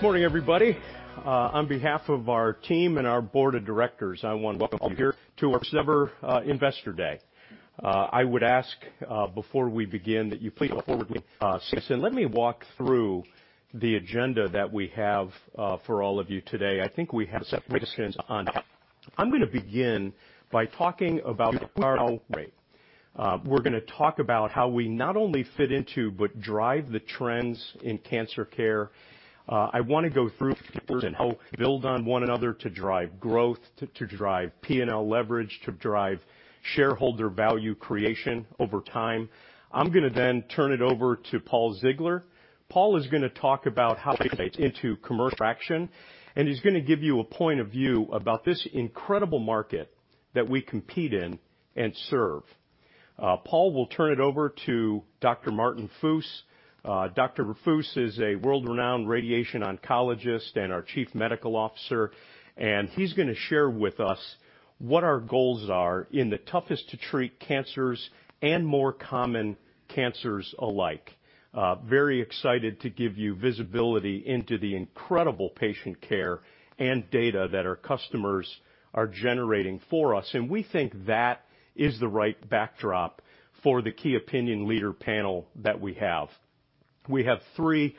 Morning, everybody. On behalf of our team and our board of directors, I want to welcome you here to our September Investor Day. I would ask before we begin that you please forward and let me walk through the agenda that we have for all of you today. I think we have on that. I'm gonna begin by talking about. We're gonna talk about how we not only fit into, but drive the trends in cancer care. I wanna go through and help build on one another to drive growth, to drive P&L leverage, to drive shareholder value creation over time. I'm gonna then turn it over to Paul Ziegler. Paul is gonna talk about how into commercial action, and he's gonna give you a point of view about this incredible market that we compete in and serve. Paul will turn it over to Dr. Martin Fuss. Dr. Fuss is a world-renowned radiation oncologist and our Chief Medical Officer, and he's gonna share with us what our goals are in the toughest to treat cancers and more common cancers alike. Very excited to give you visibility into the incredible patient care and data that our customers are generating for us. We think that is the right backdrop for the key opinion leader panel that we have. We have three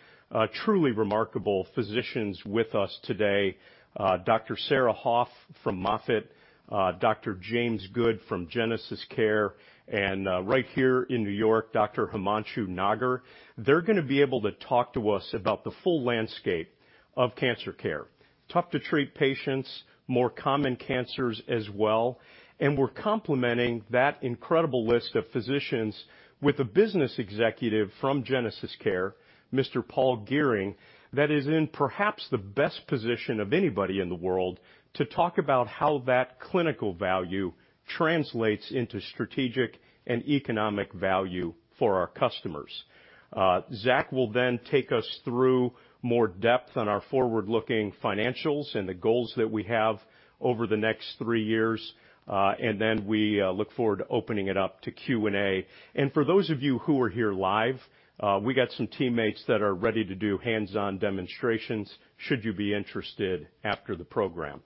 truly remarkable physicians with us today. Dr. Sarah Hoffe from Moffitt, Dr. James Good from GenesisCare, and right here in New York, Dr. Himanshu Nagar. They're gonna be able to talk to us about the full landscape of cancer care. Tough to treat patients, more common cancers as well, and we're complementing that incredible list of physicians with a business executive from GenesisCare, Mr. Paul Gearing, that is in perhaps the best position of anybody in the world to talk about how that clinical value translates into strategic and economic value for our customers. Zach will then take us through more depth on our forward-looking financials and the goals that we have over the next three years. We look forward to opening it up to Q&A. For those of you who are here live, we got some teammates that are ready to do hands-on demonstrations should you be interested after the program.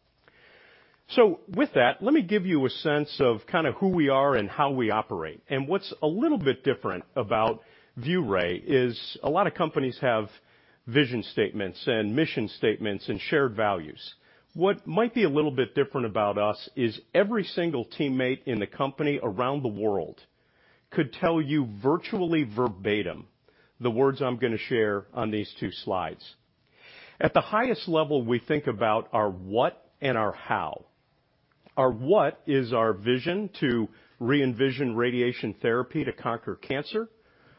With that, let me give you a sense of kind of who we are and how we operate. What's a little bit different about ViewRay is a lot of companies have vision statements and mission statements and shared values. What might be a little bit different about us is every single teammate in the company around the world could tell you virtually verbatim the words I'm gonna share on these two slides. At the highest level, we think about our what and our how. Our what is our vision to re-envision radiation therapy to conquer cancer.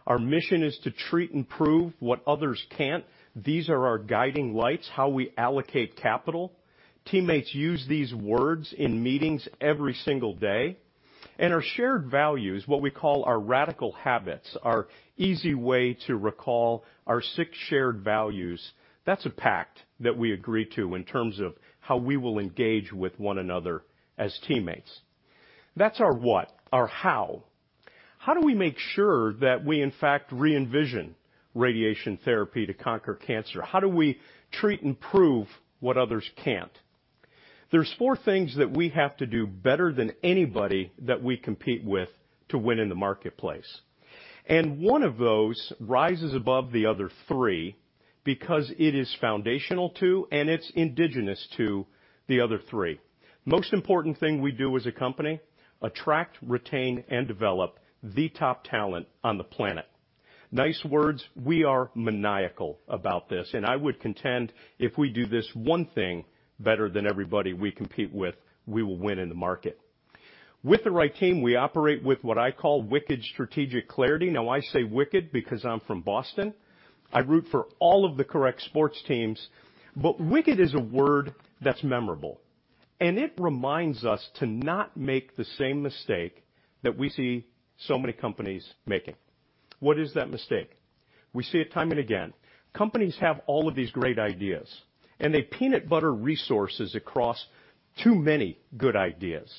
Our mission is to treat and prove what others can't. These are our guiding lights, how we allocate capital. Teammates use these words in meetings every single day. Our shared values, what we call our radical habits, are easy way to recall our six shared values. That's a pact that we agree to in terms of how we will engage with one another as teammates. That's our what. Our how. How do we make sure that we in fact re-envision radiation therapy to conquer cancer? How do we treat and prove what others can't? There's four things that we have to do better than anybody that we compete with to win in the marketplace. One of those rises above the other three because it is foundational to and it's indigenous to the other three. Most important thing we do as a company, attract, retain, and develop the top talent on the planet. Nice words. We are maniacal about this, and I would contend if we do this one thing better than everybody we compete with, we will win in the market. With the right team, we operate with what I call wicked strategic clarity. Now, I say wicked because I'm from Boston. I root for all of the correct sports teams. Wicked is a word that's memorable, and it reminds us to not make the same mistake that we see so many companies making. What is that mistake? We see it time and again. Companies have all of these great ideas, and they peanut butter resources across too many good ideas.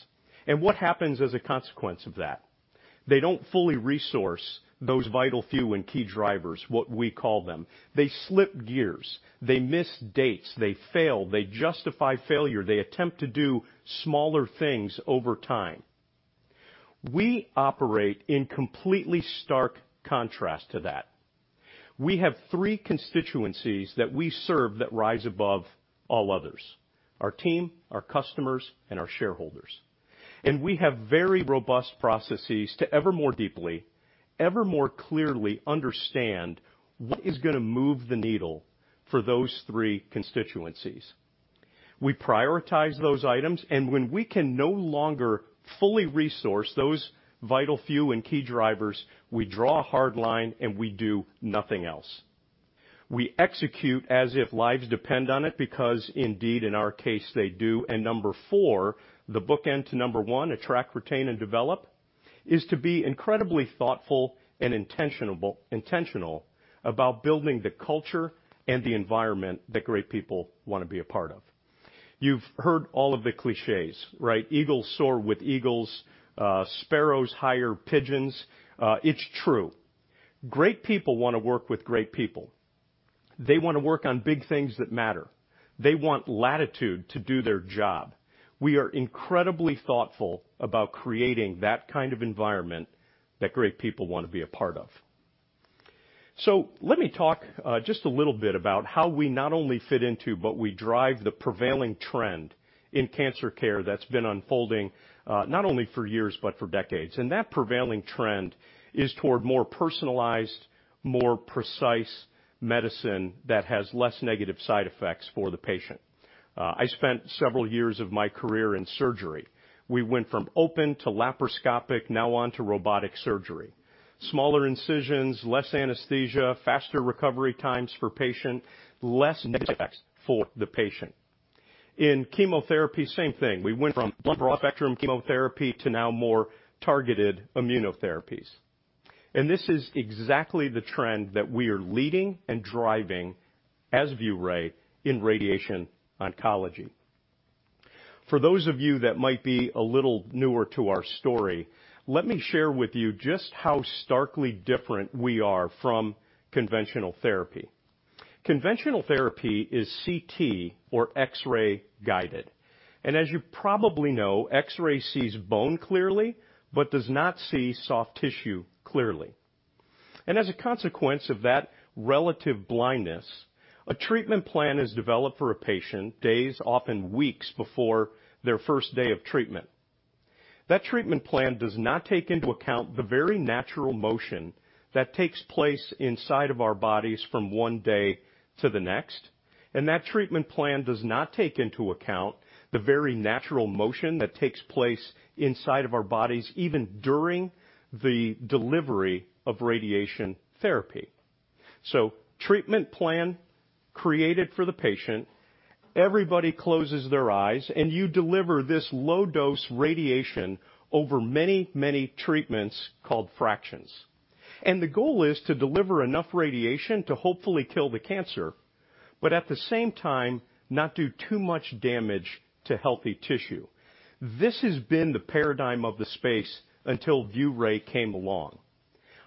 What happens as a consequence of that? They don't fully resource those vital few and key drivers, what we call them. They slip gears. They miss dates. They fail. They justify failure. They attempt to do smaller things over time. We operate in completely stark contrast to that. We have three constituencies that we serve that rise above all others, our team, our customers, and our shareholders. We have very robust processes to ever more deeply, ever more clearly understand what is gonna move the needle for those three constituencies. We prioritize those items and when we can no longer fully resource those vital few and key drivers, we draw a hard line and we do nothing else. We execute as if lives depend on it because indeed in our case they do. Number four, the bookend to number one, attract, retain and develop, is to be incredibly thoughtful and intentional about building the culture and the environment that great people wanna be a part of. You've heard all of the cliches, right? Eagles soar with eagles, sparrows hire pigeons. It's true. Great people wanna work with great people. They wanna work on big things that matter. They want latitude to do their job. We are incredibly thoughtful about creating that kind of environment that great people want to be a part of. Let me talk just a little bit about how we not only fit into, but we drive the prevailing trend in cancer care that's been unfolding not only for years, but for decades. That prevailing trend is toward more personalized, more precise medicine that has less negative side effects for the patient. I spent several years of my career in surgery. We went from open to laparoscopic, now on to robotic surgery. Smaller incisions, less anesthesia, faster recovery times for patient, less negative effects for the patient. In chemotherapy, same thing. We went from broad-spectrum chemotherapy to now more targeted immunotherapies. This is exactly the trend that we are leading and driving as ViewRay in radiation oncology. For those of you that might be a little newer to our story, let me share with you just how starkly different we are from conventional therapy. Conventional therapy is CT or X-ray guided, and as you probably know, X-ray sees bone clearly but does not see soft tissue clearly. And as a consequence of that relative blindness, a treatment plan is developed for a patient days, often weeks, before their first day of treatment. That treatment plan does not take into account the very natural motion that takes place inside of our bodies from one day to the next, and that treatment plan does not take into account the very natural motion that takes place inside of our bodies even during the delivery of radiation therapy. So treatment plan created for the patient. Everybody closes their eyes, and you deliver this low-dose radiation over many, many treatments called fractions. And the goal is to deliver enough radiation to hopefully kill the cancer, but at the same time not do too much damage to healthy tissue. This has been the paradigm of the space until ViewRay came along.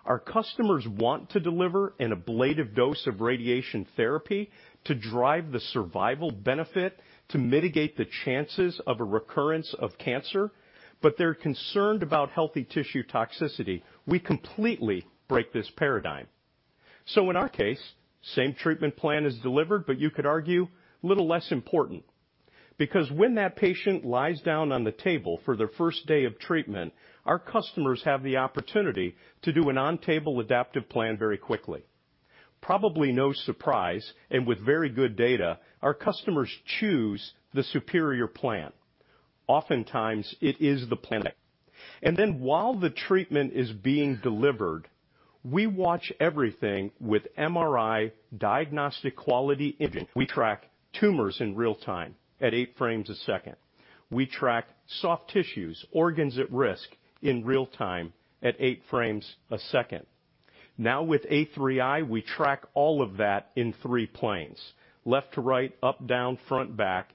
Our customers want to deliver an ablative dose of radiation therapy to drive the survival benefit to mitigate the chances of a recurrence of cancer, but they're concerned about healthy tissue toxicity. We completely break this paradigm. In our case, same treatment plan is delivered, but you could argue a little less important because when that patient lies down on the table for their first day of treatment, our customers have the opportunity to do an on-table adaptive plan very quickly. Probably no surprise, and with very good data, our customers choose the superior plan. Oftentimes, it is the plan. While the treatment is being delivered, we watch everything with MRI diagnostic quality imaging. We track tumors in real time at eight frames a second. We track soft tissues, organs at risk in real-time at eight frames a second. Now with A3i, we track all of that in three planes, left to right, up, down, front, back,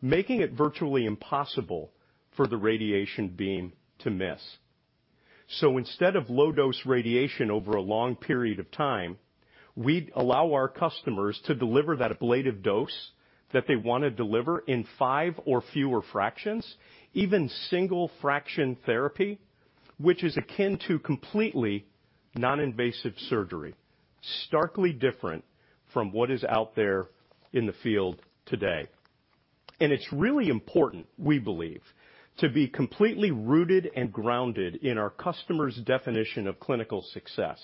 making it virtually impossible for the radiation beam to miss. Instead of low-dose radiation over a long period of time, we allow our customers to deliver that ablative dose that they want to deliver in five or fewer fractions, even single-fraction therapy, which is akin to completely non-invasive surgery. Starkly different from what is out there in the field today. It's really important, we believe, to be completely rooted and grounded in our customers' definition of clinical success.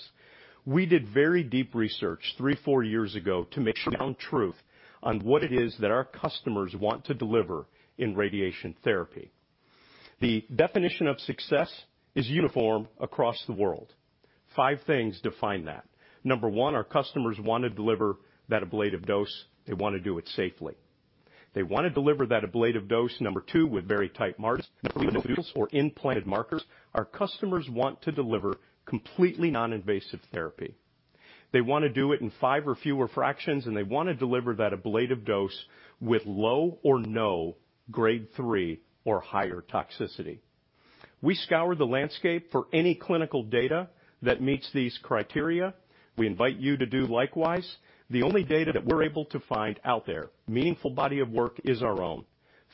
We did very deep research three to four years ago to make sure truth on what it is that our customers want to deliver in radiation therapy. The definition of success is uniform across the world. Five things define that. Number one, our customers want to deliver that ablative dose. They want to do it safely. They want to deliver that ablative dose, number two, with very tight margins or implanted markers. Our customers want to deliver completely non-invasive therapy. They want to do it in five or fewer fractions, and they want to deliver that ablative dose with low or no grade three or higher toxicity. We scour the landscape for any clinical data that meets these criteria. We invite you to do likewise. The only data that we're able to find out there, meaningful body of work is our own,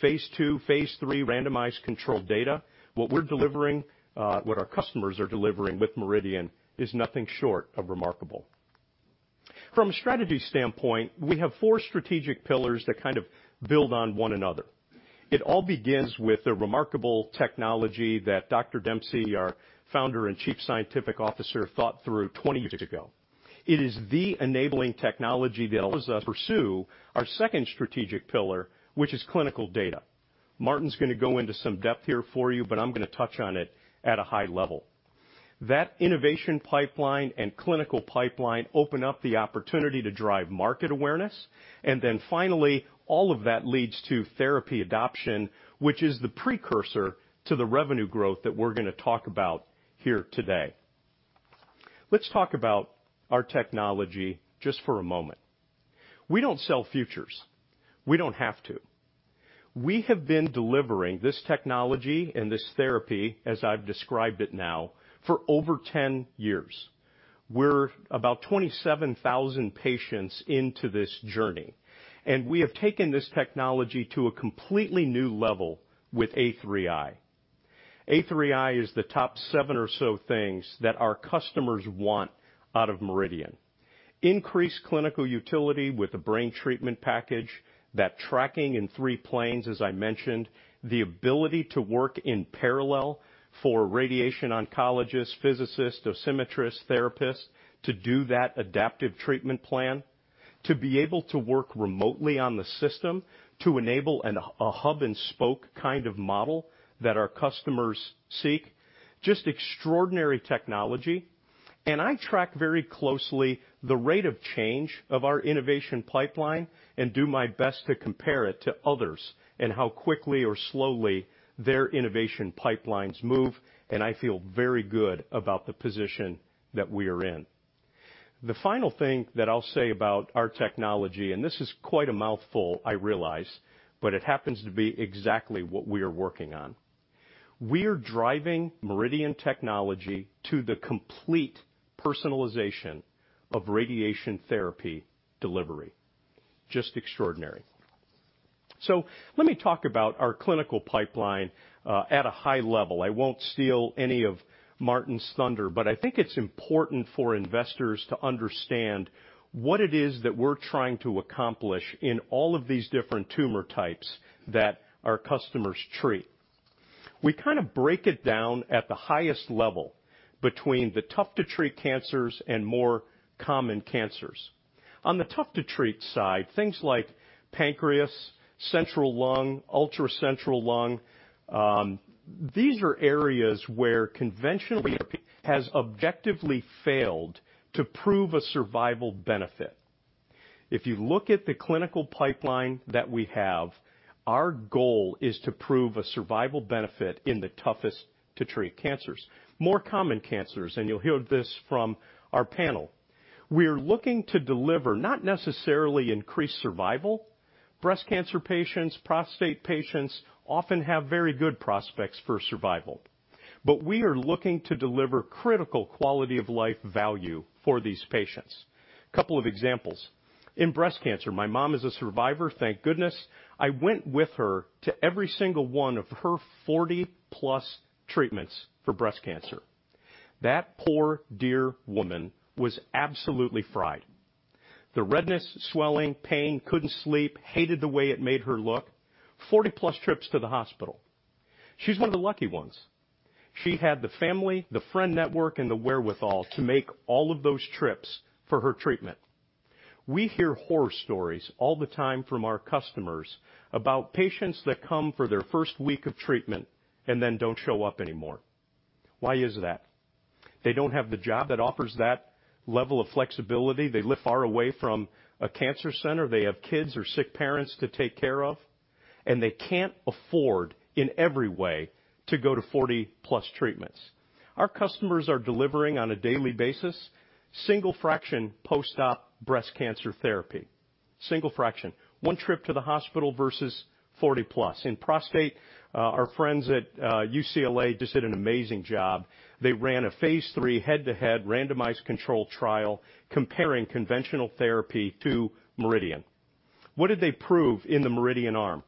phase II, phase III randomized controlled data. What our customers are delivering with MRIdian is nothing short of remarkable. From a strategy standpoint, we have four strategic pillars that kind of build on one another. It all begins with the remarkable technology that Dr. Dempsey, our Founder and Chief Scientific Officer, thought through 20 years ago. It is the enabling technology that allows us to pursue our second strategic pillar, which is clinical data. Martin's gonna go into some depth here for you, but I'm gonna touch on it at a high level. That innovation pipeline and clinical pipeline open up the opportunity to drive market awareness. Finally, all of that leads to therapy adoption, which is the precursor to the revenue growth that we're gonna talk about here today. Let's talk about our technology just for a moment. We don't sell futures. We don't have to. We have been delivering this technology and this therapy, as I've described it now, for over 10 years. We're about 27,000 patients into this journey, and we have taken this technology to a completely new level with A3i. A3i is the top seven or so things that our customers want out of MRIdian. Increased clinical utility with the brain treatment package, that tracking in three planes, as I mentioned, the ability to work in parallel for radiation oncologists, physicists, dosimetrists, therapists to do that adaptive treatment plan, to be able to work remotely on the system to enable a hub and spoke kind of model that our customers seek. Just extraordinary technology. I track very closely the rate of change of our innovation pipeline and do my best to compare it to others and how quickly or slowly their innovation pipelines move. I feel very good about the position that we are in. The final thing that I'll say about our technology, and this is quite a mouthful I realize, but it happens to be exactly what we are working on. We are driving MRIdian technology to the complete personalization of radiation therapy delivery. Just extraordinary. Let me talk about our clinical pipeline at a high level. I won't steal any of Martin's thunder, but I think it's important for investors to understand what it is that we're trying to accomplish in all of these different tumor types that our customers treat. We kind of break it down at the highest level between the tough-to-treat cancers and more common cancers. On the tough-to-treat side, things like pancreas, central lung, ultracentral lung, these are areas where conventional therapy has objectively failed to prove a survival benefit. If you look at the clinical pipeline that we have, our goal is to prove a survival benefit in the toughest to treat cancers. More common cancers, and you'll hear this from our panel, we are looking to deliver not necessarily increased survival. Breast cancer patients, prostate patients often have very good prospects for survival, but we are looking to deliver critical quality-of-life value for these patients. Couple of examples. In breast cancer, my mom is a survivor, thank goodness. I went with her to every single one of her 40+ treatments for breast cancer. That poor dear woman was absolutely fried. The redness, swelling, pain, couldn't sleep, hated the way it made her look. 40+ trips to the hospital. She's one of the lucky ones. She had the family, the friend network, and the wherewithal to make all of those trips for her treatment. We hear horror stories all the time from our customers about patients that come for their first week of treatment and then don't show up anymore. Why is that? They don't have the job that offers that level of flexibility. They live far away from a cancer center. They have kids or sick parents to take care of, and they can't afford, in every way, to go to 40+ treatments. Our customers are delivering on a daily basis single fraction post-op breast cancer therapy. Single fraction. One trip to the hospital versus 40+. In prostate, our friends at UCLA just did an amazing job. They ran a phase III head-to-head randomized controlled trial comparing conventional therapy to MRIdian. What did they prove in the MRIdian arm?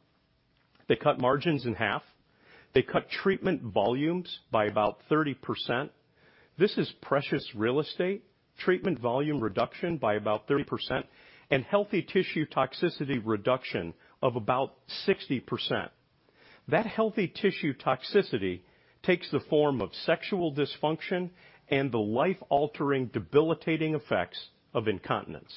They cut margins in half. They cut treatment volumes by about 30%. This is precious real estate. Treatment volume reduction by about 30% and healthy tissue toxicity reduction of about 60%. That healthy tissue toxicity takes the form of sexual dysfunction and the life-altering debilitating effects of incontinence.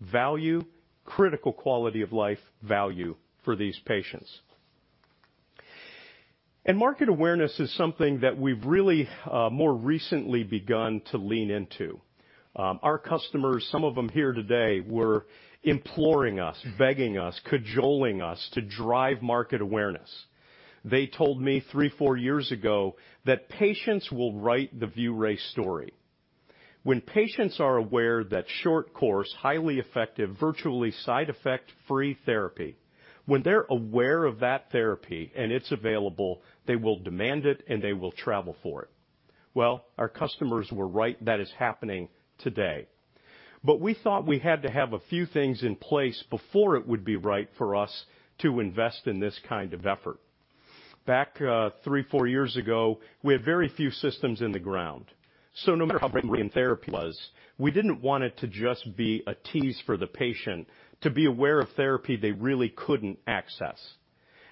Value, critical quality-of-life value for these patients. Market awareness is something that we've really more recently begun to lean into. Our customers, some of them here today, were imploring us, begging us, cajoling us to drive market awareness. They told me three to four years ago that patients will write the ViewRay story. When patients are aware that short course, highly effective, virtually side effect-free therapy, when they're aware of that therapy and it's available, they will demand it, and they will travel for it. Well, our customers were right. That is happening today. We thought we had to have a few things in place before it would be right for us to invest in this kind of effort. Back three to four years ago, we had very few systems in the ground. No matter how great MRIdian therapy was, we didn't want it to just be a tease for the patient to be aware of therapy they really couldn't access.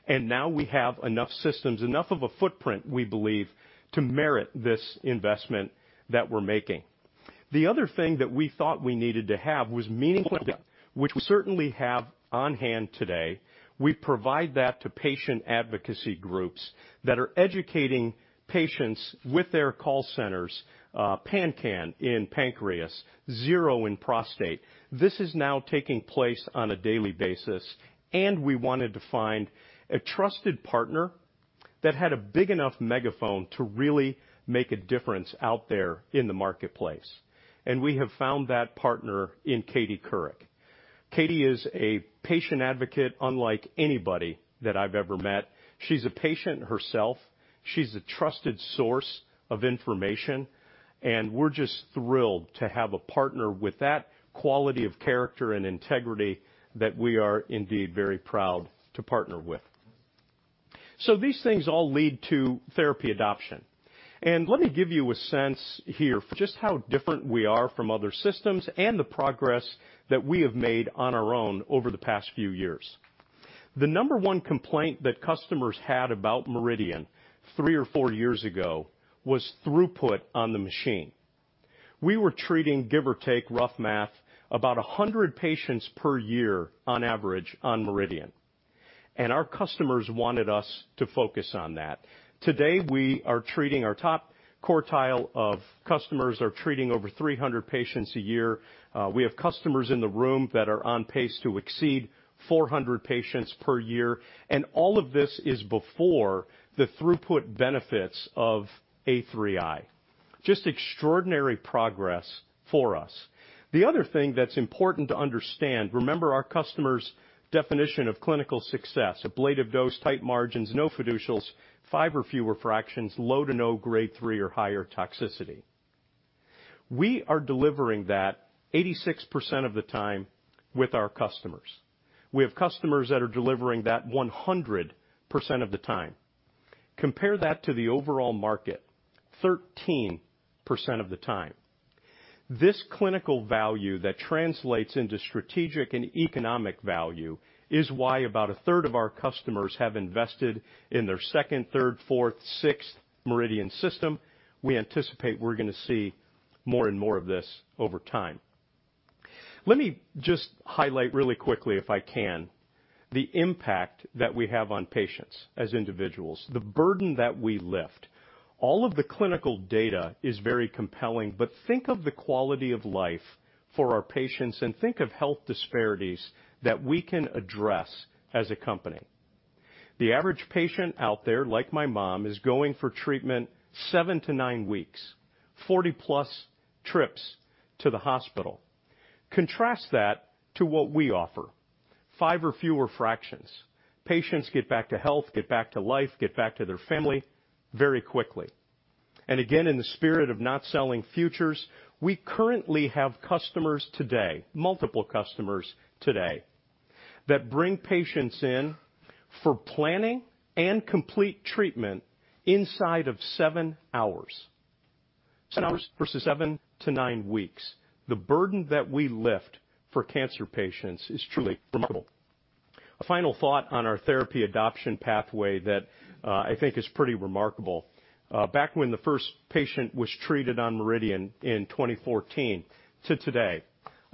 Now we have enough systems, enough of a footprint, we believe, to merit this investment that we're making. The other thing that we thought we needed to have was meaningful data, which we certainly have on hand today. We provide that to patient advocacy groups that are educating patients with their call centers, PanCAN in pancreas, ZERO in prostate. This is now taking place on a daily basis. We wanted to find a trusted partner that had a big enough megaphone to really make a difference out there in the marketplace. We have found that partner in Katie Couric. Katie is a patient advocate unlike anybody that I've ever met. She's a patient herself. She's a trusted source of information, and we're just thrilled to have a partner with that quality of character and integrity that we are indeed very proud to partner with. These things all lead to therapy adoption. Let me give you a sense here for just how different we are from other systems and the progress that we have made on our own over the past few years. The number one complaint that customers had about MRIdian three or four years ago was throughput on the machine. We were treating, give or take, rough math, about 100 patients per year on average on MRIdian, and our customers wanted us to focus on that. Today, our top quartile of customers are treating over 300 patients a year. We have customers in the room that are on pace to exceed 400 patients per year, and all of this is before the throughput benefits of A3i. Just extraordinary progress for us. The other thing that's important to understand, remember our customer's definition of clinical success, ablative dose, tight margins, no fiducials, five or fewer fractions, low to no grade three or higher toxicity. We are delivering that 86% of the time with our customers. We have customers that are delivering that 100% of the time. Compare that to the overall market, 13% of the time. This clinical value that translates into strategic and economic value is why about 1/3 of our customers have invested in their second, third, fourth, sixth MRIdian system. We anticipate we're gonna see more and more of this over time. Let me just highlight really quickly, if I can, the impact that we have on patients as individuals, the burden that we lift. All of the clinical data is very compelling. Think of the quality of life for our patients and think of health disparities that we can address as a company. The average patient out there, like my mom, is going for treatment seven to nine weeks, 40+ trips to the hospital. Contrast that to what we offer, five or fewer fractions. Patients get back to health, get back to life, get back to their family very quickly. Again, in the spirit of not selling futures, we currently have customers today, multiple customers today, that bring patients in for planning and complete treatment inside of seven hours. Seven hours versus seven to nine weeks. The burden that we lift for cancer patients is truly remarkable. A final thought on our therapy adoption pathway that I think is pretty remarkable. Back when the first patient was treated on MRIdian in 2014 to today,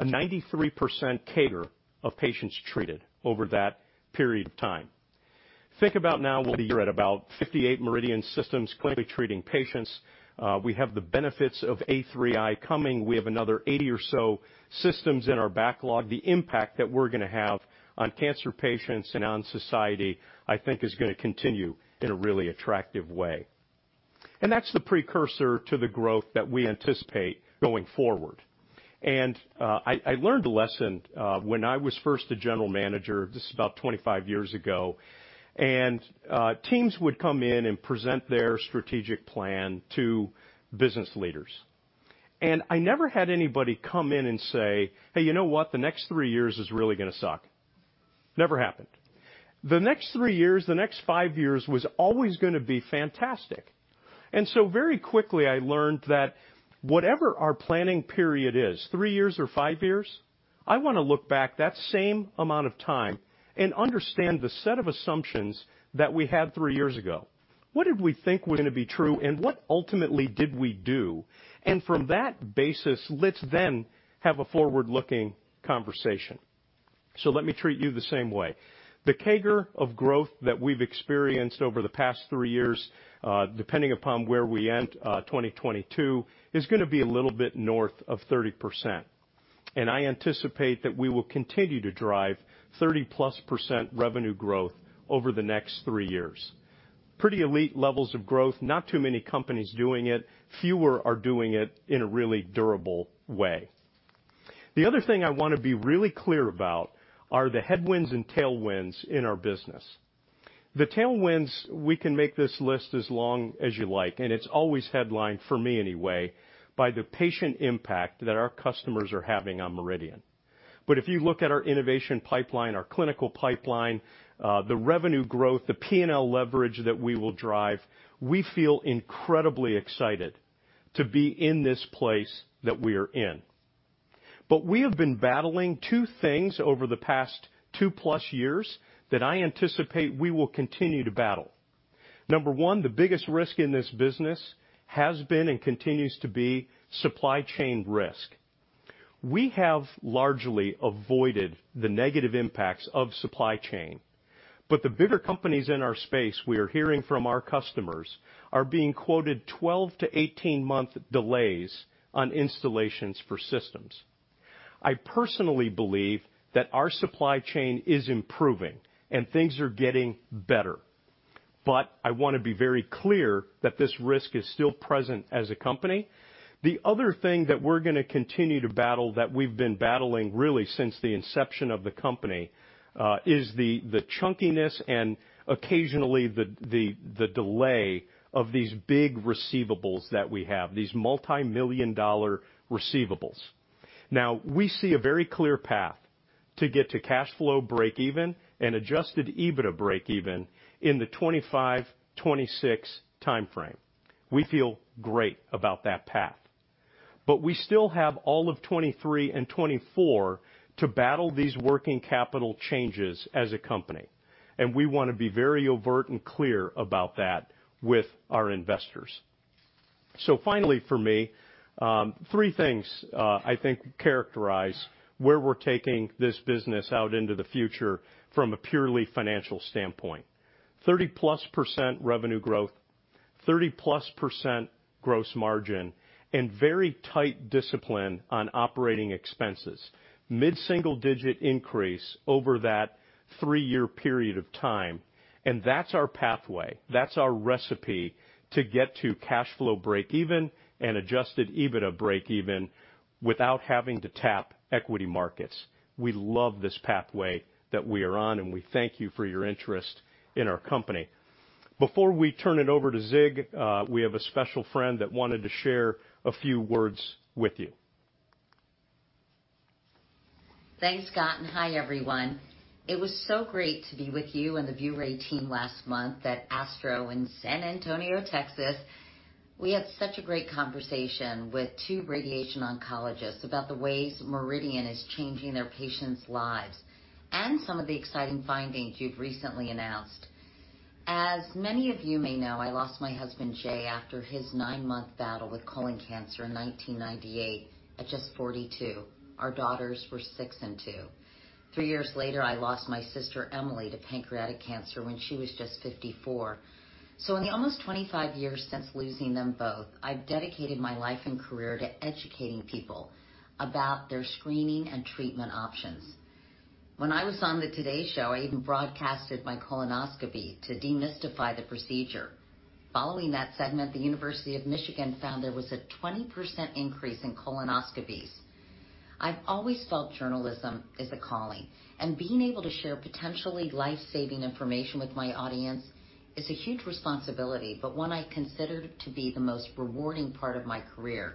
a 93% CAGR of patients treated over that period of time. Think about now we're at about 58 MRIdian systems clinically treating patients. We have the benefits of A3i coming. We have another 80 or so systems in our backlog. The impact that we're gonna have on cancer patients and on society, I think, is gonna continue in a really attractive way. That's the precursor to the growth that we anticipate going forward. I learned a lesson when I was first a general manager, this is about 25 years ago, and teams would come in and present their strategic plan to business leaders. I never had anybody come in and say, "Hey, you know what? The next three years is really gonna suck." Never happened. The next three years, the next five years was always gonna be fantastic. Very quickly, I learned that whatever our planning period is, three years or five years, I wanna look back that same amount of time and understand the set of assumptions that we had three years ago. What did we think was gonna be true, and what ultimately did we do? From that basis, let's then have a forward-looking conversation. So let me treat you the same way. The CAGR of growth that we've experienced over the past three years, uh, depending upon where we end, uh, twenty twenty-two, is gonna be a little bit north of thirty percent. And I anticipate that we will continue to drive 30%+ revenue growth over the next three years. Pretty elite levels of growth. Not too many companies doing it. Fewer are doing it in a really durable way. The other thing I want to be really clear about are the headwinds and tailwinds in our business. The tailwinds, we can make this list as long as you like, and it's always headlined, for me anyway, by the patient impact that our customers are having on MRIdian. If you look at our innovation pipeline, our clinical pipeline, the revenue growth, the P&L leverage that we will drive, we feel incredibly excited to be in this place that we are in. We have been battling two things over the past two-plus years that I anticipate we will continue to battle. Number one, the biggest risk in this business has been and continues to be supply chain risk. We have largely avoided the negative impacts of supply chain, but the bigger companies in our space we are hearing from our customers are being quoted 12-18-month delays on installations for systems. I personally believe that our supply chain is improving and things are getting better. I want to be very clear that this risk is still present as a company. The other thing that we're going to continue to battle, that we've been battling really since the inception of the company, is the chunkiness and occasionally the delay of these big receivables that we have, these multimillion-dollar receivables. Now, we see a very clear path to get to cash flow breakeven and adjusted EBITDA breakeven in the 2025-2026 time frame. We feel great about that path, but we still have all of 2023 and 2024 to battle these working capital changes as a company, and we want to be very overt and clear about that with our investors. Finally, for me, three things I think characterize where we're taking this business out into the future from a purely financial standpoint. 30%+ revenue growth, 30%+ gross margin, and very tight discipline on operating expenses. Mid-single-digit increase over that three-year period of time. That's our pathway, that's our recipe to get to cash flow breakeven and adjusted EBITDA breakeven without having to tap equity markets. We love this pathway that we are on, and we thank you for your interest in our company. Before we turn it over to Zieg, we have a special friend that wanted to share a few words with you. Thanks, Scott, and hi, everyone. It was so great to be with you and the ViewRay team last month at ASTRO in San Antonio, Texas. We had such a great conversation with two radiation oncologists about the ways MRIdian is changing their patients' lives and some of the exciting findings you've recently announced. As many of you may know, I lost my husband, Jay, after his nine-month battle with colon cancer in 1998 at just 42. Our daughters were six and two. Three years later, I lost my sister Emily to pancreatic cancer when she was just 54. In the almost 25 years since losing them both, I've dedicated my life and career to educating people about their screening and treatment options. When I was on the Today show, I even broadcasted my colonoscopy to demystify the procedure. Following that segment, the University of Michigan found there was a 20% increase in colonoscopies. I've always felt journalism is a calling, and being able to share potentially life-saving information with my audience is a huge responsibility, but one I consider to be the most rewarding part of my career.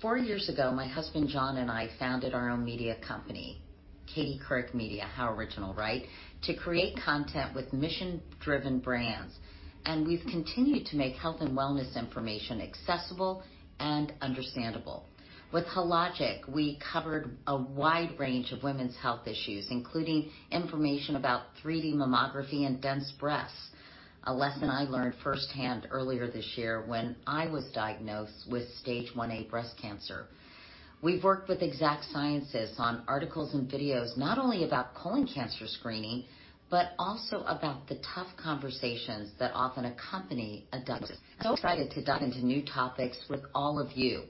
Four years ago, my husband John and I founded our own media company, Katie Couric Media. How original, right? To create content with mission-driven brands. We've continued to make health and wellness information accessible and understandable. With Hologic, we covered a wide range of women's health issues, including information about 3D mammography and dense breasts, a lesson I learned firsthand earlier this year when I was diagnosed with stage 1A breast cancer. We've worked with Exact Sciences on articles and videos not only about colon cancer screening, but also about the tough conversations that often accompany a diagnosis. Excited to dive into new topics with all of you.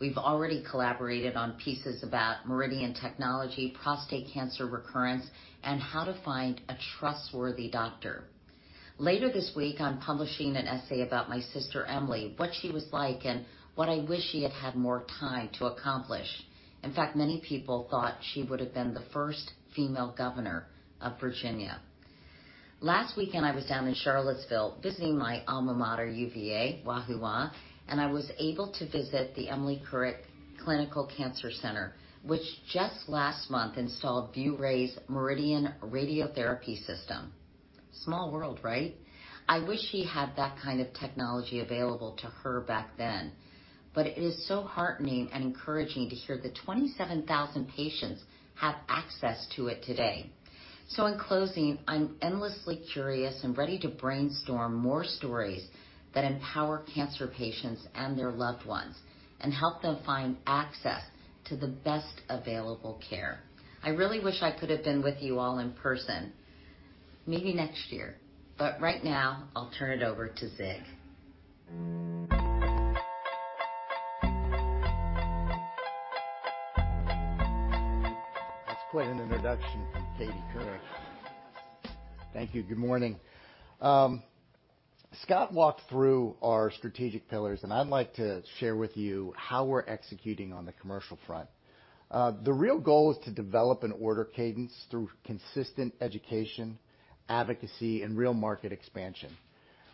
We've already collaborated on pieces about MRIdian technology, prostate cancer recurrence, and how to find a trustworthy doctor. Later this week, I'm publishing an essay about my sister Emily, what she was like, and what I wish she had had more time to accomplish. In fact, many people thought she would have been the first female governor of Virginia. Last weekend, I was down in Charlottesville visiting my alma mater, UVA. Wahoo, wah. I was able to visit the Emily Couric Clinical Cancer Center, which just last month installed ViewRay's MRIdian radiotherapy system. Small world, right? I wish she had that kind of technology available to her back then, but it is so heartening and encouraging to hear that twenty-seven thousand patients have access to it today. So in closing, I'm endlessly curious and ready to brainstorm more stories that empower cancer patients and their loved ones and help them find access to the best available care. I really wish I could have been with you all in person. Maybe next year. But right now, I'll turn it over to Zieg. That's quite an introduction from Katie Couric. Thank you. Good morning. Scott walked through our strategic pillars, and I'd like to share with you how we're executing on the commercial front. The real goal is to develop an order cadence through consistent education, advocacy, and real market expansion.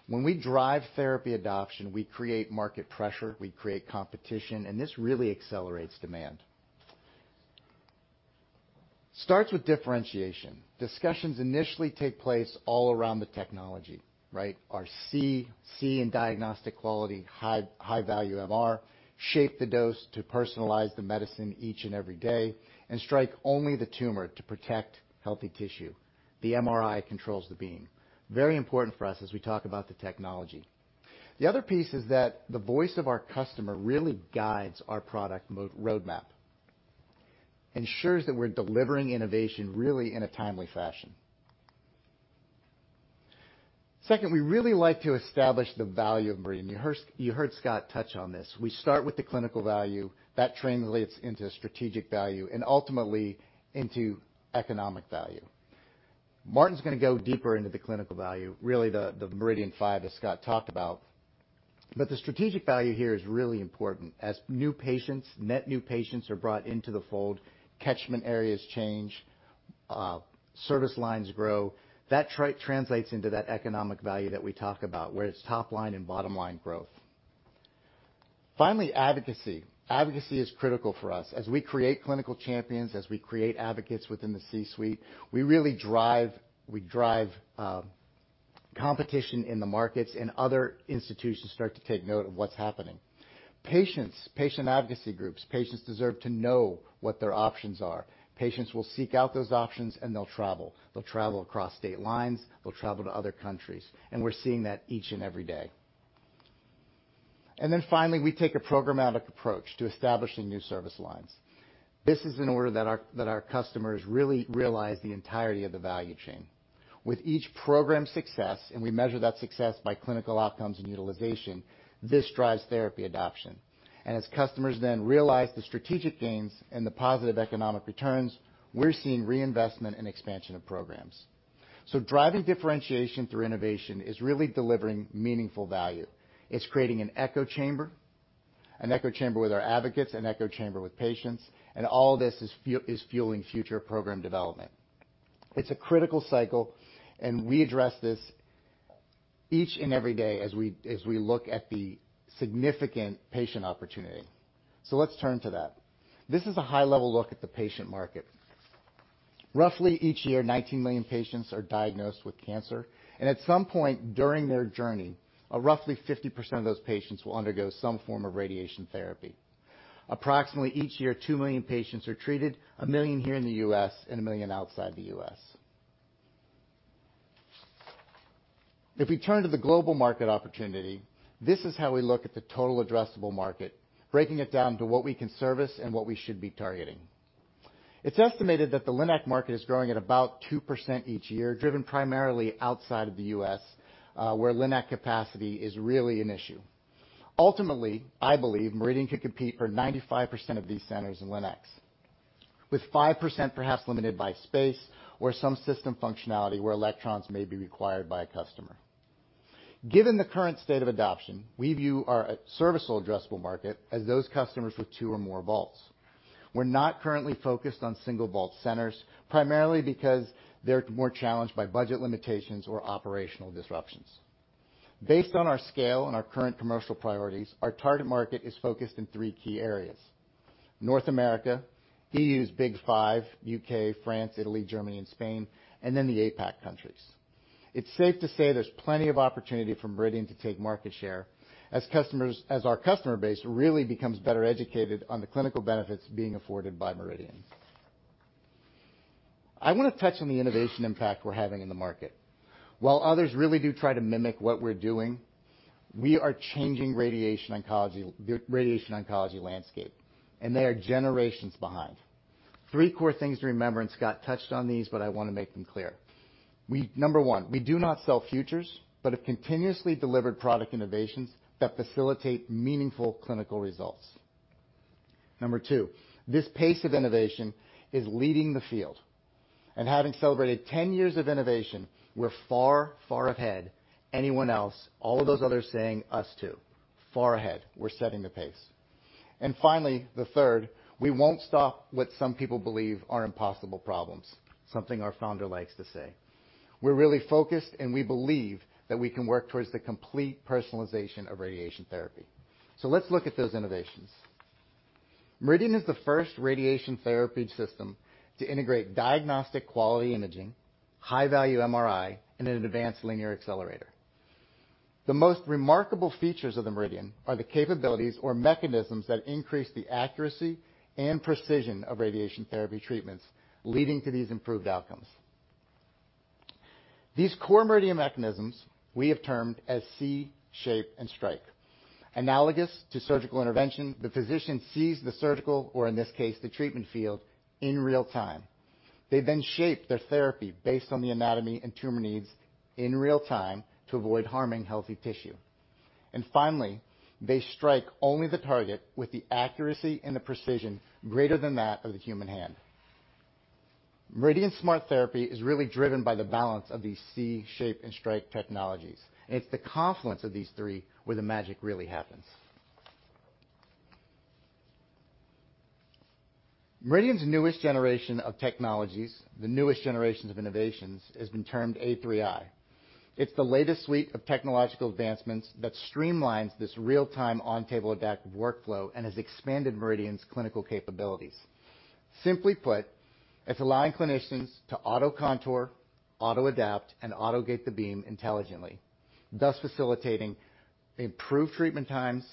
When we drive therapy adoption, we create market pressure, we create competition, and this really accelerates demand. Starts with differentiation. Discussions initially take place all around the technology, right? Our soft tissue and diagnostic quality, high value MR, shape the dose to personalize the medicine each and every day, and strike only the tumor to protect healthy tissue. The MRI controls the beam. Very important for us as we talk about the technology. The other piece is that the voice of our customer really guides our product roadmap, ensures that we're delivering innovation really in a timely fashion. Second, we really like to establish the value of MRIdian. You heard Scott touch on this. We start with the clinical value that translates into strategic value and ultimately into economic value. Martin's gonna go deeper into the clinical value, really the MRIdian five that Scott talked about. The strategic value here is really important. As net new patients are brought into the fold, catchment areas change, service lines grow. That translates into that economic value that we talk about, where it's top-line and bottom-line growth. Finally, advocacy. Advocacy is critical for us. As we create clinical champions, as we create advocates within the C-suite, we really drive competition in the markets, and other institutions start to take note of what's happening. Patients, patient advocacy groups, patients deserve to know what their options are. Patients will seek out those options, and they'll travel. They'll travel across state lines, they'll travel to other countries, and we're seeing that each and every day. Finally, we take a programmatic approach to establishing new service lines. This is in order that our customers really realize the entirety of the value chain. With each program success, and we measure that success by clinical outcomes and utilization, this drives therapy adoption. As customers then realize the strategic gains and the positive economic returns, we're seeing reinvestment and expansion of programs. Driving differentiation through innovation is really delivering meaningful value. It's creating an echo chamber, an echo chamber with our advocates, an echo chamber with patients, and all of this is fueling future program development. It's a critical cycle, and we address this each and every day as we look at the significant patient opportunity. Let's turn to that. This is a high-level look at the patient market. Roughly each year, 19 million patients are diagnosed with cancer, and at some point during their journey, roughly 50% of those patients will undergo some form of radiation therapy. Approximately each year, two million patients are treated, one million here in the U.S. and one million outside the U.S. If we turn to the global market opportunity, this is how we look at the total addressable market, breaking it down to what we can service and what we should be targeting. It's estimated that the LINAC market is growing at about 2% each year, driven primarily outside of the U.S., where LINAC capacity is really an issue. Ultimately, I believe MRIdian can compete for 95% of these centers in LINACs, with 5% perhaps limited by space or some system functionality where electrons may be required by a customer. Given the current state of adoption, we view our serviceable addressable market as those customers with two or more vaults. We're not currently focused on single vault centers, primarily because they're more challenged by budget limitations or operational disruptions. Based on our scale and our current commercial priorities, our target market is focused in three key areas, North America, EU's Big Five, U.K., France, Italy, Germany, and Spain, and then the APAC countries. It's safe to say there's plenty of opportunity for MRIdian to take market share as our customer base really becomes better educated on the clinical benefits being afforded by MRIdian. I wanna touch on the innovation impact we're having in the market. While others really do try to mimic what we're doing, we are changing the radiation oncology landscape, and they are generations behind. Three core things to remember, and Scott touched on these, but I wanna make them clear. Number one, we do not sell futures but have continuously delivered product innovations that facilitate meaningful clinical results. Number two, this pace of innovation is leading the field. Having celebrated 10 years of innovation, we're far ahead. Anyone else, all of those others saying, "Us too," far ahead, we're setting the pace. Finally, the third, we won't stop what some people believe are impossible problems, something our founder likes to say. We're really focused, and we believe that we can work towards the complete personalization of radiation therapy. Let's look at those innovations. MRIdian is the first radiation therapy system to integrate diagnostic-quality imaging, high-value MRI in an advanced linear accelerator. The most remarkable features of the MRIdian are the capabilities or mechanisms that increase the accuracy and precision of radiation therapy treatments, leading to these improved outcomes. These core MRIdian mechanisms we have termed as see, shape, and strike. Analogous to surgical intervention, the physician sees the surgical, or in this case, the treatment field in real time. They then shape their therapy based on the anatomy and tumor needs in real time to avoid harming healthy tissue. Finally, they strike only the target with the accuracy and the precision greater than that of the human hand. MRIdian's smart therapy is really driven by the balance of these see, shape, and strike technologies. It's the confluence of these three where the magic really happens. MRIdian's newest generation of technologies, the newest generations of innovations, has been termed A3i. It's the latest suite of technological advancements that streamlines this real-time on-table adaptive workflow and has expanded MRIdian's clinical capabilities. Simply put, it's allowing clinicians to auto-contour, auto-adapt, and auto-gate the beam intelligently, thus facilitating improved treatment times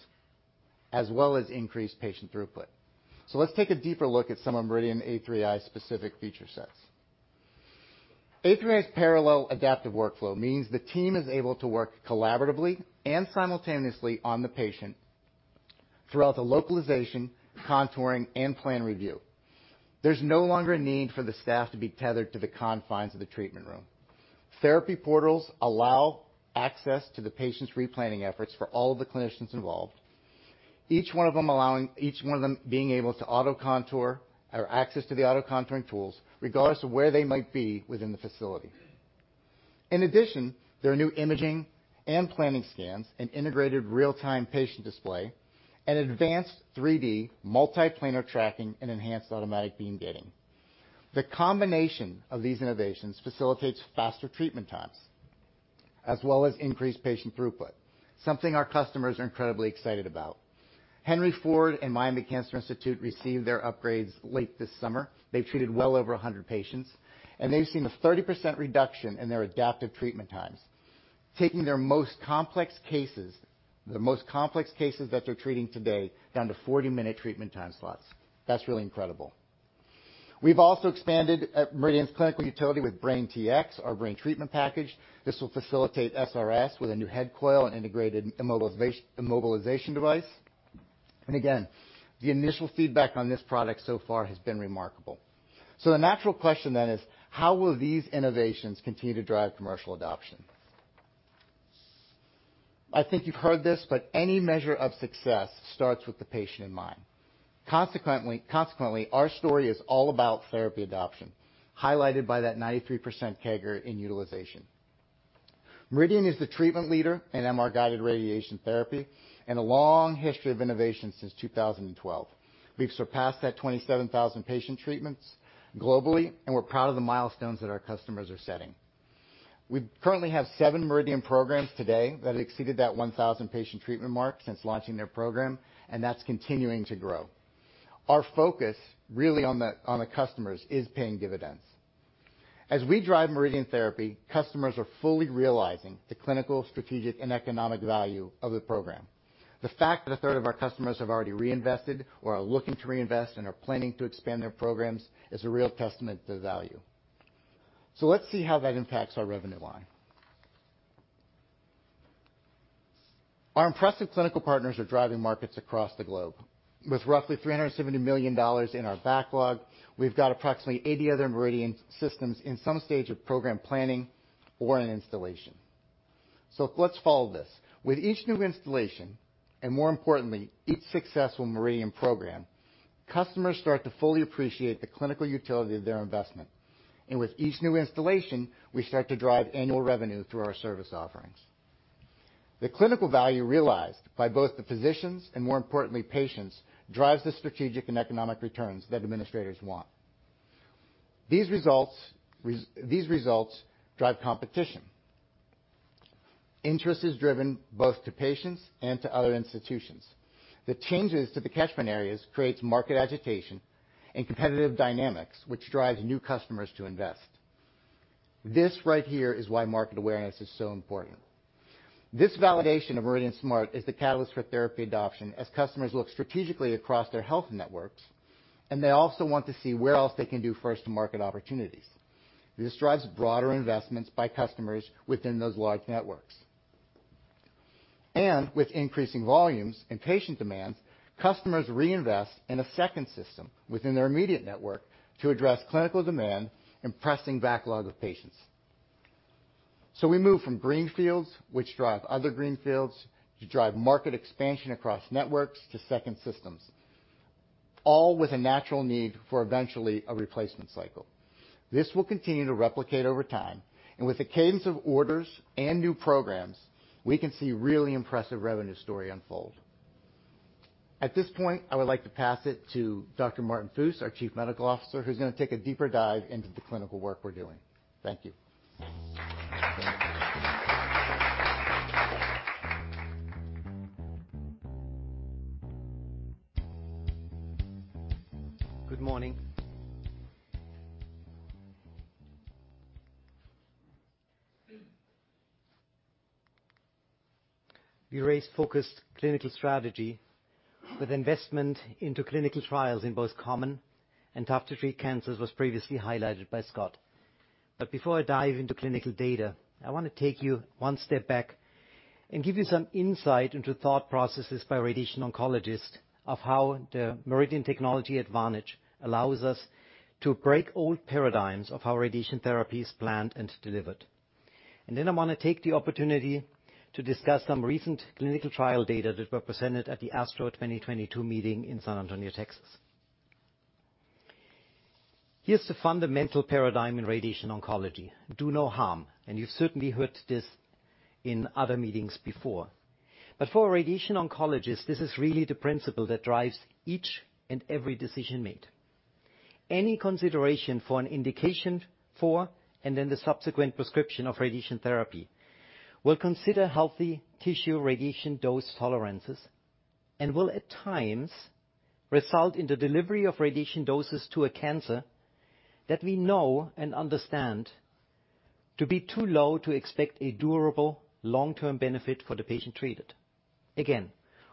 as well as increased patient throughput. Let's take a deeper look at some of MRIdian A3i's specific feature sets. A3i's parallel adaptive workflow means the team is able to work collaboratively and simultaneously on the patient. Throughout the localization, contouring, and plan review, there's no longer a need for the staff to be tethered to the confines of the treatment room. Therapy portals allow access to the patient's replanning efforts for all of the clinicians involved, each one of them being able to auto-contour or access to the auto-contouring tools regardless of where they might be within the facility. In addition, there are new imaging and planning scans, and integrated real-time patient display, and advanced 3D multiplanar tracking and enhanced automatic beam gating. The combination of these innovations facilitates faster treatment times as well as increased patient throughput, something our customers are incredibly excited about. Henry Ford and Miami Cancer Institute received their upgrades late this summer. They've treated well over 100 patients, and they've seen a 30% reduction in their adaptive treatment times, taking their most complex cases, the most complex cases that they're treating today, down to 40-minute treatment time slots. That's really incredible. We've also expanded MRIdian's clinical utility with BrainTx, our brain treatment package. This will facilitate SRS with a new head coil and integrated immobilization device. Again, the initial feedback on this product so far has been remarkable. The natural question then is, how will these innovations continue to drive commercial adoption? I think you've heard this, but any measure of success starts with the patient in mind. Consequently, our story is all about therapy adoption, highlighted by that 93% CAGR in utilization. MRIdian is the treatment leader in MR-guided radiation therapy and a long history of innovation since 2012. We've surpassed that 27,000 patient treatments globally, and we're proud of the milestones that our customers are setting. We currently have seven MRIdian programs today that have exceeded that 1,000 patient treatment mark since launching their program, and that's continuing to grow. Our focus really on the customers is paying dividends. As we drive MRIdian therapy, customers are fully realizing the clinical, strategic, and economic value of the program. The fact that a third of our customers have already reinvested or are looking to reinvest and are planning to expand their programs is a real testament to the value. Let's see how that impacts our revenue line. Our impressive clinical partners are driving markets across the globe. With roughly $370 million in our backlog, we've got approximately 80 other MRIdian systems in some stage of program planning or in installation. Let's follow this. With each new installation, and more importantly, each successful MRIdian program, customers start to fully appreciate the clinical utility of their investment. With each new installation, we start to drive annual revenue through our service offerings. The clinical value realized by both the physicians and, more importantly, patients, drives the strategic and economic returns that administrators want. These results drive competition. Interest is driven both to patients and to other institutions. The changes to the catchment areas creates market agitation and competitive dynamics, which drives new customers to invest. This right here is why market awareness is so important. This validation of MRIdian SMART is the catalyst for therapy adoption as customers look strategically across their health networks, and they also want to see where else they can do first-to-market opportunities. This drives broader investments by customers within those large networks. With increasing volumes and patient demands, customers reinvest in a second system within their immediate network to address clinical demand and pressing backlog of patients. We move from greenfields, which drive other greenfields, to drive market expansion across networks to second systems, all with a natural need for eventually a replacement cycle. This will continue to replicate over time, and with the cadence of orders and new programs, we can see really impressive revenue story unfold. At this point, I would like to pass it to Dr. Martin Fuss, our Chief Medical Officer, who's gonna take a deeper dive into the clinical work we're doing. Thank you. Good morning. ViewRay's focused clinical strategy with investment into clinical trials in both common and tough-to-treat cancers was previously highlighted by Scott. Before I dive into clinical data, I wanna take you one step back and give you some insight into thought processes by radiation oncologists of how the MRIdian technology advantage allows us to break old paradigms of how radiation therapy is planned and delivered. I wanna take the opportunity to discuss some recent clinical trial data that were presented at the ASTRO 2022 meeting in San Antonio, Texas. Here's the fundamental paradigm in radiation oncology, do no harm, and you've certainly heard this in other meetings before. For a radiation oncologist, this is really the principle that drives each and every decision made. Any consideration for an indication for and then the subsequent prescription of radiation therapy will consider healthy tissue radiation dose tolerances and will, at times, result in the delivery of radiation doses to a cancer that we know and understand to be too low to expect a durable long-term benefit for the patient treated. Again,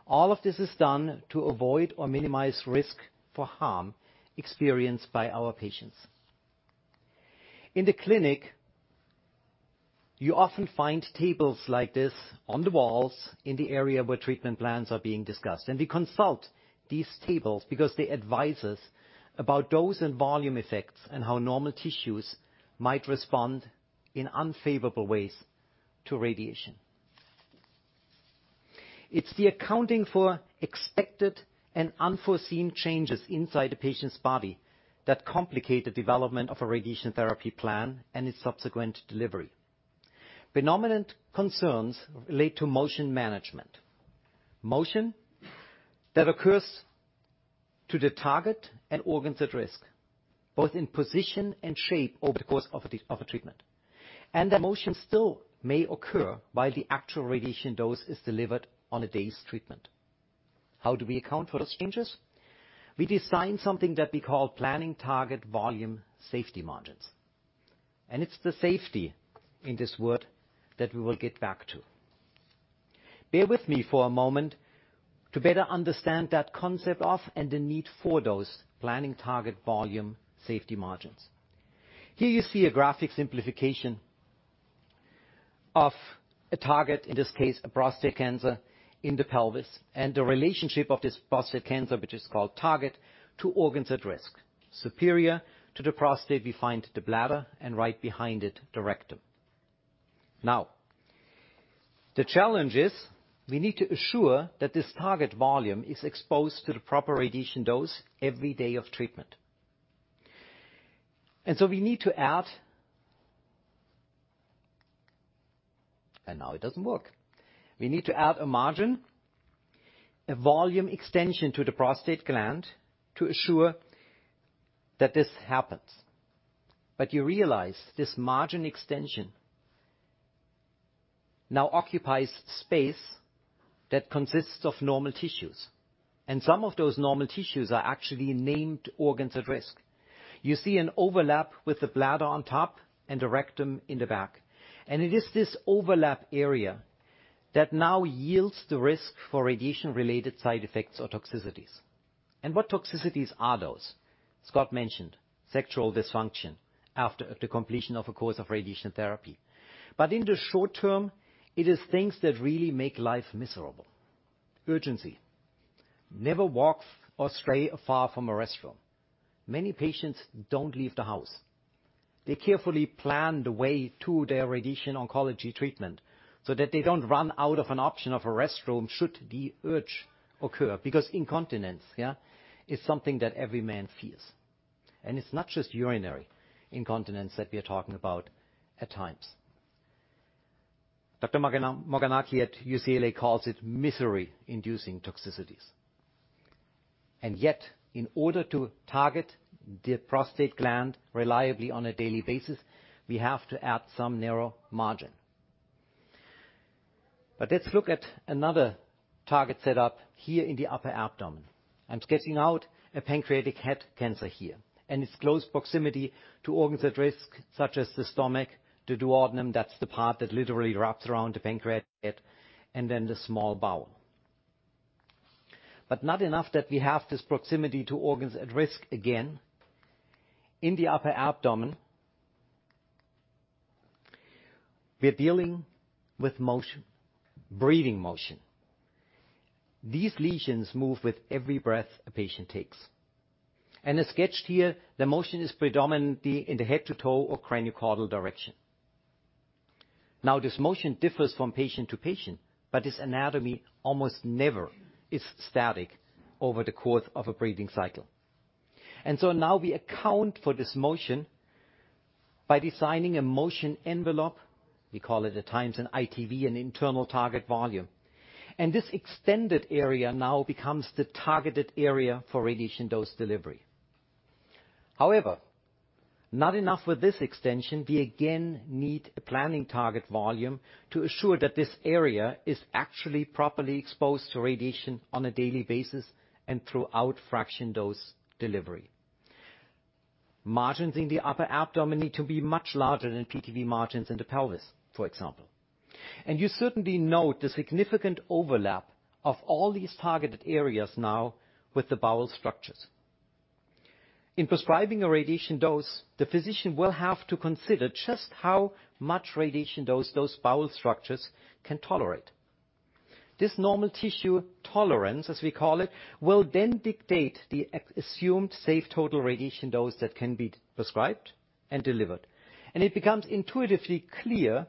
all of this is done to avoid or minimize risk for harm experienced by our patients. In the clinic, you often find tables like this on the walls in the area where treatment plans are being discussed, and we consult these tables because they advise us about dose and volume effects and how normal tissues might respond in unfavorable ways to radiation. It's the accounting for expected and unforeseen changes inside a patient's body that complicate the development of a radiation therapy plan and its subsequent delivery. Predominant concerns relate to motion management. Motion that occurs to the target and organs at risk, both in position and shape over the course of a treatment. That motion still may occur while the actual radiation dose is delivered on a day's treatment. How do we account for those changes? We design something that we call planning target volume safety margins, and it's the safety in this word that we will get back to. Bear with me for a moment to better understand that concept of and the need for those planning target volume safety margins. Here you see a graphic simplification of a target, in this case, a prostate cancer in the pelvis, and the relationship of this prostate cancer, which is called target, to organs at risk. Superior to the prostate, we find the bladder, and right behind it, the rectum. Now the challenge is we need to assure that this target volume is exposed to the proper radiation dose every day of treatment. Now it doesn't work. We need to add a margin, a volume extension to the prostate gland to assure that this happens. You realize this margin extension now occupies space that consists of normal tissues, and some of those normal tissues are actually named organs at risk. You see an overlap with the bladder on top and the rectum in the back, and it is this overlap area that now yields the risk for radiation-related side effects or toxicities. What toxicities are those? Scott mentioned sexual dysfunction after the completion of a course of radiation therapy. In the short term, it is things that really make life miserable. Urgency. Never walk or stray far from a restroom. Many patients don't leave the house. They carefully plan the way to their radiation oncology treatment so that they don't run out of an option of a restroom should the urge occur, because incontinence, yeah, is something that every man fears. It's not just urinary incontinence that we are talking about at times. Dr. Amar Kishan at UCLA calls it misery-inducing toxicities. In order to target the prostate gland reliably on a daily basis, we have to add some narrow margin. Let's look at another target setup here in the upper abdomen. I'm sketching out a pancreatic head cancer here, and its close proximity to organs at risk, such as the stomach, the duodenum, that's the part that literally wraps around the pancreatic head, and then the small bowel. Not enough that we have this proximity to organs at risk again. In the upper abdomen, we're dealing with motion, breathing motion. These lesions move with every breath a patient takes. As sketched here, the motion is predominantly in the head-to-toe or craniocaudal direction. Now, this motion differs from patient to patient, but its anatomy almost never is static over the course of a breathing cycle. Now we account for this motion by designing a motion envelope. We call it at times an ITV, an internal target volume. This extended area now becomes the targeted area for radiation dose delivery. However, not enough with this extension, we again need a planning target volume to assure that this area is actually properly exposed to radiation on a daily basis and throughout fraction dose delivery. Margins in the upper abdomen need to be much larger than PTV margins in the pelvis, for example. You certainly note the significant overlap of all these targeted areas now with the bowel structures. In prescribing a radiation dose, the physician will have to consider just how much radiation dose those bowel structures can tolerate. This normal tissue tolerance, as we call it, will then dictate the assumed safe total radiation dose that can be prescribed and delivered. It becomes intuitively clear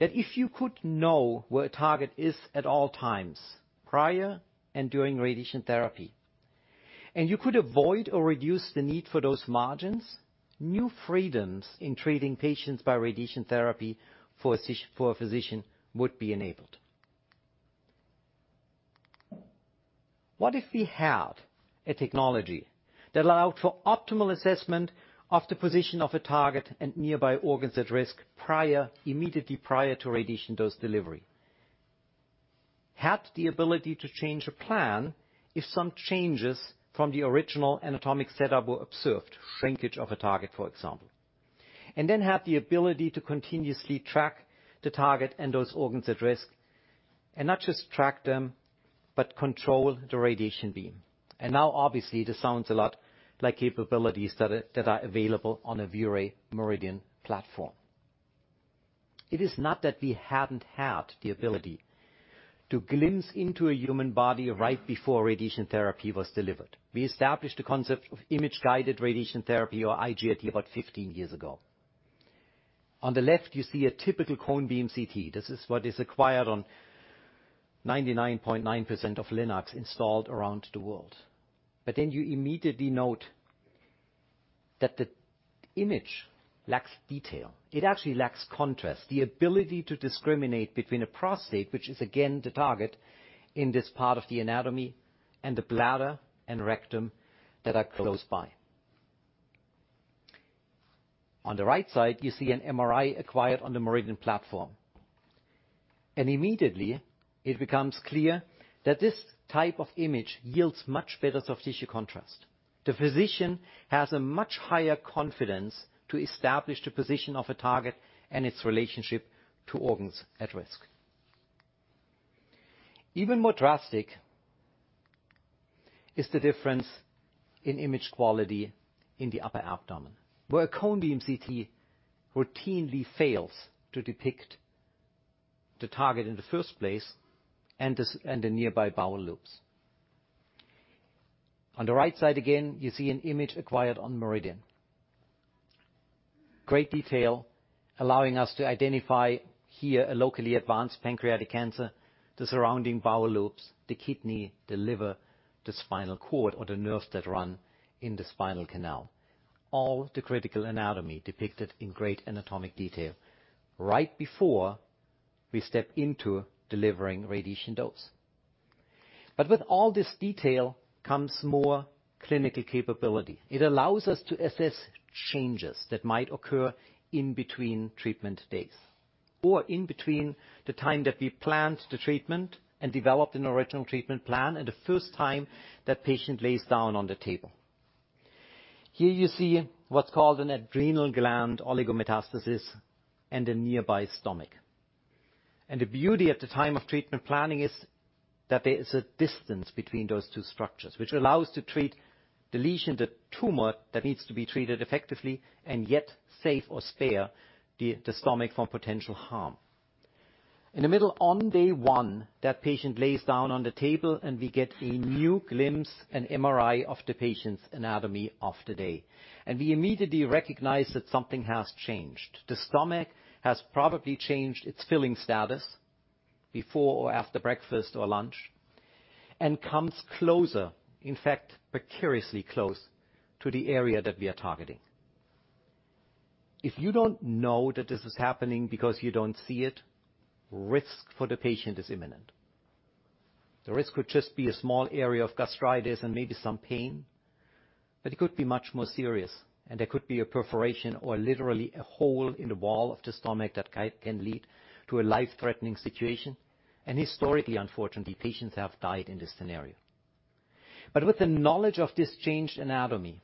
that if you could know where a target is at all times, prior and during radiation therapy, and you could avoid or reduce the need for those margins, new freedoms in treating patients by radiation therapy for a physician would be enabled. What if we had a technology that allowed for optimal assessment of the position of a target and nearby organs at risk immediately prior to radiation dose delivery? Had the ability to change a plan if some changes from the original anatomic setup were observed, shrinkage of a target, for example. Have the ability to continuously track the target and those organs at risk, not just track them, but control the radiation beam. Now obviously, this sounds a lot like capabilities that are available on a ViewRay MRIdian platform. It is not that we hadn't had the ability to glimpse into a human body right before radiation therapy was delivered. We established the concept of image-guided radiation therapy or IGRT about 15 years ago. On the left, you see a typical cone beam CT. This is what is acquired on 99.9% of LINACs installed around the world. You immediately note that the image lacks detail. It actually lacks contrast. The ability to discriminate between a prostate, which is again the target in this part of the anatomy, and the bladder and rectum that are close by. On the right side, you see an MRI acquired on the MRIdian platform. Immediately, it becomes clear that this type of image yields much better soft tissue contrast. The physician has a much higher confidence to establish the position of a target and its relationship to organs at risk. Even more drastic is the difference in image quality in the upper abdomen, where a cone beam CT routinely fails to depict the target in the first place and the nearby bowel loops. On the right side again, you see an image acquired on MRIdian. Great detail, allowing us to identify here a locally advanced pancreatic cancer, the surrounding bowel loops, the kidney, the liver, the spinal cord, or the nerves that run in the spinal canal. All the critical anatomy depicted in great anatomic detail right before we step into delivering radiation dose. With all this detail comes more clinical capability. It allows us to assess changes that might occur in between treatment days or in between the time that we planned the treatment and developed an original treatment plan, and the first time that patient lays down on the table. Here you see what's called an adrenal gland oligometastasis and a nearby stomach. The beauty at the time of treatment planning is that there is a distance between those two structures, which allows to treat the lesion, the tumor that needs to be treated effectively and yet safe or spare the stomach from potential harm. In the middle, on day one, that patient lays down on the table, and we get a new glimpse, an MRI of the patient's anatomy of the day. We immediately recognize that something has changed. The stomach has probably changed its filling status before or after breakfast or lunch, and comes closer, in fact, precariously close, to the area that we are targeting. If you don't know that this is happening because you don't see it, risk for the patient is imminent. The risk could just be a small area of gastritis and maybe some pain, but it could be much more serious, and there could be a perforation or literally a hole in the wall of the stomach that can lead to a life-threatening situation. Historically, unfortunately, patients have died in this scenario. With the knowledge of this changed anatomy,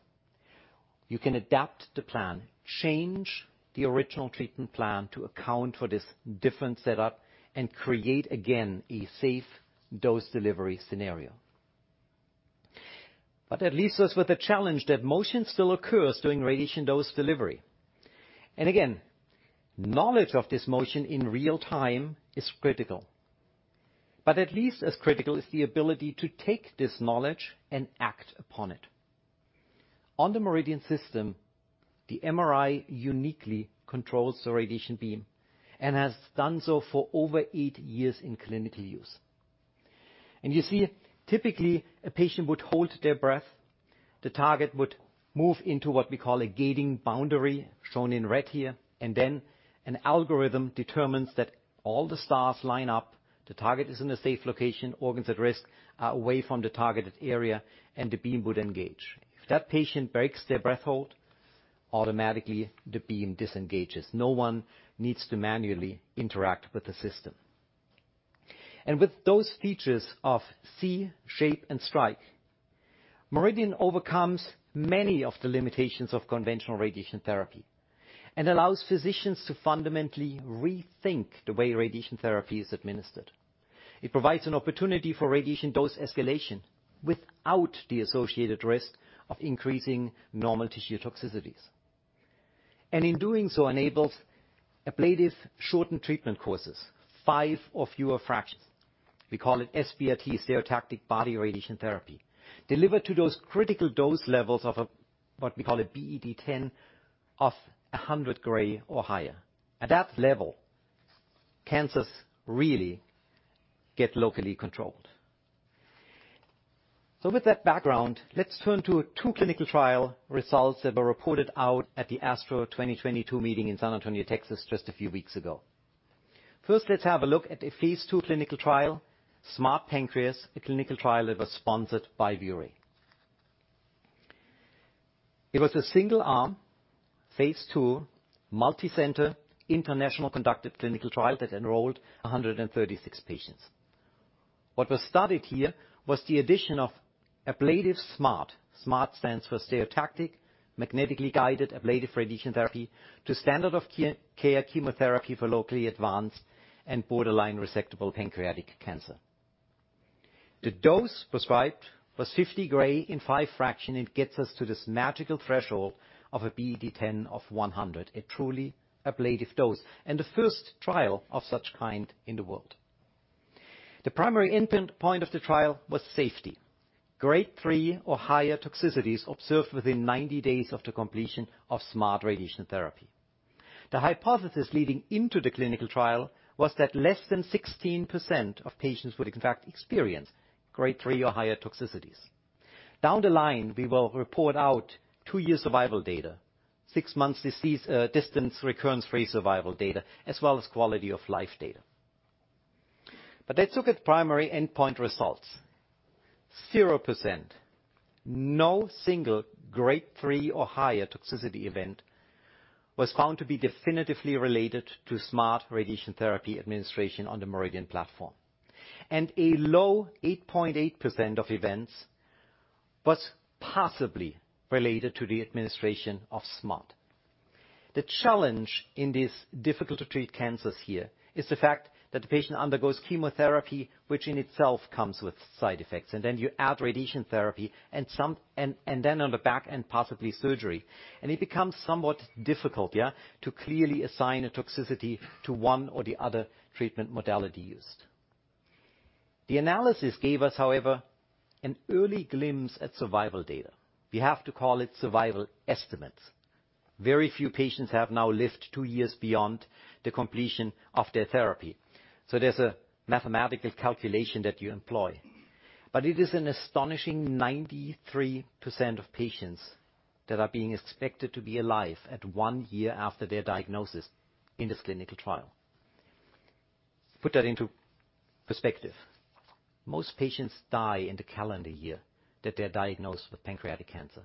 you can adapt the plan, change the original treatment plan to account for this different setup and create again a safe dose delivery scenario. That leaves us with the challenge that motion still occurs during radiation dose delivery. Again, knowledge of this motion in real-time is critical, but at least as critical is the ability to take this knowledge and act upon it. On the MRIdian system, the MRI uniquely controls the radiation beam and has done so for over eight years in clinical use. You see, typically, a patient would hold their breath. The target would move into what we call a gating boundary, shown in red here, and then an algorithm determines that all the stars line up. The target is in a safe location. Organs at risk are away from the targeted area, and the beam would engage. If that patient breaks their breath hold, automatically the beam disengages. No one needs to manually interact with the system. With those features of see, shape, and strike, MRIdian overcomes many of the limitations of conventional radiation therapy and allows physicians to fundamentally rethink the way radiation therapy is administered. It provides an opportunity for radiation dose escalation without the associated risk of increasing normal tissue toxicities. In doing so, enables ablative shortened treatment courses, five or fewer fractions. We call it SBRT, stereotactic body radiation therapy, delivered to those critical dose levels of what we call a BED10 of 100 Gray or higher. At that level, cancers really get locally controlled. With that background, let's turn to two clinical trial results that were reported out at the ASTRO 2022 meeting in San Antonio, Texas, just a few weeks ago. First, let's have a look at a phase II clinical trial, SMART Pancreas, a clinical trial that was sponsored by ViewRay. It was a single-arm, phase II, multicenter, international-conducted clinical trial that enrolled 136 patients. What was studied here was the addition of ablative SMART. SMART stands for stereotactic magnetically guided ablative radiation therapy to standard of care chemotherapy for locally advanced and borderline resectable pancreatic cancer. The dose prescribed was 50 Gray in five fraction. It gets us to this magical threshold of a BED10 of 100, a truly ablative dose, and the first trial of such kind in the world. The primary endpoint of the trial was safety, Grade three or higher toxicities observed within 90 days of the completion of SMART radiation therapy. The hypothesis leading into the clinical trial was that less than 16% of patients would in fact experience Grade three or higher toxicities. Down the line, we will report out two-year survival data, six months distant recurrence-free survival data, as well as quality of life data. Let's look at primary endpoint results. 0%, no single Grade three or higher toxicity event was found to be definitively related to SMART radiation therapy administration on the MRIdian platform. A low 8.8% of events was possibly related to the administration of SMART. The challenge in these difficult-to-treat cancers here is the fact that the patient undergoes chemotherapy, which in itself comes with side effects, and then you add radiation therapy, and then on the back end, possibly surgery. It becomes somewhat difficult, yeah, to clearly assign a toxicity to one or the other treatment modality used. The analysis gave us, however, an early glimpse at survival data. We have to call it survival estimates. Very few patients have now lived two years beyond the completion of their therapy, so there's a mathematical calculation that you employ. It is an astonishing 93% of patients that are being expected to be alive at one year after their diagnosis in this clinical trial. Put that into perspective. Most patients die in the calendar year that they're diagnosed with pancreatic cancer.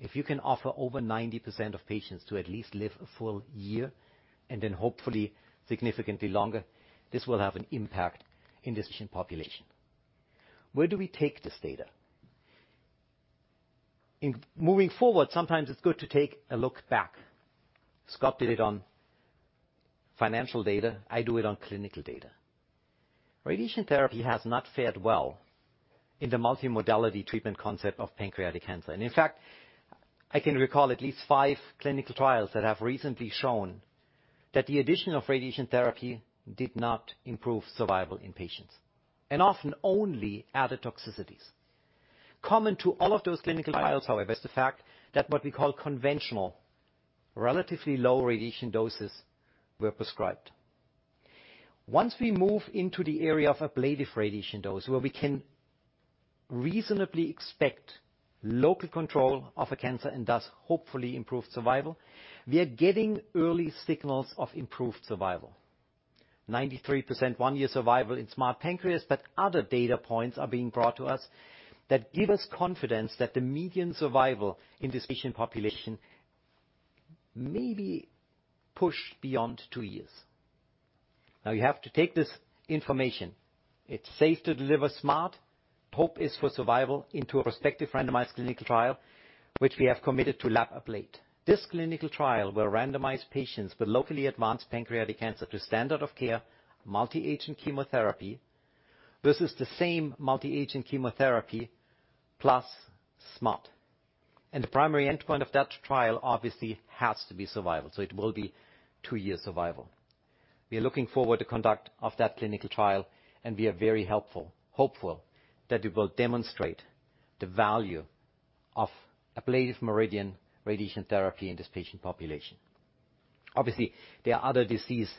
If you can offer over 90% of patients to at least live a full year and then hopefully significantly longer, this will have an impact in this patient population. Where do we take this data? In moving forward, sometimes it's good to take a look back. Scott did it on financial data. I do it on clinical data. Radiation therapy has not fared well in the multimodality treatment concept of pancreatic cancer. In fact, I can recall at least five clinical trials that have recently shown that the addition of radiation therapy did not improve survival in patients, and often only added toxicities. Common to all of those clinical trials, however, is the fact that what we call conventional, relatively low radiation doses were prescribed. Once we move into the area of ablative radiation dose, where we can reasonably expect local control of a cancer and thus hopefully improve survival, we are getting early signals of improved survival. 93% one-year survival in SMART Pancreas, but other data points are being brought to us that give us confidence that the median survival in this patient population may be pushed beyond two years. Now, you have to take this information. It's safe to deliver SMART. Hope is for survival into a prospective randomized clinical trial, which we have committed to LAP-ABLATE. This clinical trial will randomize patients with locally advanced pancreatic cancer to standard of care multi-agent chemotherapy versus the same multi-agent chemotherapy plus SMART. The primary endpoint of that trial obviously has to be survival, so it will be two-year survival. We are looking forward to conduct of that clinical trial, and we are very hopeful that it will demonstrate the value of ablative MRIdian radiation therapy in this patient population. Obviously, there are other disease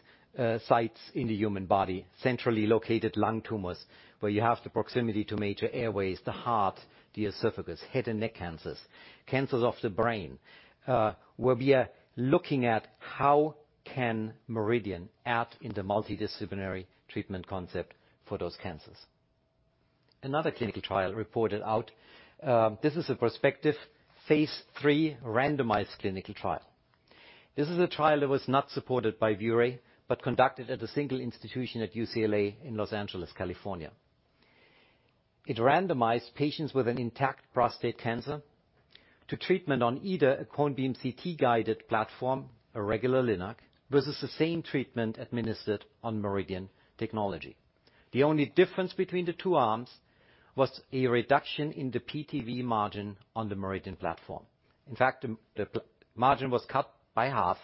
sites in the human body, centrally located lung tumors, where you have the proximity to major airways, the heart, the esophagus, head and neck cancers of the brain, where we are looking at how can MRIdian add in the multidisciplinary treatment concept for those cancers. Another clinical trial reported out. This is a prospective phase III randomized clinical trial. This is a trial that was not supported by ViewRay, but conducted at a single institution at UCLA in Los Angeles, California. It randomized patients with an intact prostate cancer to treatment on either a cone beam CT-guided platform, a regular LINAC, versus the same treatment administered on MRIdian technology. The only difference between the two arms was a reduction in the PTV margin on the MRIdian platform. In fact, the margin was cut by half,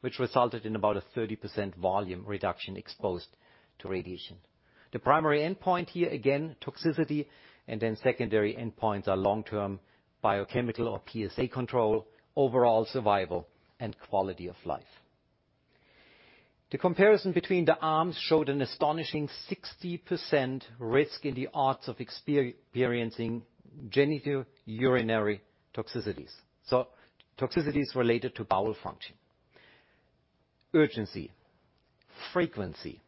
which resulted in about a 30% volume reduction exposed to radiation. The primary endpoint here, again, toxicity and then secondary endpoints are long-term biochemical or PSA control, overall survival, and quality of life. The comparison between the arms showed an astonishing 60% risk in the odds of experiencing genitourinary toxicities, so toxicities related to bowel function, urgency, frequency,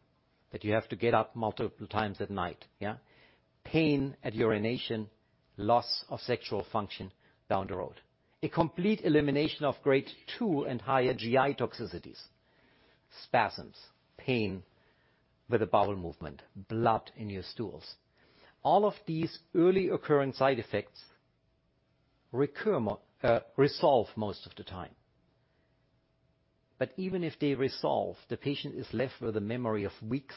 that you have to get up multiple times at night. Yeah. Pain at urination, loss of sexual function down the road. A complete elimination of Grade two and higher GI toxicities. Spasms, pain with a bowel movement, blood in your stools. All of these early occurring side effects resolve most of the time. But even if they resolve, the patient is left with a memory of weeks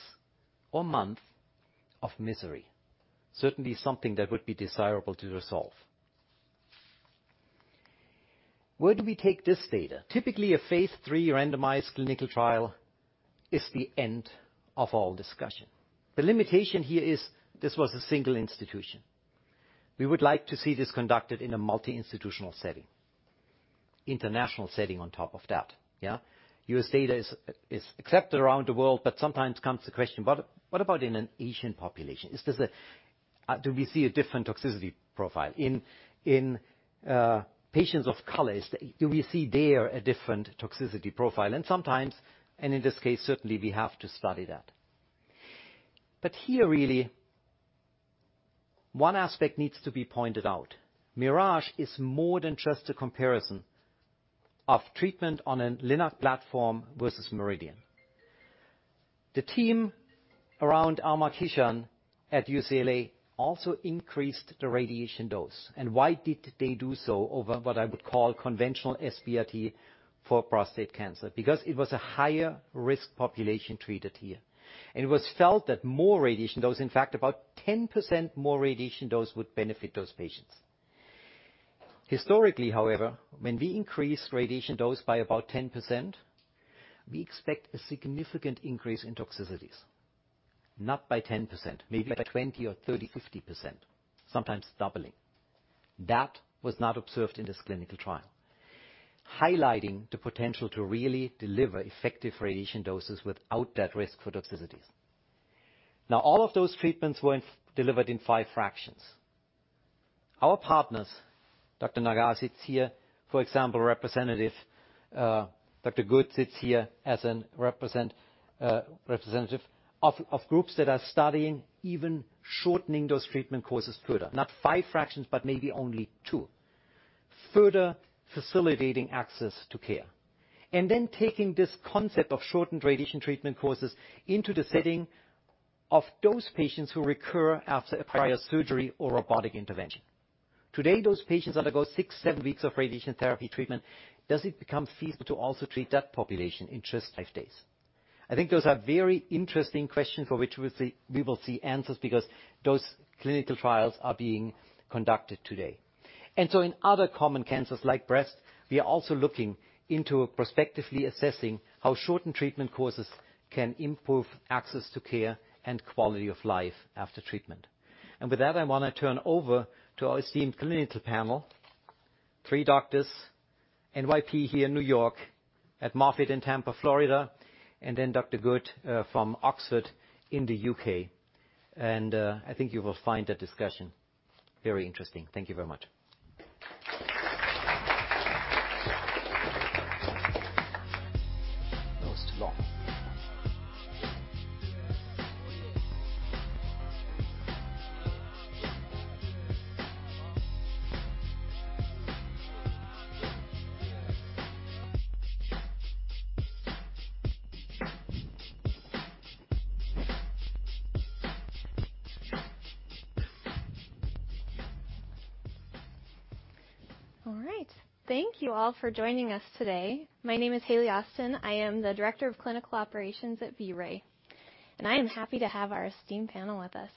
or month of misery. Certainly, something that would be desirable to resolve. Where do we take this data? Typically, a phase three randomized clinical trial is the end of all discussion. The limitation here is this was a single institution. We would like to see this conducted in a multi-institutional setting, international setting on top of that, yeah? US data is accepted around the world, but sometimes comes the question, "What, what about in an Asian population? Is this a... Uh, do we see a different toxicity profile? In, in, uh, patients of colors, do we see there a different toxicity profile?" And sometimes, and in this case, certainly, we have to study that. But here, really, one aspect needs to be pointed out. MIRAGE is more than just a comparison of treatment on a LINAC platform versus MRIdian. The team around Amar Kishan at UCLA also increased the radiation dose. Why did they do so over what I would call conventional SBRT for prostate cancer? Because it was a higher risk population treated here, and it was felt that more radiation dose, in fact, about 10% more radiation dose would benefit those patients. Historically, however, when we increase radiation dose by about 10%, we expect a significant increase in toxicities, not by 10%, maybe by 20% or 30%, 50%, sometimes doubling. That was not observed in this clinical trial, highlighting the potential to really deliver effective radiation doses without that risk for toxicities. Now, all of those treatments were delivered in five fractions. Our partners, Dr. Nagar sits here, for example, representative. Good sits here as representative of groups that are studying even shortening those treatment courses further. Not five fractions, but maybe only two. Further facilitating access to care. Taking this concept of shortened radiation treatment courses into the setting of those patients who recur after a prior surgery or robotic intervention. Today, those patients undergo six-seven weeks of radiation therapy treatment. Does it become feasible to also treat that population in just five days? I think those are very interesting questions for which we will see answers because those clinical trials are being conducted today. In other common cancers like breast, we are also looking into prospectively assessing how shortened treatment courses can improve access to care and quality of life after treatment. With that, I wanna turn over to our esteemed clinical panel, three doctors, NYP here in New York, at Moffitt in Tampa, Florida, and then Dr. Good from Oxford in the U.K. I think you will find the discussion very interesting. Thank you very much. That was too long. All right. Thank you all for joining us today. My name is Hailey Austin. I am the Director of Clinical Operations at ViewRay, and I am happy to have our esteemed panel with us.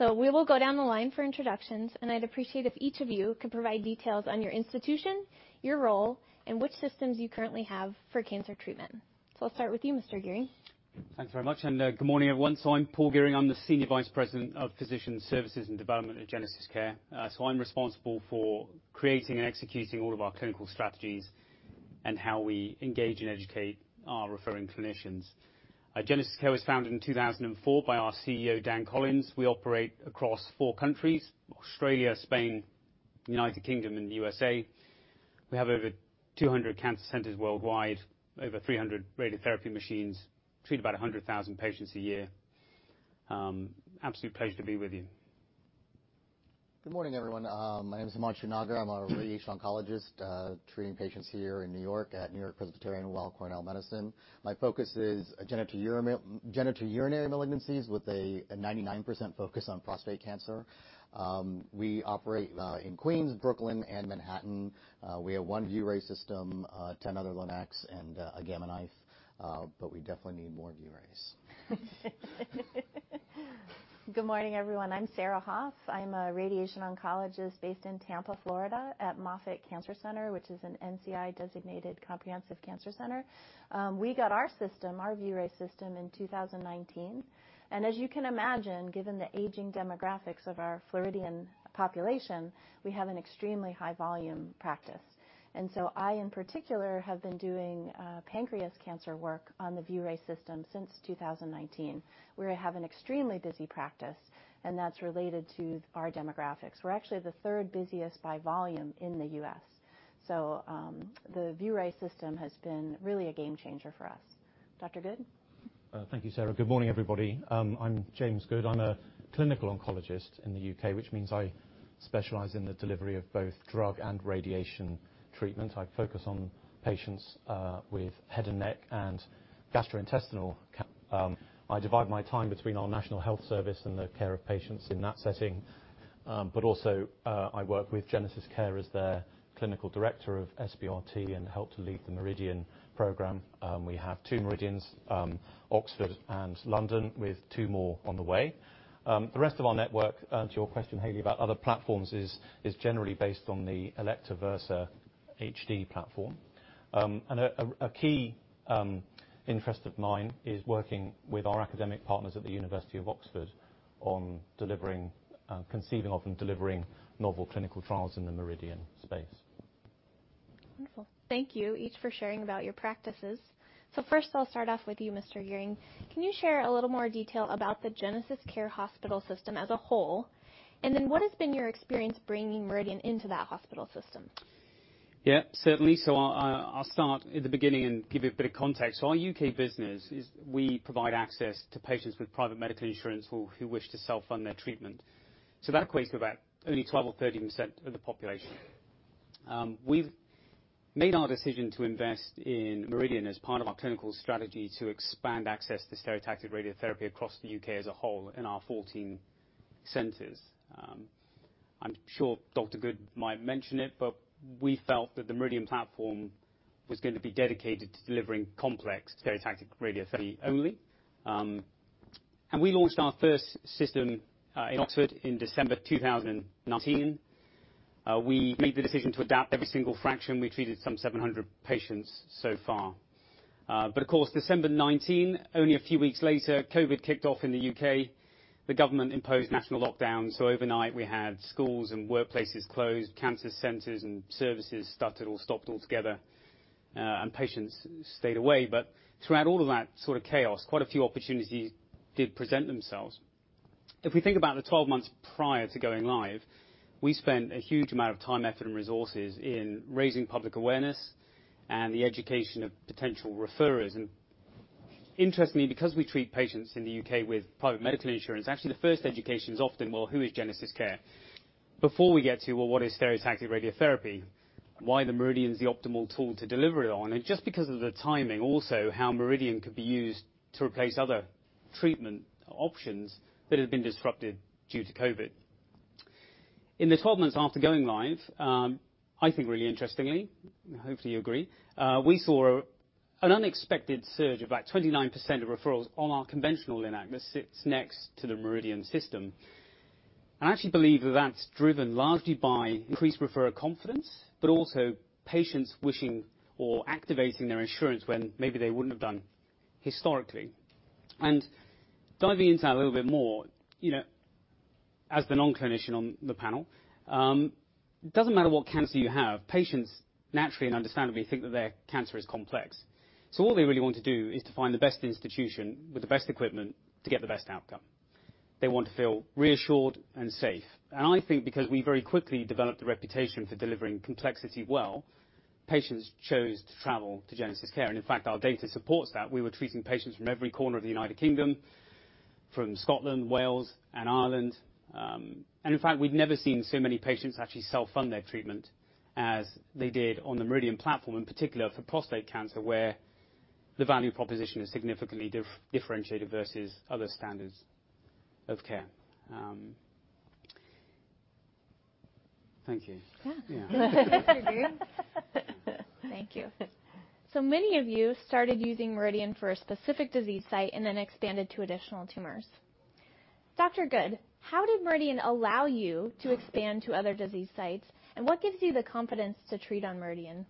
We will go down the line for introductions, and I'd appreciate if each of you could provide details on your institution, your role, and which systems you currently have for cancer treatment. I'll start with you, Mr. Gearing. Thanks very much. Good morning, everyone. I'm Paul Gearing. I'm the Senior Vice President of Physician Services and Development at GenesisCare. I'm responsible for creating and executing all of our clinical strategies and how we engage and educate our referring clinicians. GenesisCare was founded in 2004 by our CEO, Dan Collins. We operate across four countries, Australia, Spain, United Kingdom and USA. We have over 200 cancer centers worldwide, over 300 radiotherapy machines, treat about 100,000 patients a year. Absolute pleasure to be with you. Good morning, everyone. My name is Himanshu Nagar. I'm a Radiation Oncologist treating patients here in New York at NewYork-Presbyterian/Weill Cornell Medical Center. My focus is genitourinary malignancies with a 99% focus on prostate cancer. We operate in Queens, Brooklyn, and Manhattan. We have one ViewRay system, 10 other LINACs and a Gamma Knife. We definitely need more ViewRays. Good morning, everyone. I'm Sarah Hoffe. I'm a radiation oncologist based in Tampa, Florida at Moffitt Cancer Center, which is an NCI designated comprehensive cancer center. We got our system, our ViewRay system in 2019. As you can imagine, given the aging demographics of our Floridian population, we have an extremely high-volume practice. I, in particular, have been doing pancreas cancer work on the ViewRay system since 2019. We have an extremely busy practice, and that's related to our demographics. We're actually the third busiest by volume in the U.S. The ViewRay system has been really a game-changer for us. Dr. Good? Thank you, Sarah. Good morning, everybody. I'm James Good. I'm a Clinical Oncologist in the U.K., which means I specialize in the delivery of both drug and radiation treatment. I focus on patients with head and neck and gastrointestinal. I divide my time between our National Health Service and the care of patients in that setting, but also I work with GenesisCare as their Clinical Director of SBRT and help to lead the MRIdian program. We have two MRIdians, Oxford and London, with two more on the way. The rest of our network, to your question, Hailey, about other platforms, is generally based on the Elekta Versa HD platform. A key interest of mine is working with our academic partners at the University of Oxford on conceiving of and delivering novel clinical trials in the MRIdian space. Wonderful. Thank you each for sharing about your practices. First, I'll start off with you, Mr. Gearing. Can you share a little more detail about the GenesisCare health hospital system as a whole, and then what has been your experience bringing MRIdian into that hospital system? Yeah, certainly. I'll start at the beginning and give you a bit of context. Our U.K. business is we provide access to patients with private medical insurance who wish to self-fund their treatment. That equates to about only 12% or 13% of the population. We've made our decision to invest in MRIdian as part of our clinical strategy to expand access to stereotactic radiotherapy across the U.K. as a whole in our 14 centers. I'm sure Dr. Good might mention it, but we felt that the MRIdian platform was going to be dedicated to delivering complex stereotactic radiotherapy only. We launched our first system in Oxford in December 2019. We made the decision to adapt every single fraction. We treated some 700 patients so far. Of course, December 2019, only a few weeks later, COVID kicked off in the U.K. The government imposed national lockdown, so overnight we had schools and workplaces closed, cancer centers and services stuttered or stopped altogether, and patients stayed away. Throughout all of that sort of chaos, quite a few opportunities did present themselves. If we think about the 12 months prior to going live, we spent a huge amount of time, effort, and resources in raising public awareness and the education of potential referrers. Interestingly, because we treat patients in the U.K. with private medical insurance, actually the first education is often, "Well, who is GenesisCare?" Before we get to, "Well, what is stereotactic radiotherapy? Why the MRIdian is the optimal tool to deliver it on? Just because of the timing, also how MRIdian could be used to replace other treatment options that have been disrupted due to COVID. In the 12 months after going live, I think really interestingly, hopefully you agree, we saw an unexpected surge of about 29% of referrals on our conventional LINAC that sits next to the MRIdian system. I actually believe that that's driven largely by increased referrer confidence, but also patients wishing or activating their insurance when maybe they wouldn't have done historically. Diving into that a little bit more, you know, as the non-clinician on the panel, it doesn't matter what cancer you have, patients naturally and understandably think that their cancer is complex. What they really want to do is to find the best institution with the best equipment to get the best outcome. They want to feel reassured and safe. I think because we very quickly developed a reputation for delivering complexity well, patients chose to travel to GenesisCare. In fact, our data supports that. We were treating patients from every corner of the United Kingdom, from Scotland, Wales, and Ireland. In fact, we'd never seen so many patients actually self-fund their treatment as they did on the MRIdian platform, in particular for prostate cancer, where the value proposition is significantly differentiated versus other standards of care. Thank you. Yeah. Yeah. Thank you. Many of you started using MRIdian for a specific disease site and then expanded to additional tumors. Dr. Good, how did MRIdian allow you to expand to other disease sites, and what gives you the confidence to treat on MRIdian?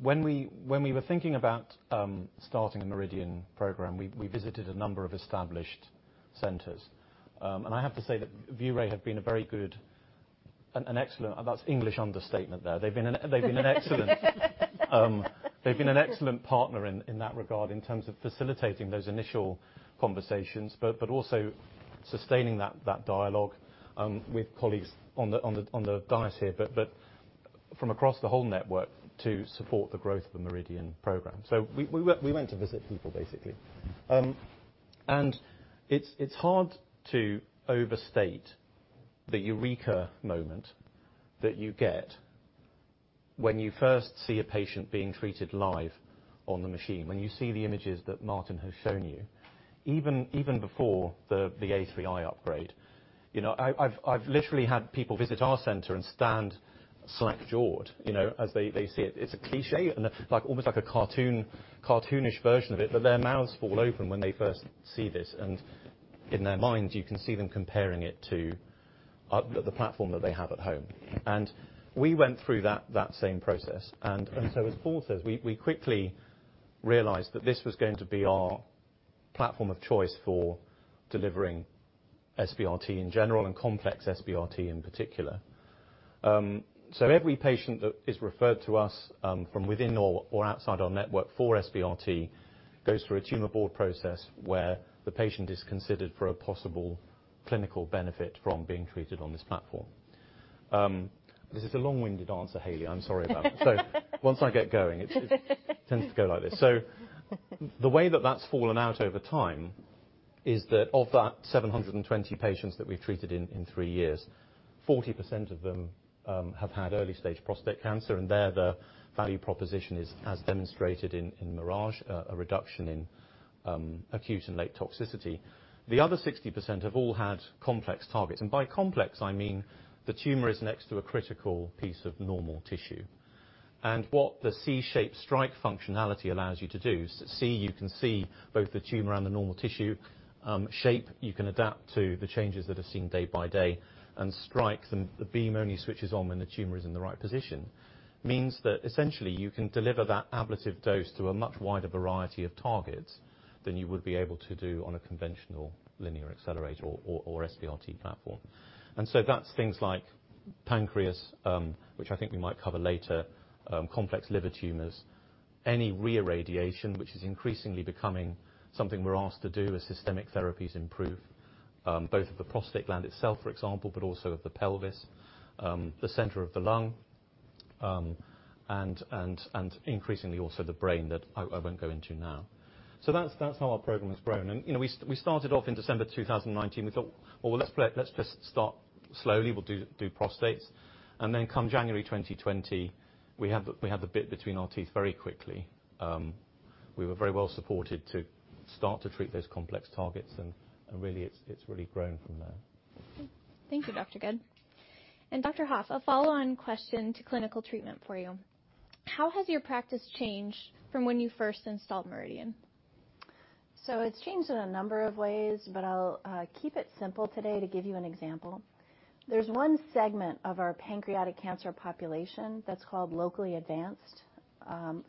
When we were thinking about starting a MRIdian program, we visited a number of established centers. I have to say that ViewRay have been a very good and an excellent. That's English understatement there. They've been an excellent partner in that regard in terms of facilitating those initial conversations but also sustaining that dialogue with colleagues on the dais here but from across the whole network to support the growth of the MRIdian program. We went to visit people, basically. It's hard to overstate the eureka moment that you get when you first see a patient being treated live on the machine, when you see the images that Martin has shown you, even before the A3i upgrade. You know, I've literally had people visit our center and stand slack-jawed, you know, as they see it. It's a cliché and like almost like a cartoonish version of it, but their mouths fall open when they first see this, and in their minds, you can see them comparing it to the platform that they have at home. We went through that same process. As board says, we quickly realized that this was going to be our platform of choice for delivering SBRT in general and complex SBRT in particular. Every patient that is referred to us from within or outside our network for SBRT goes through a tumor board process where the patient is considered for a possible clinical benefit from being treated on this platform. This is a long-winded answer, Hailey, I'm sorry about that. Once I get going, it tends to go like this. The way that that's fallen out over time is that of that 720 patients that we've treated in three years, 40% of them have had early-stage prostate cancer, and there the value proposition is as demonstrated in MIRAGE, a reduction in acute and late toxicity. The other 60% have all had complex targets. By complex, I mean the tumor is next to a critical piece of normal tissue. What the See, Shape, Strike functionality allows you to do is see, you can see both the tumor and the normal tissue, shape, you can adapt to the changes that are seen day by day and strike them. The beam only switches on when the tumor is in the right position, means that essentially you can deliver that ablative dose to a much wider variety of targets than you would be able to do on a conventional linear accelerator or SBRT platform. That's things like pancreas, which I think we might cover later, complex liver tumors, any re-irradiation, which is increasingly becoming something we're asked to do as systemic therapies improve, both of the prostate gland itself, for example, but also of the pelvis, the center of the lung, and increasingly also the brain that I won't go into now. That's how our program has grown. You know, we started off in December 2019, we thought, well, let's play, let's just start slowly, we'll do prostates. Come January 2020, we have the bit between our teeth very quickly. We were very well supported to start to treat those complex targets and really it's really grown from there. Thank you, Dr. Good. Dr. Hoffe, a follow-on question to clinical treatment for you. How has your practice changed from when you first installed MRIdian? It's changed in a number of ways, but I'll keep it simple today to give you an example. There's one segment of our pancreatic cancer population that's called locally advanced.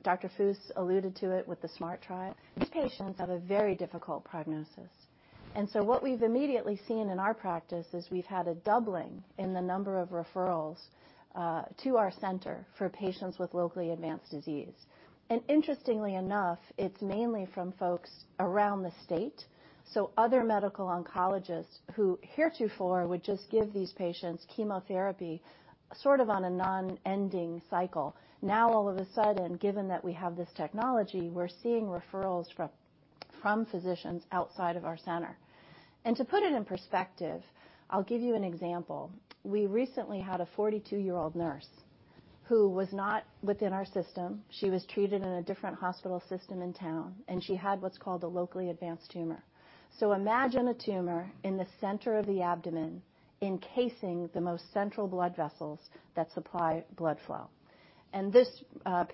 Dr. Fuss alluded to it with the SMART trial. These patients have a very difficult prognosis. What we've immediately seen in our practice is we've had a doubling in the number of referrals to our center for patients with locally advanced disease. Interestingly enough, it's mainly from folks around the state. Other medical oncologists who heretofore would just give these patients chemotherapy, sort of on a non-ending cycle. Now, all of a sudden, given that we have this technology, we're seeing referrals from physicians outside of our center. To put it in perspective, I'll give you an example. We recently had a 42-year-old nurse who was not within our system. She was treated in a different hospital system in town, and she had what's called a locally advanced tumor. Imagine a tumor in the center of the abdomen encasing the most central blood vessels that supply blood flow. This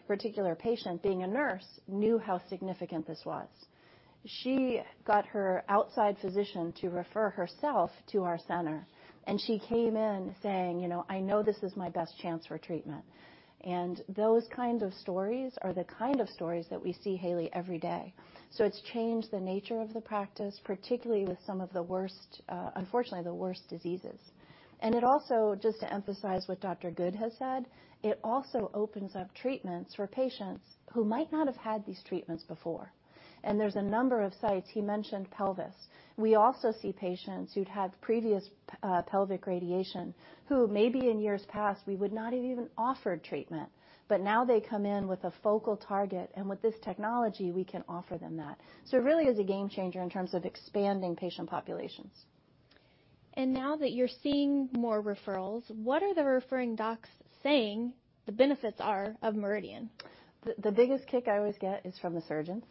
particular patient, being a nurse, knew how significant this was. She got her outside physician to refer herself to our center, and she came in saying, "You know, I know this is my best chance for treatment." Those kind of stories are the kind of stories that we see, Hailey, every day. It's changed the nature of the practice, particularly with some of, unfortunately, the worst diseases. It also, just to emphasize what Dr. Good has said, it also opens up treatments for patients who might not have had these treatments before. There's a number of sites, he mentioned pelvis. We also see patients who'd had previous pelvic radiation who maybe in years past we would not have even offered treatment, but now they come in with a focal target, and with this technology, we can offer them that. It really is a game changer in terms of expanding patient populations. Now that you're seeing more referrals, what are the referring docs saying the benefits are of MRIdian? The biggest kick I always get is from the surgeons.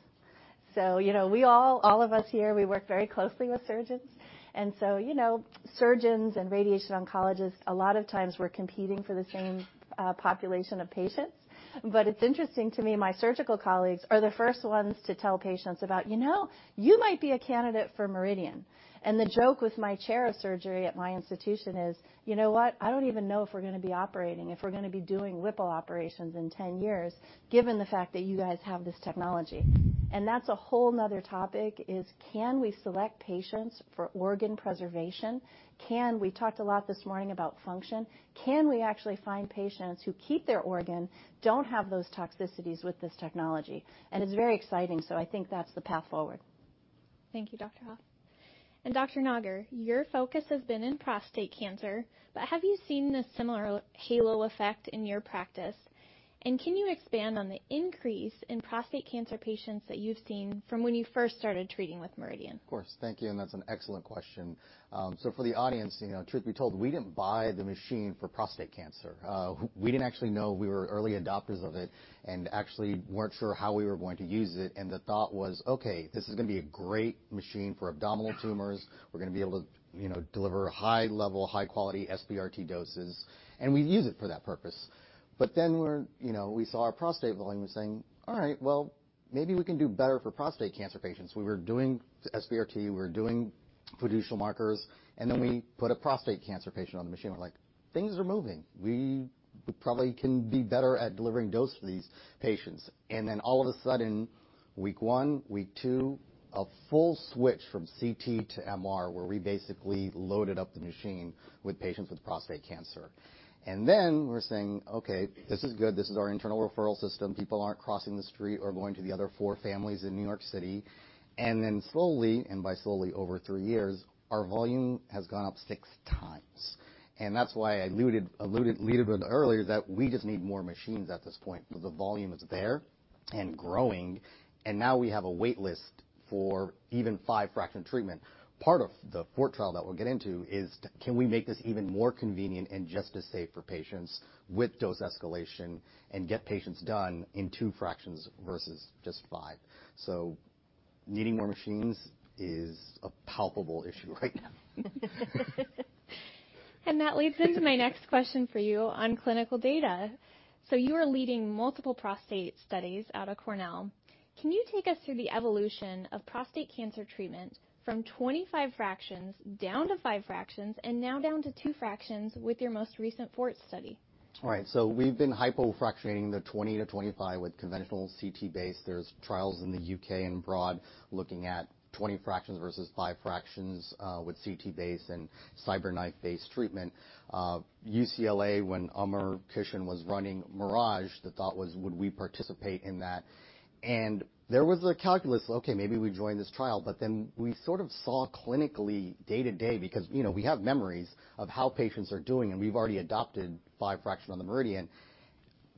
You know, we all of us here, we work very closely with surgeons. You know, surgeons and radiation oncologists, a lot of times we're competing for the same population of patients. It's interesting to me, my surgical colleagues are the first ones to tell patients about, "You know, you might be a candidate for MRIdian." The joke with my Chair of Surgery at my institution is, you know what? I don't even know if we're gonna be operating, if we're gonna be doing Whipple operations in 10 years, given the fact that you guys have this technology. That's a whole 'nother topic is can we select patients for organ preservation? We talked a lot this morning about function. Can we actually find patients who keep their organ, don't have those toxicities with this technology? It's very exciting, so I think that's the path forward. Thank you, Dr. Hoffe. Dr. Nagar, your focus has been in prostate cancer, but have you seen this similar halo effect in your practice? Can you expand on the increase in prostate cancer patients that you've seen from when you first started treating with MRIdian? Of course. Thank you, that's an excellent question. For the audience, you know, truth be told, we didn't buy the machine for prostate cancer. We didn't actually know we were early adopters of it and actually weren't sure how we were going to use it, and the thought was, okay, this is gonna be a great machine for abdominal tumors. We're gonna be able to, you know, deliver high-level, high-quality SBRT doses, and we use it for that purpose. You know, we saw our prostate volume was saying, "All right, well, maybe we can do better for prostate cancer patients." We were doing SBRT, we were doing fiducial markers, and then we put a prostate cancer patient on the machine. We're like, "Things are moving. We probably can be better at delivering dose to these patients. All of a sudden, week one, week two, a full switch from CT to MR, where we basically loaded up the machine with patients with prostate cancer. We're saying, okay, this is good. This is our internal referral system. People aren't crossing the street or going to the other four families in New York City. Slowly, and by slowly, over three years, our volume has gone up six times. That's why I alluded a little bit earlier that we just need more machines at this point, because the volume is there and growing, and now we have a waitlist for even five-fraction treatment. Part of the FORT trial that we'll get into is can we make this even more convenient and just as safe for patients with dose escalation and get patients done in two fractions versus just five. Needing more machines is a palpable issue right now. That leads into my next question for you on clinical data. You are leading multiple prostate studies out of Cornell. Can you take us through the evolution of prostate cancer treatment from 25 fractions down to five fractions and now down to two fractions with your most recent FORT study? All right. We've been hypofractionating the 20-25 with conventional CT-based. There's trials in the U.K. and abroad looking at 20 fractions versus five fractions with CT-based and CyberKnife-based treatment. UCLA, when Amar Kishan was running MIRAGE, the thought was, would we participate in that? There was a calculus, okay, maybe we join this trial, but then we sort of saw clinically day to day because, you know, we have memories of how patients are doing, and we've already adopted five-fraction on the MRIdian.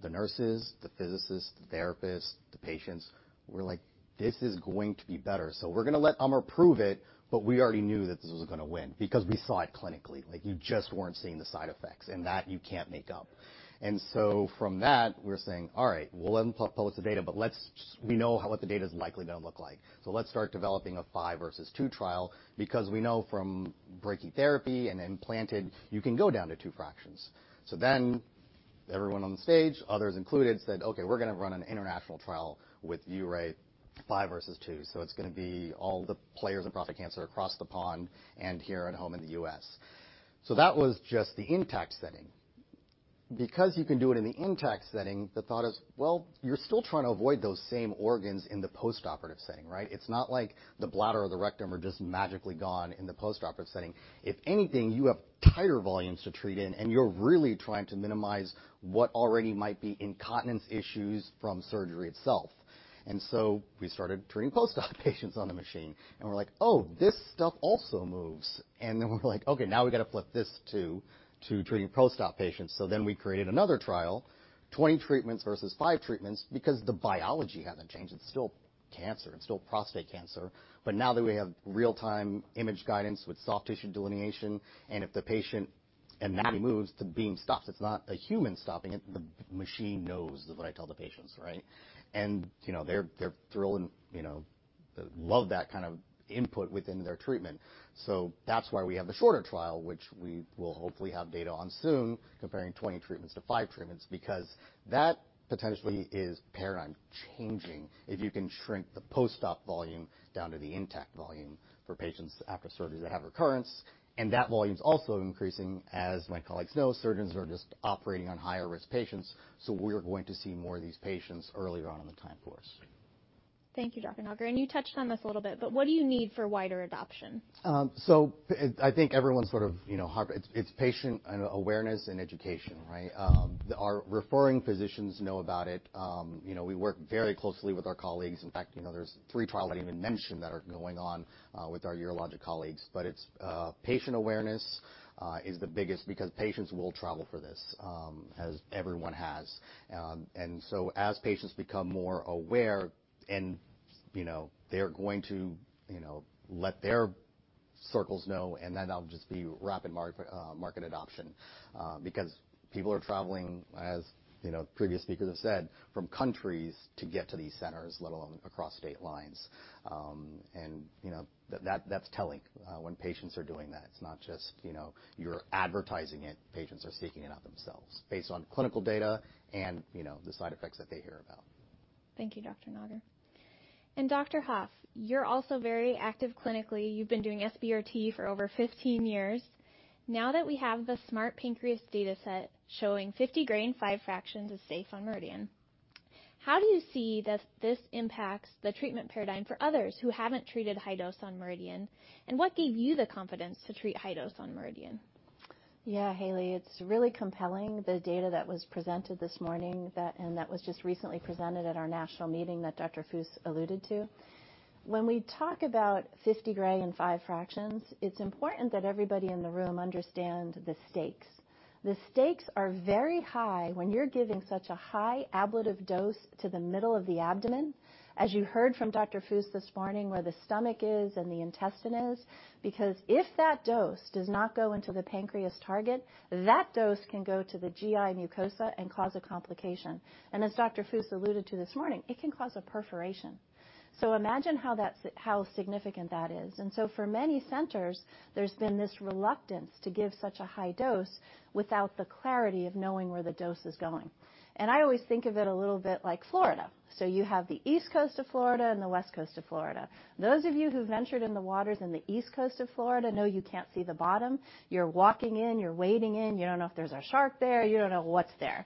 The nurses, the physicists, the therapists, the patients were like, this is going to be better. We're gonna let Amar prove it, but we already knew that this was gonna win because we saw it clinically, like you just weren't seeing the side effects, and that you can't make up. From that, we're saying, "All right, we'll let them publish the data, but we know what the data is likely gonna look like." Let's start developing a five versus two trial because we know from brachytherapy and implanted, you can go down to two fractions. Everyone on the stage, others included, said, "Okay, we're gonna run an international trial with ViewRay, five versus two." It's gonna be all the players in prostate cancer across the pond and here at home in the U.S. That was just the intact setting. Because you can do it in the intact setting, the thought is, well, you're still trying to avoid those same organs in the postoperative setting, right? It's not like the bladder or the rectum are just magically gone in the postoperative setting. If anything, you have higher volumes to treat in, and you're really trying to minimize what already might be incontinence issues from surgery itself. We started treating post-op patients on the machine, and we're like, "Oh, this stuff also moves." We're like, "Okay, now we got to flip this to treating post-op patients." We created another trial, 20 treatments versus five treatments, because the biology hasn't changed. It's still cancer. It's still prostate cancer. Now that we have real-time image guidance with soft tissue delineation, and if the patient anatomy moves, the beam stops. It's not a human stopping it. The machine knows is what I tell the patients, right? You know, they're thrilled and, you know, love that kind of input within their treatment. That's why we have the shorter trial, which we will hopefully have data on soon comparing 20 treatments to five treatments, because that potentially is paradigm changing if you can shrink the post-op volume down to the intact volume for patients after surgery that have recurrence. That volume is also increasing. As my colleagues know, surgeons are just operating on higher-risk patients. We're going to see more of these patients earlier on in the time course. Thank you, Dr. Nagar. You touched on this a little bit, but what do you need for wider adoption? I think everyone's sort of, you know, it's patient and awareness and education, right? Our referring physicians know about it. You know, we work very closely with our colleagues. In fact, you know, there's three trials I didn't even mention that are going on with our urologic colleagues. It's patient awareness is the biggest because patients will travel for this, as everyone has. As patients become more aware and, you know, they're going to, you know, let their circles know, and then there'll just be rapid market adoption because people are traveling, as you know, previous speakers have said, from countries to get to these centers, let alone across state lines. You know, that's telling when patients are doing that. It's not just, you know, you're advertising it. Patients are seeking it out themselves based on clinical data and, you know, the side effects that they hear about. Thank you, Dr. Nagar. Dr. Hoffe, you're also very active clinically. You've been doing SBRT for over 15 years. Now that we have the SMART Pancreas dataset showing 50 Gray in five fractions is safe on MRIdian, how do you see that this impacts the treatment paradigm for others who haven't treated high dose on MRIdian, and what gave you the confidence to treat high dose on MRIdian? Yeah, Hailey, it's really compelling, the data that was presented this morning that was just recently presented at our national meeting that Dr. Fuss alluded to. When we talk about 50 Gray and five fractions, it's important that everybody in the room understand the stakes. The stakes are very high when you're giving such a high ablative dose to the middle of the abdomen, as you heard from Dr. Fuss this morning, where the stomach is and the intestine is, because if that dose does not go into the pancreas target, that dose can go to the GI mucosa and cause a complication. As Dr. Fuss alluded to this morning, it can cause a perforation. Imagine how significant that is. For many centers, there's been this reluctance to give such a high dose without the clarity of knowing where the dose is going. I always think of it a little bit like Florida. You have the East Coast of Florida and the West Coast of Florida. Those of you who've ventured in the waters in the East Coast of Florida know you can't see the bottom. You're walking in, you're wading in, you don't know if there's a shark there, you don't know what's there.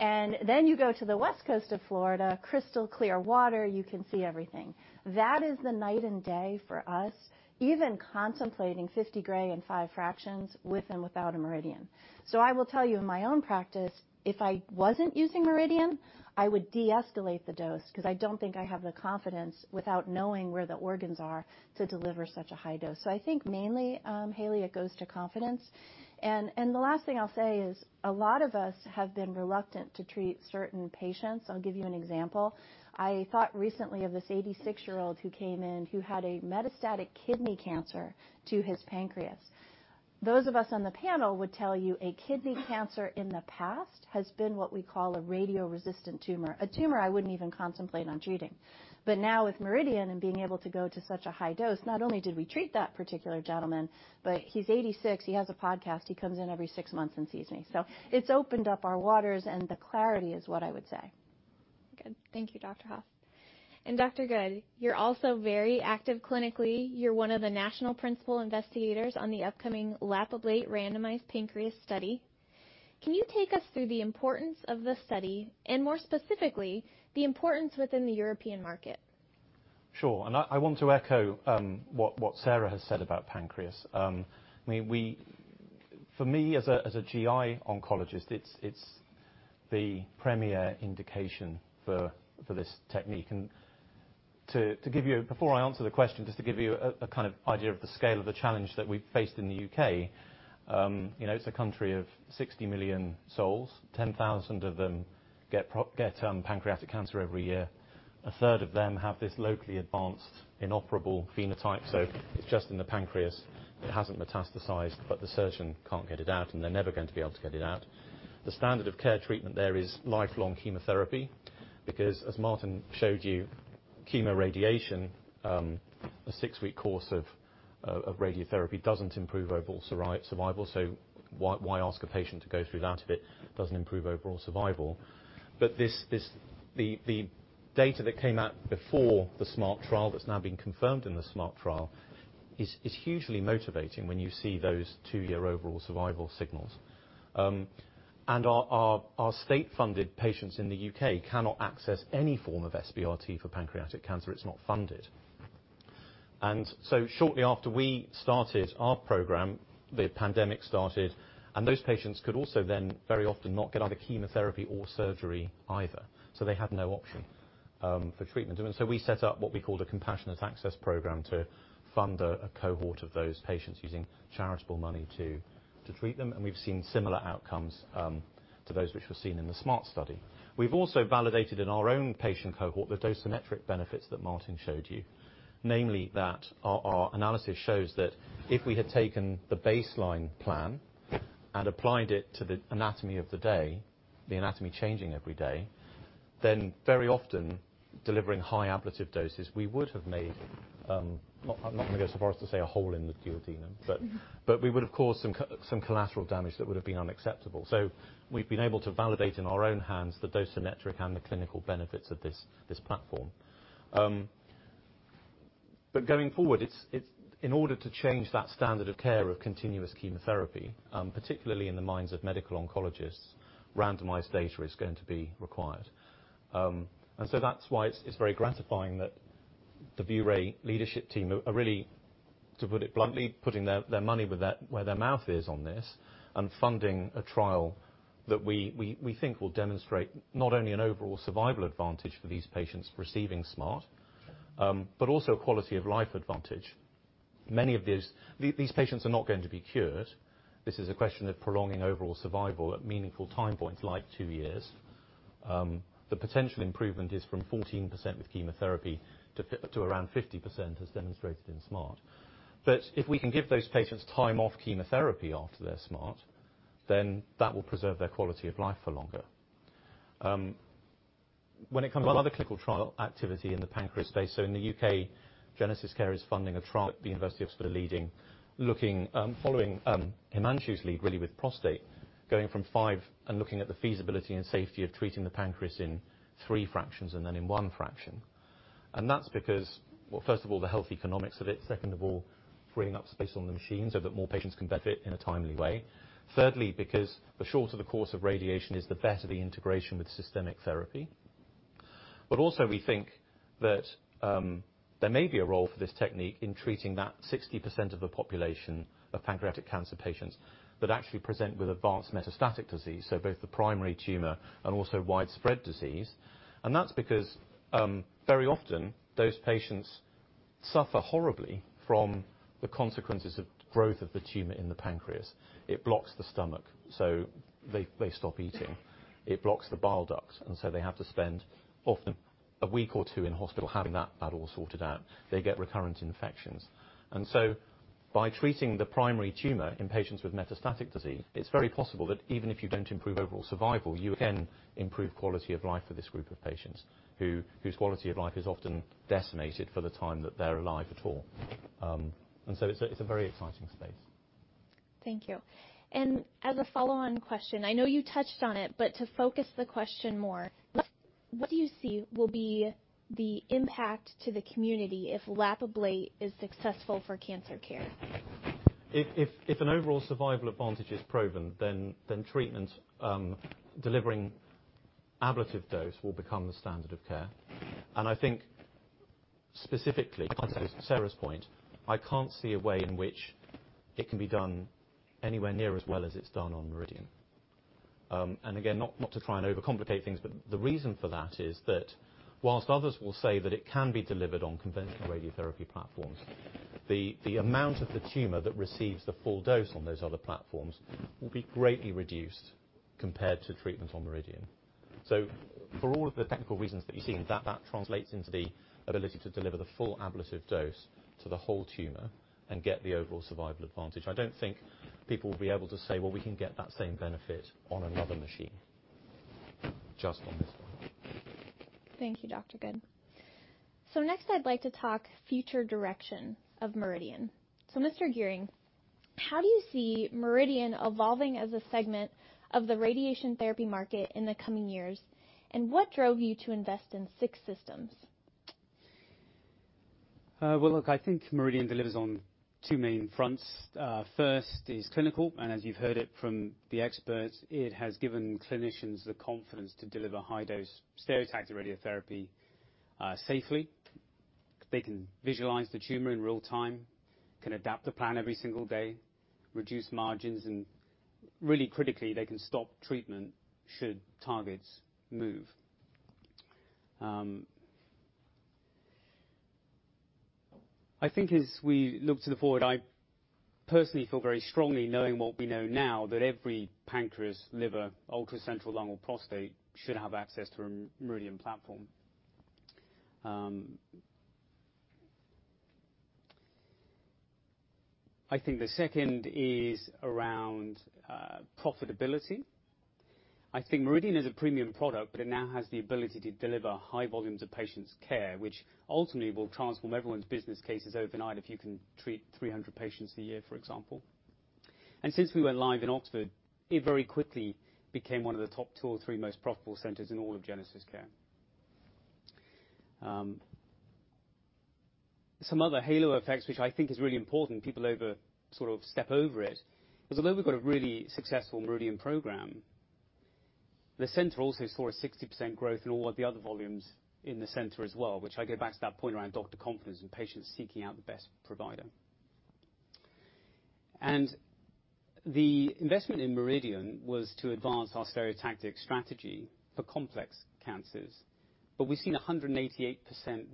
You go to the West Coast of Florida, crystal clear water, you can see everything. That is the night and day for us, even contemplating 50 Gray and five fractions with and without a MRIdian. I will tell you in my own practice, if I wasn't using MRIdian, I would de-escalate the dose because I don't think I have the confidence without knowing where the organs are to deliver such a high dose. I think mainly, Hailey, it goes to confidence. The last thing I'll say is, a lot of us have been reluctant to treat certain patients. I'll give you an example. I thought recently of this 86-year-old who came in who had a metastatic kidney cancer to his pancreas. Those of us on the panel would tell you a kidney cancer in the past has been what we call a radioresistant tumor, a tumor I wouldn't even contemplate on treating. Now with MRIdian and being able to go to such a high dose, not only did we treat that particular gentleman, but he's 86, he has a podcast, he comes in every six months and sees me. It's opened up our waters, and the clarity is what I would say. Good. Thank you, Dr. Hoffe. Dr. Good, you're also very active clinically. You're one of the national principal investigators on the upcoming LAP-ABLATE randomized pancreas study. Can you take us through the importance of the study and more specifically, the importance within the European market? Sure. I want to echo what Sarah has said about pancreas. I mean, for me, as a GI oncologist, it's the premier indication for this technique. To give you, before I answer the question, just to give you a kind of idea of the scale of the challenge that we faced in the U.K., you know, it's a country of 60 million souls, 10,000 of them get pancreatic cancer every year. A third of them have this locally advanced inoperable phenotype, so it's just in the pancreas. It hasn't metastasized, but the surgeon can't get it out, and they're never going to be able to get it out. The standard of care treatment there is lifelong chemotherapy because, as Martin showed you, chemoradiation, a six-week course of radiotherapy doesn't improve overall survival. Why ask a patient to go through that if it doesn't improve overall survival? This the data that came out before the SMART trial, that's now been confirmed in the SMART trial, is hugely motivating when you see those two-year overall survival signals. Our state-funded patients in the U.K. cannot access any form of SBRT for pancreatic cancer. It's not funded. Shortly after we started our program, the pandemic started, and those patients could also then very often not get either chemotherapy or surgery either, so they had no option for treatment. We set up what we called a compassionate access program to fund a cohort of those patients using charitable money to treat them. We've seen similar outcomes to those which were seen in the SMART study. We've also validated in our own patient cohort the dosimetric benefits that Martin showed you, namely that our analysis shows that if we had taken the baseline plan and applied it to the anatomy of the day, the anatomy changing every day, then very often delivering high ablative doses, we would have made, I'm not gonna go so far as to say a hole in the duodenum. We would have caused some collateral damage that would have been unacceptable. We've been able to validate in our own hands the dosimetric and the clinical benefits of this platform. Going forward, in order to change that standard of care of continuous chemotherapy, particularly in the minds of medical oncologists, randomized data is going to be required. That's why it's very gratifying that the ViewRay leadership team are really, to put it bluntly, putting their money where their mouth is on this and funding a trial that we think will demonstrate not only an overall survival advantage for these patients receiving SMART, but also quality-of-life advantage. Many of these patients are not going to be cured. This is a question of prolonging overall survival at meaningful time points, like two years. The potential improvement is from 14% with chemotherapy to around 50%, as demonstrated in SMART. If we can give those patients time off chemotherapy after their SMART, then that will preserve their quality of life for longer. When it comes to other clinical trial activity in the pancreas space, in the U.K., GenesisCare is funding a trial at the University of Oxford following Himanshu's lead really with prostate, going from five and looking at the feasibility and safety of treating the pancreas in three fractions and then in 1 fraction. That's because, well, first of all, the health economics of it. Second of all, freeing up space on the machine so that more patients can benefit in a timely way. Thirdly, because the shorter the course of radiation is, the better the integration with systemic therapy. We think that there may be a role for this technique in treating that 60% of the population of pancreatic cancer patients that actually present with advanced metastatic disease, so both the primary tumor and also widespread disease. That's because very often those patients suffer horribly from the consequences of growth of the tumor in the pancreas. It blocks the stomach, so they stop eating. It blocks the bile ducts, and so they have to spend often a week or two in hospital having that battle sorted out. They get recurrent infections. By treating the primary tumor in patients with metastatic disease, it's very possible that even if you don't improve overall survival, you again improve quality of life for this group of patients whose quality of life is often decimated for the time that they're alive at all. It's a very exciting space. Thank you. As a follow-on question, I know you touched on it, but to focus the question more, what do you see will be the impact to the community if LAP-ABLATE is successful for cancer care? If an overall survival advantage is proven, then treatment delivering ablative dose will become the standard of care. I think specifically, to Sarah's point, I can't see a way in which it can be done anywhere near as well as it's done on MRIdian. Again, not to try and overcomplicate things, but the reason for that is that whilst others will say that it can be delivered on conventional radiotherapy platforms, the amount of the tumor that receives the full dose on those other platforms will be greatly reduced compared to treatment on MRIdian. For all of the technical reasons that you've seen, that translates into the ability to deliver the full ablative dose to the whole tumor and get the overall survival advantage. I don't think people will be able to say, "Well, we can get that same benefit on another machine," just on this one. Thank you, Dr. Good. Next, I'd like to talk future direction of MRIdian. Mr. Gearing, how do you see MRIdian evolving as a segment of the radiation therapy market in the coming years? What drove you to invest in six systems? Well, look, I think MRIdian delivers on two main fronts. First is clinical, and as you've heard it from the experts, it has given clinicians the confidence to deliver high-dose stereotactic radiotherapy safely. They can visualize the tumor in real time, can adapt the plan every single day, reduce margins, and really critically, they can stop treatment should targets move. I think as we look to the forward, I personally feel very strongly knowing what we know now that every pancreas, liver, ultra-central lung or prostate should have access to a MRIdian platform. I think the second is around profitability. I think MRIdian is a premium product, but it now has the ability to deliver high volumes of patients' care, which ultimately will transform everyone's business cases overnight if you can treat 300 patients a year, for example. Since we went live in Oxford, it very quickly became one of the top two or three most profitable centers in all of GenesisCare. Some other halo effects, which I think is really important, people sort of step over it, is although we've got a really successful MRIdian program, the center also saw a 60% growth in all of the other volumes in the center as well, which I go back to that point around doctor confidence and patients seeking out the best provider. The investment in MRIdian was to advance our stereotactic strategy for complex cancers. We've seen a 188%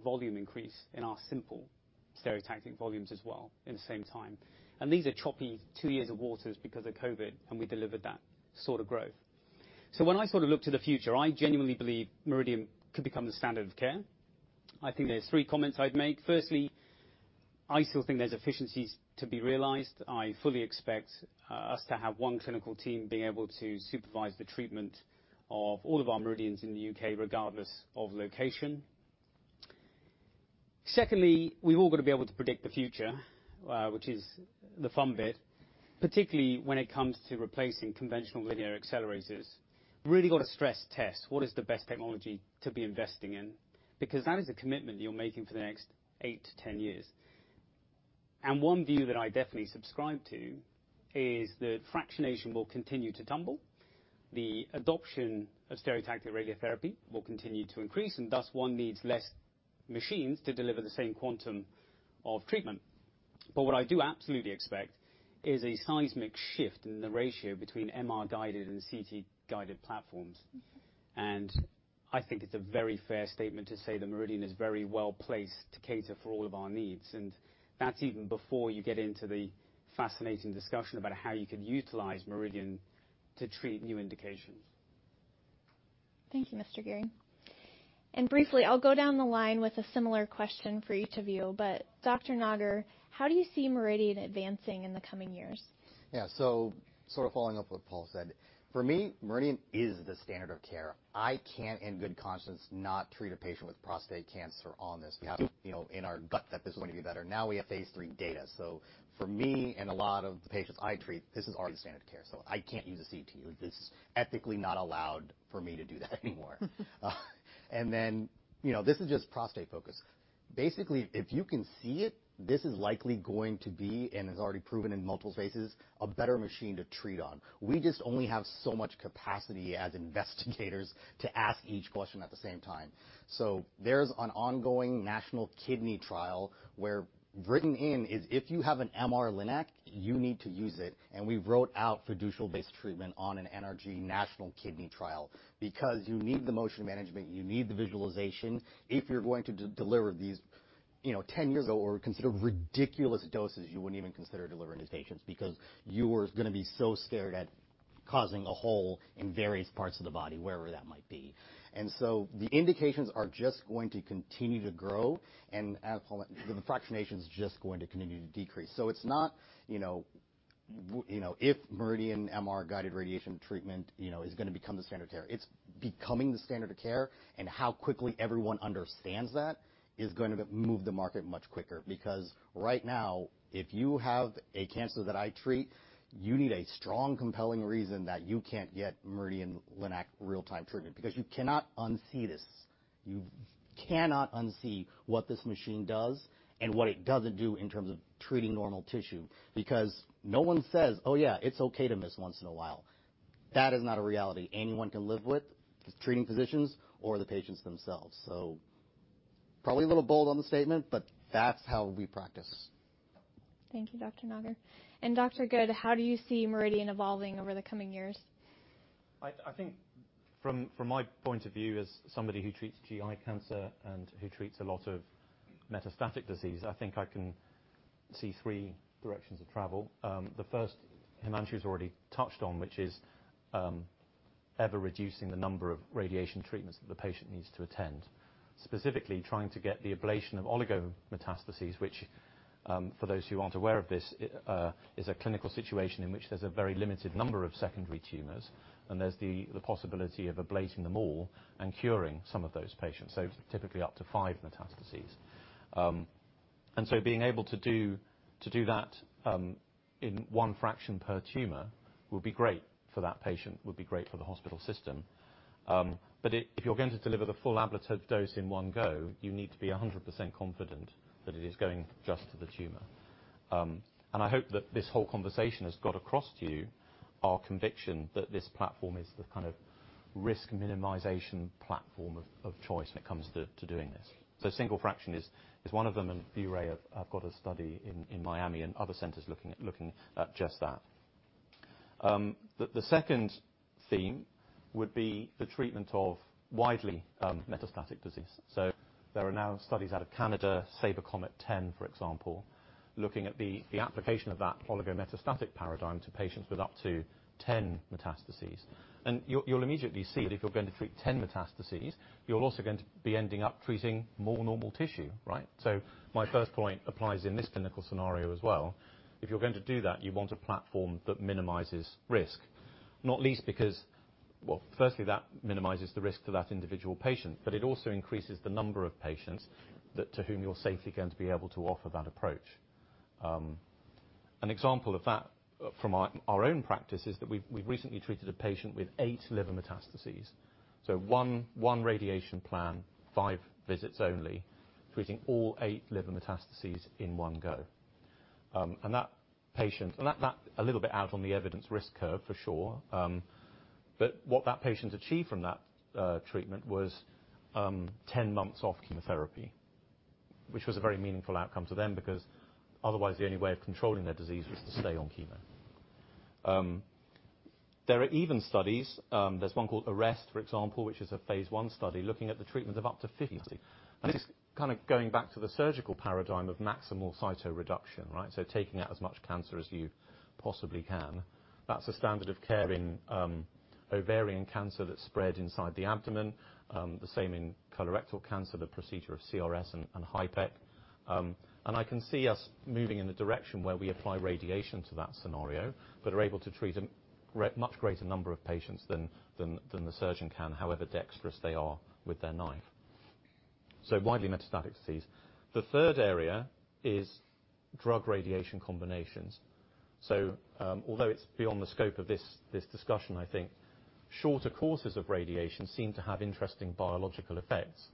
volume increase in our simple stereotactic volumes as well in the same time. These are choppy two years of waters because of COVID, and we delivered that sort of growth. When I sort of look to the future, I genuinely believe MRIdian could become the standard of care. I think there's three comments I'd make. Firstly, I still think there's efficiencies to be realized. I fully expect us to have one clinical team being able to supervise the treatment of all of our MRIdians in the U.K., regardless of location. Secondly, we've all got to be able to predict the future, which is the fun bit, particularly when it comes to replacing conventional linear accelerators. Really got to stress test what is the best technology to be investing in, because that is a commitment you're making for the next eight-10 years. One view that I definitely subscribe to is that fractionation will continue to tumble, the adoption of stereotactic radiotherapy will continue to increase, and thus one needs less machines to deliver the same quantum of treatment. What I do absolutely expect is a seismic shift in the ratio between MR guided and CT guided platforms. Mm-hmm. I think it's a very fair statement to say that MRIdian is very well-placed to cater for all of our needs. That's even before you get into the fascinating discussion about how you could utilize MRIdian to treat new indications. Thank you, Mr. Gearing. Briefly, I'll go down the line with a similar question for each of you. Dr. Nagar, how do you see MRIdian advancing in the coming years? Yeah. Sort of following up what Paul said, for me, MRIdian is the standard of care. I can't in good conscience not treat a patient with prostate cancer on this. We have, you know, in our gut that this is going to be better. Now we have phase III data. For me and a lot of the patients I treat, this is already the standard of care, so I can't use a CT. This is ethically not allowed for me to do that anymore. You know, this is just prostate-focused. Basically, if you can see it, this is likely going to be, and has already proven in multiple phases, a better machine to treat on. We just only have so much capacity as investigators to ask each question at the same time. There's an ongoing national kidney trial where written in is if you have an MR-Linac, you need to use it, and we wrote out fiducial-based treatment on an NRG national kidney trial. Because you need the motion management, you need the visualization if you're going to deliver these, you know, 10 years ago were considered ridiculous doses you wouldn't even consider delivering to patients because you were gonna be so scared at causing a hole in various parts of the body, wherever that might be. The indications are just going to continue to grow, and as Paul, the fractionation is just going to continue to decrease. It's not, you know, you know, if MRIdian MR-guided radiation treatment, you know, is gonna become the standard of care. It's becoming the standard of care, and how quickly everyone understands that is going to move the market much quicker. Right now, if you have a cancer that I treat, you need a strong, compelling reason that you can't get MRIdian Linac real-time treatment because you cannot unsee this. You cannot unsee what this machine does and what it doesn't do in terms of treating normal tissue because no one says, "Oh yeah, it's okay to miss once in a while." That is not a reality anyone can live with, the treating physicians or the patients themselves. Probably a little bold on the statement, but that's how we practice. Thank you, Dr. Nagar. Dr. Good, how do you see MRIdian evolving over the coming years? I think from my point of view as somebody who treats GI cancer and who treats a lot of metastatic disease. See three directions of travel. The first, Himanshu's already touched on, which is ever reducing the number of radiation treatments that the patient needs to attend. Specifically, trying to get the ablation of oligometastases, which, for those who aren't aware of this, is a clinical situation in which there's a very limited number of secondary tumors and there's the possibility of ablating them all and curing some of those patients, so typically up to five metastases. Being able to do that in one fraction per tumor would be great for that patient, would be great for the hospital system. If you're going to deliver the full ablative dose in one go, you need to be 100% confident that it is going just to the tumor. I hope that this whole conversation has got across to you our conviction that this platform is the kind of risk minimization platform of choice when it comes to doing this. Single fraction is one of them, and ViewRay have got a study in Miami and other centers looking at just that. The second theme would be the treatment of widely metastatic disease. There are now studies out of Canada, SABR-COMET 10, for example, looking at the application of that oligometastatic paradigm to patients with up to 10 metastases. You'll immediately see that if you're going to treat 10 metastases, you're also going to be ending up treating more normal tissue, right? My first point applies in this clinical scenario as well. If you're going to do that, you want a platform that minimizes risk. Not least because, well, firstly, that minimizes the risk to that individual patient, but it also increases the number of patients to whom you're safely going to be able to offer that approach. An example of that from our own practice is that we've recently treated a patient with eight liver metastases. One radiation plan, five visits only, treating all eight liver metastases in one go. That a little bit out on the evidence risk curve for sure. What that patient achieved from that treatment was 10 months off chemotherapy, which was a very meaningful outcome to them because otherwise the only way of controlling their disease was to stay on chemo. There are even studies. There's one called ARREST, for example, which is a phase I study looking at the treatment of up to 50. This is kinda going back to the surgical paradigm of maximal cytoreduction, right? Taking out as much cancer as you possibly can. That's the standard of care in ovarian cancer that's spread inside the abdomen. The same in colorectal cancer, the procedure of CRS and HIPEC. I can see us moving in a direction where we apply radiation to that scenario, but are able to treat a much greater number of patients than the surgeon can, however dexterous they are with their knife. Widely metastatic disease. The third area is drug radiation combinations. Although it's beyond the scope of this discussion, I think, shorter courses of radiation seem to have interesting biological effects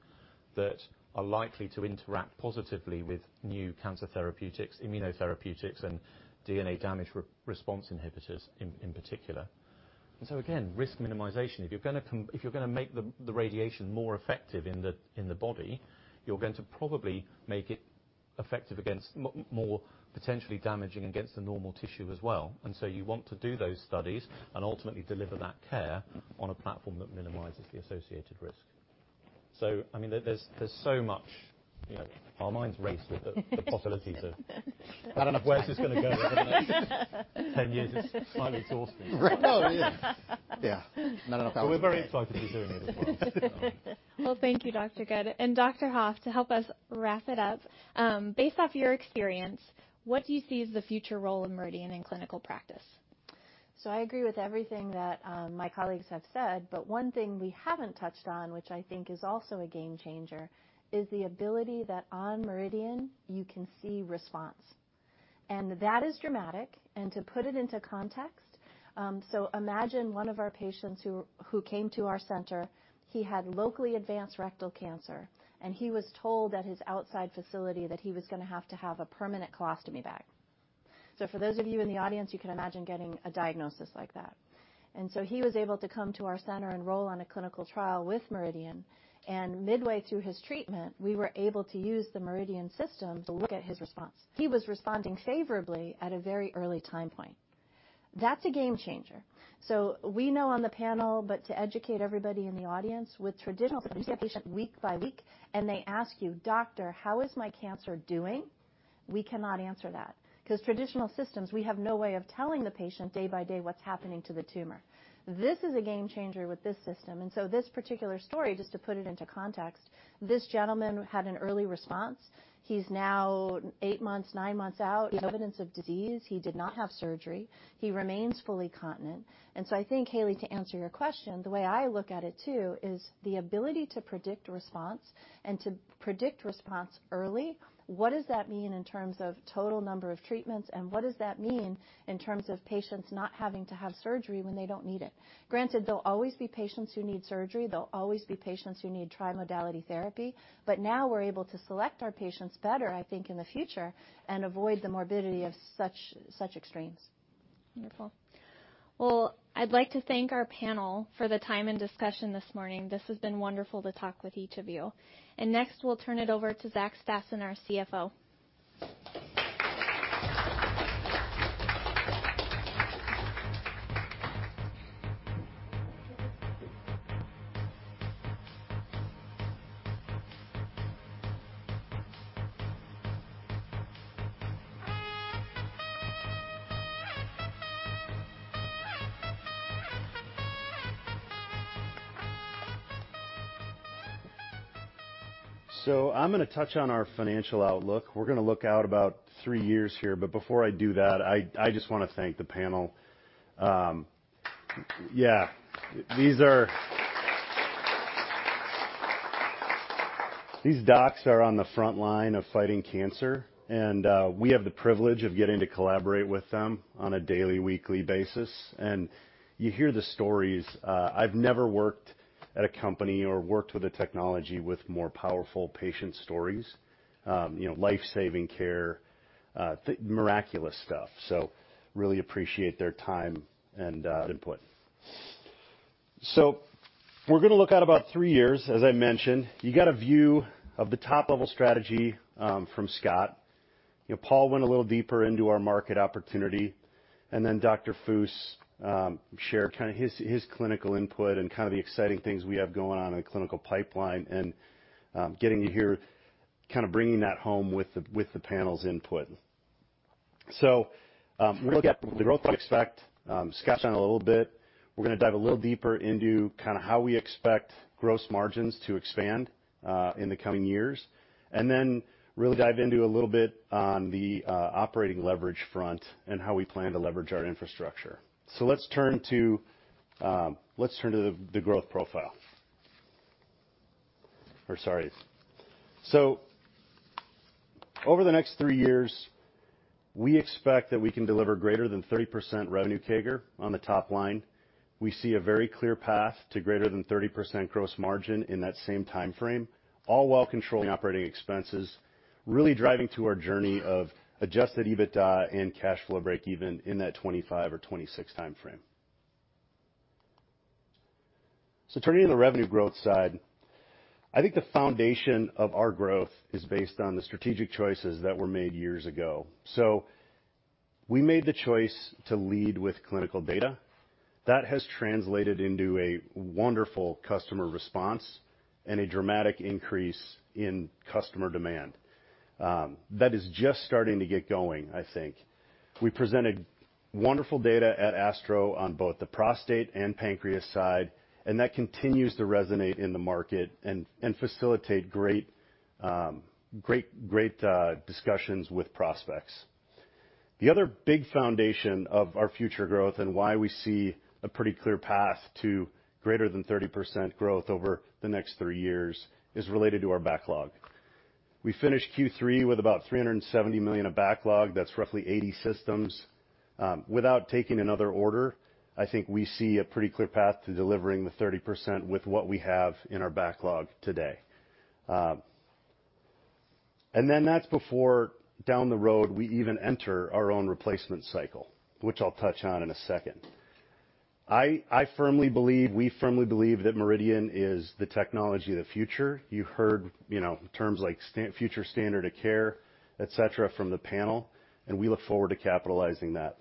that are likely to interact positively with new cancer therapeutics, immunotherapeutics, and DNA damage response inhibitors in particular. Again, risk minimization. If you're gonna make the radiation more effective in the body, you're going to probably make it effective against more potentially damaging against the normal tissue as well. You want to do those studies and ultimately deliver that care on a platform that minimizes the associated risk. I mean, there's so much. You know, our minds race with the possibilities. I don't know where this is gonna go over the next 10 years. It's quite exhausting. Right. Oh, yeah. We're very excited to be doing it as well. Well, thank you, Dr. Good. Dr. Hoffe, to help us wrap it up, based off your experience, what do you see as the future role of MRIdian in clinical practice? I agree with everything that my colleagues have said, but one thing we haven't touched on, which I think is also a game changer, is the ability that on MRIdian you can see response. That is dramatic. To put it into context, imagine one of our patients who came to our center, he had locally advanced rectal cancer, and he was told at his outside facility that he was gonna have to have a permanent colostomy bag. For those of you in the audience, you can imagine getting a diagnosis like that. He was able to come to our center and enroll on a clinical trial with MRIdian, and midway through his treatment, we were able to use the MRIdian system to look at his response. He was responding favorably at a very early time point. That's a game changer. We know on the panel, but to educate everybody in the audience, with traditional patient week by week, and they ask you, "Doctor, how is my cancer doing?" We cannot answer that, 'cause traditional systems, we have no way of telling the patient day by day what's happening to the tumor. This is a game changer with this system. This particular story, just to put it into context, this gentleman had an early response. He's now eight months, nine months out. He has evidence of disease. He did not have surgery. He remains fully continent. I think, Hailey, to answer your question, the way I look at it too is the ability to predict response and to predict response early. What does that mean in terms of total number of treatments and what does that mean in terms of patients not having to have surgery when they don't need it? Granted, there'll always be patients who need surgery. There'll always be patients who need tri-modality therapy. Now we're able to select our patients better, I think, in the future and avoid the morbidity of such extremes. Wonderful. Well, I'd like to thank our panel for the time and discussion this morning. This has been wonderful to talk with each of you. Next, we'll turn it over to Zach Stassen, our CFO. I'm gonna touch on our financial outlook. We're gonna look out about three years here. Before I do that, I just wanna thank the panel. Yeah. These docs are on the front line of fighting cancer, and we have the privilege of getting to collaborate with them on a daily, weekly basis. You hear the stories. I've never worked at a company or worked with a technology with more powerful patient stories. You know, life-saving care, miraculous stuff. Really appreciate their time and input. We're gonna look out about three years, as I mentioned. You get a view of the top level strategy from Scott. You know, Paul went a little deeper into our market opportunity, and then Dr. Fuss shared kinda his clinical input and kinda the exciting things we have going on in the clinical pipeline and getting to hear kinda bringing that home with the panel's input. We'll look at the growth we expect. Scott went a little bit. We're gonna dive a little deeper into kinda how we expect gross margins to expand in the coming years. Really dive into a little bit on the operating leverage front and how we plan to leverage our infrastructure. Let's turn to the growth profile. Sorry. Over the next three years, we expect that we can deliver greater than 30% revenue CAGR on the top line. We see a very clear path to greater than 30% gross margin in that same timeframe, all while controlling operating expenses, really driving to our journey of adjusted EBITDA and cash flow breakeven in that 2025 or 2026 timeframe. Turning to the revenue growth side, I think the foundation of our growth is based on the strategic choices that were made years ago. We made the choice to lead with clinical data. That has translated into a wonderful customer response and a dramatic increase in customer demand that is just starting to get going, I think. We presented wonderful data at ASTRO on both the prostate and pancreas side, and that continues to resonate in the market and facilitate great discussions with prospects. The other big foundation of our future growth and why we see a pretty clear path to greater than 30% growth over the next three years is related to our backlog. We finished Q3 with about $370 million of backlog. That's roughly 80 systems. Without taking another order, I think we see a pretty clear path to delivering the 30% with what we have in our backlog today. That's before down the road, we even enter our own replacement cycle, which I'll touch on in a second. We firmly believe that MRIdian is the technology of the future. You heard, you know, terms like future standard of care, et cetera, from the panel, and we look forward to capitalizing that.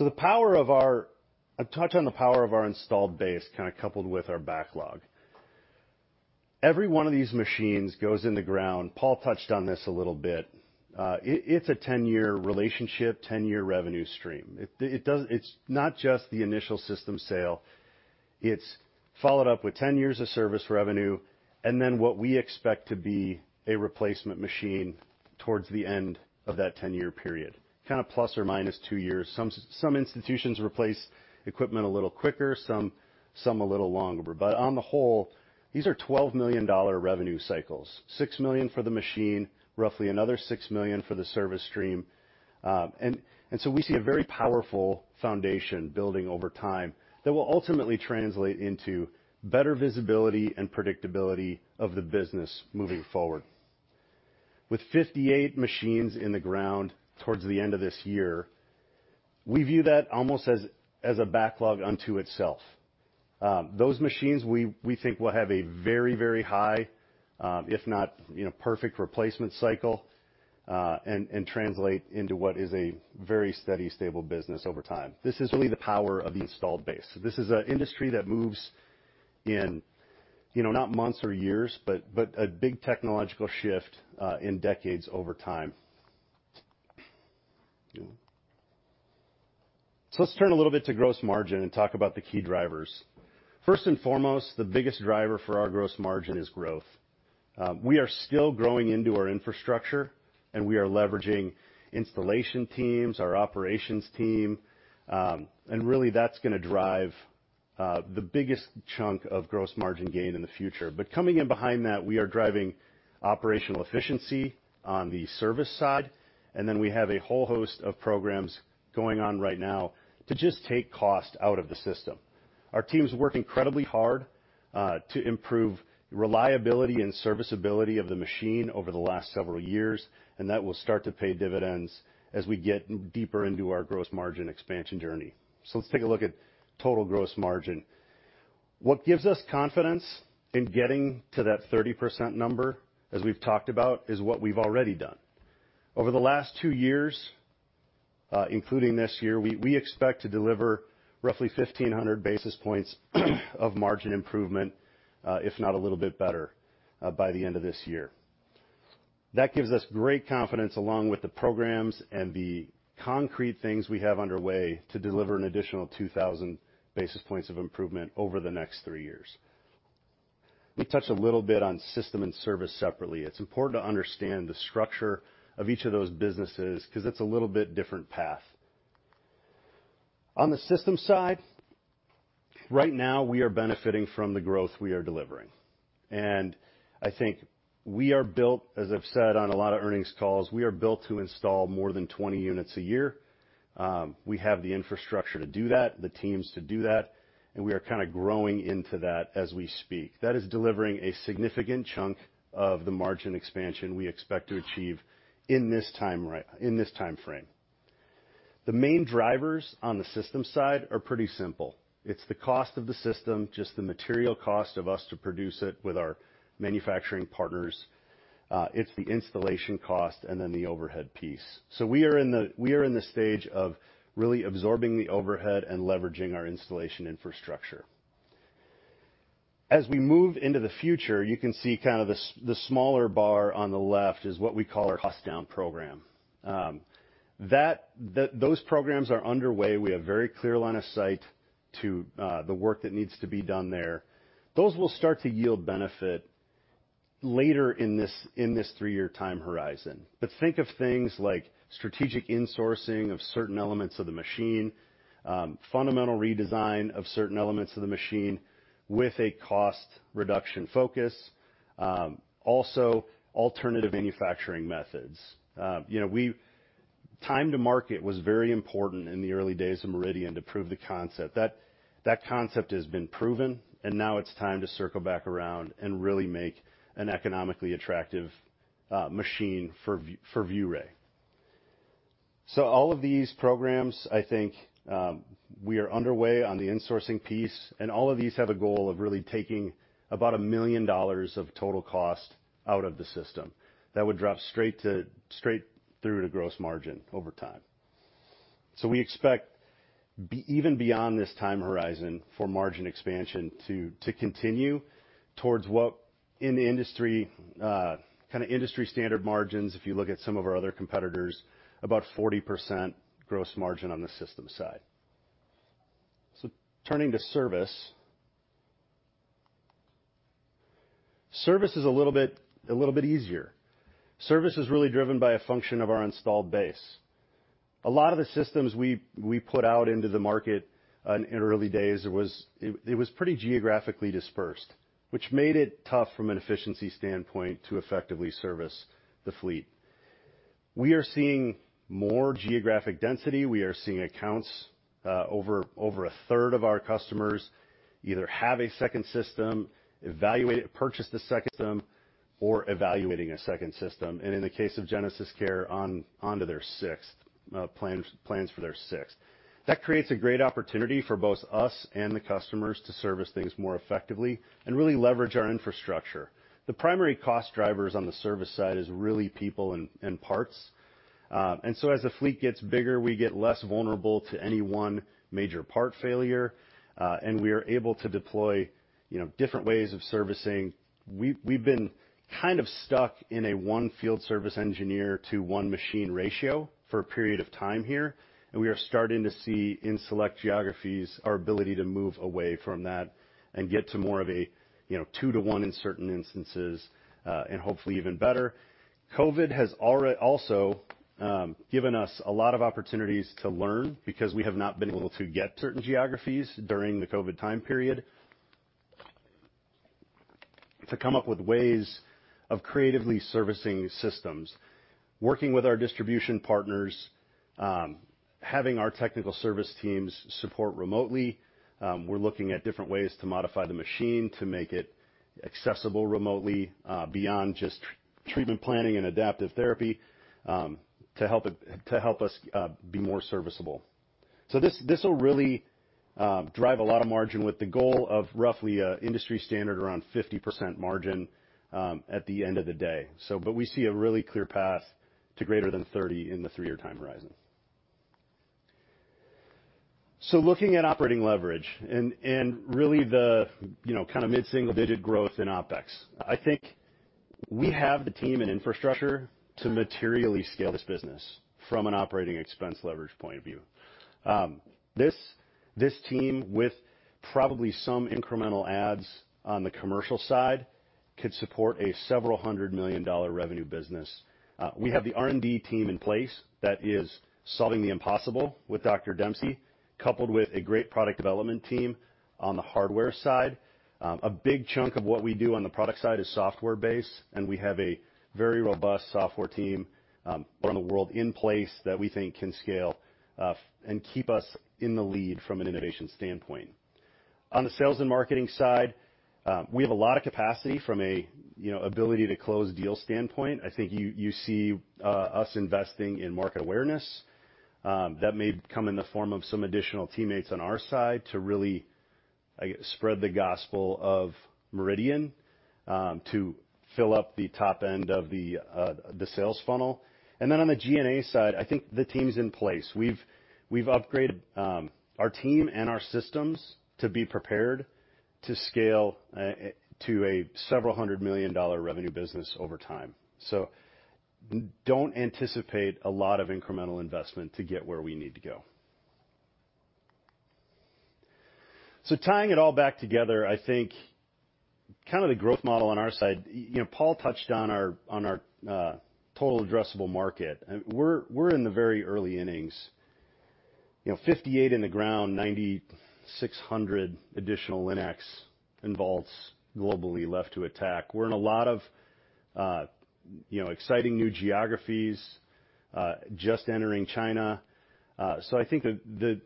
I'll touch on the power of our installed base, kinda coupled with our backlog. Every one of these machines goes in the ground. Paul touched on this a little bit. It's a 10-year relationship, 10-year revenue stream. It's not just the initial system sale. It's followed up with 10 years of service revenue, and then what we expect to be a replacement machine towards the end of that 10-year period, kinda ±2 years. Some institutions replace equipment a little quicker, some a little longer. On the whole, these are $12 million revenue cycles, $6 million for the machine, roughly another $6 million for the service stream. We see a very powerful foundation building over time that will ultimately translate into better visibility and predictability of the business moving forward. With 58 machines in the ground towards the end of this year, we view that almost as a backlog unto itself. Those machines we think will have a very high, if not, you know, perfect replacement cycle and translate into what is a very steady, stable business over time. This is really the power of the installed base. This is an industry that moves in, you know, not months or years, but a big technological shift in decades over time. Yeah. Let's turn a little bit to gross margin and talk about the key drivers. First and foremost, the biggest driver for our gross margin is growth. We are still growing into our infrastructure, and we are leveraging installation teams, our operations team, and really that's gonna drive the biggest chunk of gross margin gain in the future. Coming in behind that, we are driving operational efficiency on the service side, and then we have a whole host of programs going on right now to just take cost out of the system. Our teams work incredibly hard to improve reliability and serviceability of the machine over the last several years, and that will start to pay dividends as we get deeper into our gross margin expansion journey. Let's take a look at total gross margin. What gives us confidence in getting to that 30% number, as we've talked about, is what we've already done. Over the last two years, including this year, we expect to deliver roughly 1,500 basis points of margin improvement, if not a little bit better, by the end of this year. That gives us great confidence along with the programs and the concrete things we have underway to deliver an additional 2,000 basis points of improvement over the next three years. Let me touch a little bit on system and service separately. It's important to understand the structure of each of those businesses 'cause it's a little bit different path. On the system side, right now we are benefiting from the growth we are delivering. I think we are built, as I've said on a lot of earnings calls, we are built to install more than 20 units a year. We have the infrastructure to do that, the teams to do that, and we are kinda growing into that as we speak. That is delivering a significant chunk of the margin expansion we expect to achieve in this time frame. The main drivers on the system side are pretty simple. It's the cost of the system, just the material cost of us to produce it with our manufacturing partners. It's the installation cost and then the overhead piece. We are in the stage of really absorbing the overhead and leveraging our installation infrastructure. As we move into the future, you can see kind of the smaller bar on the left is what we call our cost down program. Those programs are underway. We have very clear line of sight to the work that needs to be done there. Those will start to yield benefit later in this three-year time horizon. Think of things like strategic insourcing of certain elements of the machine, fundamental redesign of certain elements of the machine with a cost reduction focus, also alternative manufacturing methods. You know, time to market was very important in the early days of MRIdian to prove the concept. That concept has been proven, and now it's time to circle back around and really make an economically attractive machine for ViewRay. All of these programs, I think, we are underway on the insourcing piece, and all of these have a goal of really taking about $1 million of total cost out of the system. That would drop straight through to gross margin over time. We expect even beyond this time horizon for margin expansion to continue towards what in the industry, kind of industry standard margins, if you look at some of our other competitors, about 40% gross margin on the system side. Turning to service. Service is a little bit easier. Service is really driven by a function of our installed base. A lot of the systems we put out into the market in early days was. It was pretty geographically dispersed, which made it tough from an efficiency standpoint to effectively service the fleet. We are seeing more geographic density. We are seeing accounts, over 1/3 of our customers either have a second system, purchased a second system, or evaluating a second system. In the case of GenesisCare, onto their sixth, plans for their sixth. That creates a great opportunity for both us and the customers to service things more effectively and really leverage our infrastructure. The primary cost drivers on the service side is really people and parts. As the fleet gets bigger, we get less vulnerable to any one major part failure, and we are able to deploy, you know, different ways of servicing. We've been kind of stuck in a one field service engineer to one machine ratio for a period of time here, and we are starting to see in select geographies our ability to move away from that and get to more of a, you know, 2/1 in certain instances, and hopefully even better. COVID has already also given us a lot of opportunities to learn because we have not been able to get certain geographies during the COVID time period to come up with ways of creatively servicing systems. Working with our distribution partners, having our technical service teams support remotely, we're looking at different ways to modify the machine to make it accessible remotely, beyond just treatment planning and adaptive therapy, to help us be more serviceable. This will really drive a lot of margin with the goal of roughly industry standard around 50% margin at the end of the day. We see a really clear path to greater than 30% in the three-year time horizon. Looking at operating leverage and really the, you know, kind of mid-single-digit growth in OpEx. I think we have the team and infrastructure to materially scale this business from an operating expense leverage point of view. This team with probably some incremental adds on the commercial side could support a several hundred-million-dollar revenue business. We have the R&D team in place that is solving the impossible with Dr. Dempsey, coupled with a great product development team on the hardware side. A big chunk of what we do on the product side is software-based, and we have a very robust software team around the world in place that we think can scale and keep us in the lead from an innovation standpoint. On the sales and marketing side, we have a lot of capacity from a, you know, ability to close deals standpoint. I think you see us investing in market awareness that may come in the form of some additional teammates on our side to really spread the gospel of MRIdian to fill up the top end of the sales funnel. On the G&A side, I think the team's in place. We've upgraded our team and our systems to be prepared to scale to a several hundred million dollar revenue business over time. Don't anticipate a lot of incremental investment to get where we need to go. Tying it all back together, I think kind of the growth model on our side, you know, Paul touched on our total addressable market. We're in the very early innings. You know, 58 in the ground, 9,600 additional LINACs and vaults globally left to attack. We're in a lot of, you know, exciting new geographies, just entering China. I think the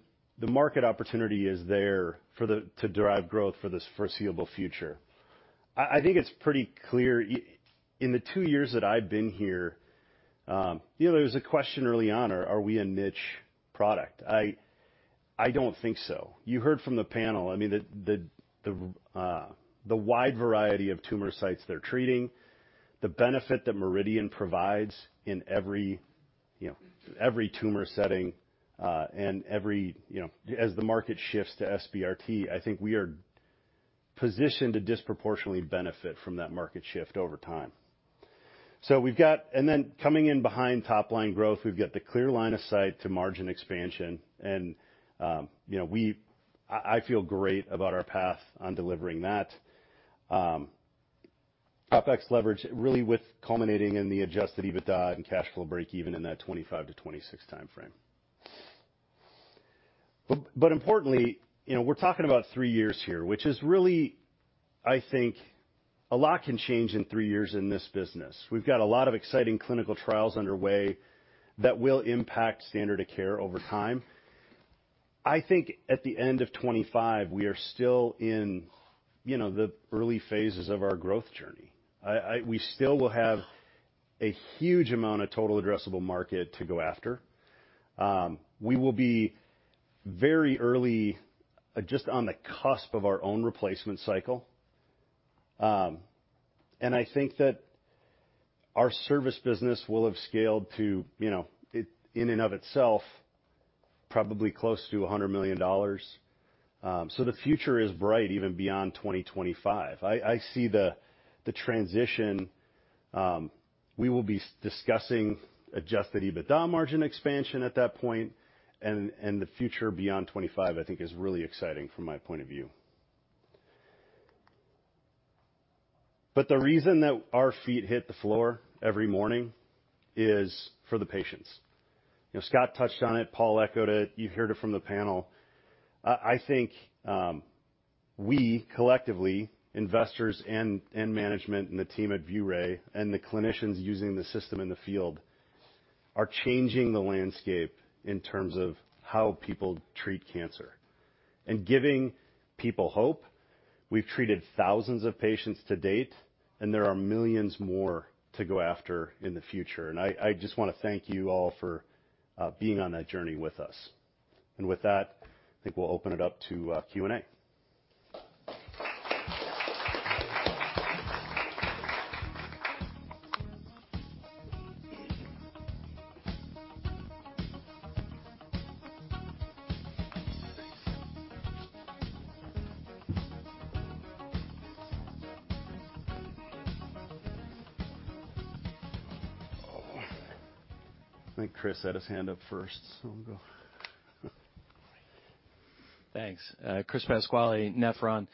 market opportunity is there to derive growth for this foreseeable future. I think it's pretty clear in the two years that I've been here, you know, there was a question early on, are we a niche product? I don't think so. You heard from the panel, I mean, the wide variety of tumor sites they're treating, the benefit that MRIdian provides in, you know, every tumor setting. As the market shifts to SBRT, I think we are positioned to disproportionately benefit from that market shift over time. Coming in behind top line growth, we've got the clear line of sight to margin expansion and, you know, I feel great about our path on delivering that. OpEx leverage really with culminating in the adjusted EBITDA and cash flow break-even in that 2025-2026 time frame. Importantly, you know, we're talking about three years here, which is really, I think, a lot can change in three years in this business. We've got a lot of exciting clinical trials underway that will impact standard of care over time. I think at the end of 2025, we are still in, you know, the early phases of our growth journey. We still will have a huge amount of total addressable market to go after. We will be very early just on the cusp of our own replacement cycle. I think that our service business will have scaled to, you know, it in and of itself, probably close to $100 million. The future is bright even beyond 2025. I see the transition. We will be discussing adjusted EBITDA margin expansion at that point, and the future beyond 2025, I think is really exciting from my point of view. The reason that our feet hit the floor every morning is for the patients. You know, Scott touched on it, Paul echoed it, you've heard it from the panel. I think we collectively, investors and management and the team at ViewRay and the clinicians using the system in the field, are changing the landscape in terms of how people treat cancer and giving people hope. We've treated thousands of patients to date, and there are millions more to go after in the future. I just wanna thank you all for being on that journey with us. With that, I think we'll open it up to Q&A. Oh. I think Chris had his hand up first, so we'll go. Thanks. Chris Pasquale, Nephron.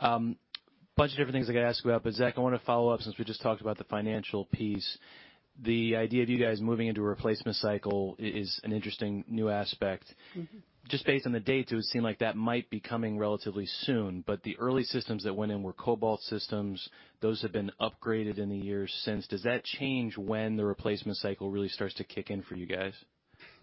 Bunch of different things I gotta ask you about. Zach, I wanna follow up, since we just talked about the financial piece. The idea of you guys moving into a replacement cycle is an interesting new aspect. Mm-hmm. Just based on the dates, it would seem like that might be coming relatively soon. The early systems that went in were Cobalt systems. Those have been upgraded in the years since. Does that change when the replacement cycle really starts to kick in for you guys?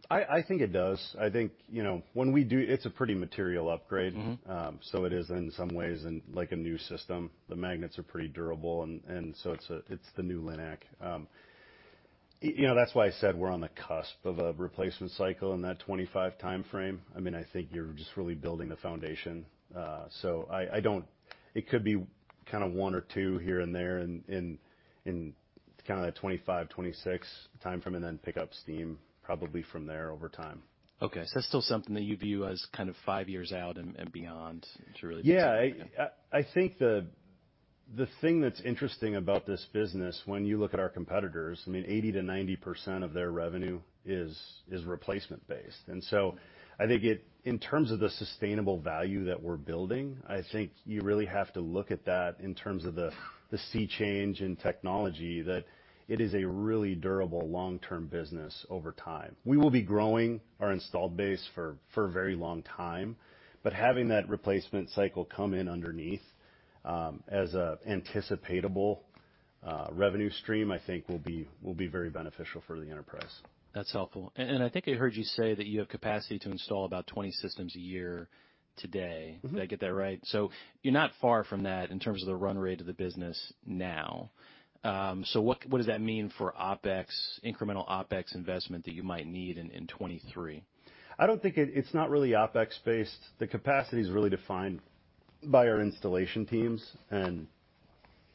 I think it does. I think, you know, when we do, it's a pretty material upgrade. Mm-hmm. It is in some ways in like a new system. The magnets are pretty durable and so it's the new LINAC. You know, that's why I said we're on the cusp of a replacement cycle in that 2025 timeframe. I mean, I think you're just really building the foundation. It could be kind of one or two here and there in kind of that 2025-2026 timeframe, and then pick up steam probably from there over time. Okay. That's still something that you view as kind of five years out and beyond? Yeah. I think the thing that's interesting about this business when you look at our competitors, I mean, 80%-90% of their revenue is replacement based. In terms of the sustainable value that we're building, I think you really have to look at that in terms of the sea change in technology that it is a really durable long-term business over time. We will be growing our installed base for a very long time, but having that replacement cycle come in underneath as a anticipatable revenue stream, I think will be very beneficial for the enterprise. That's helpful. I think I heard you say that you have capacity to install about 20 systems a year today. Mm-hmm. Did I get that right? You're not far from that in terms of the run rate of the business now. What does that mean for OpEx, incremental OpEx investment that you might need in 2023? It's not really OpEx based. The capacity is really defined by our installation teams and,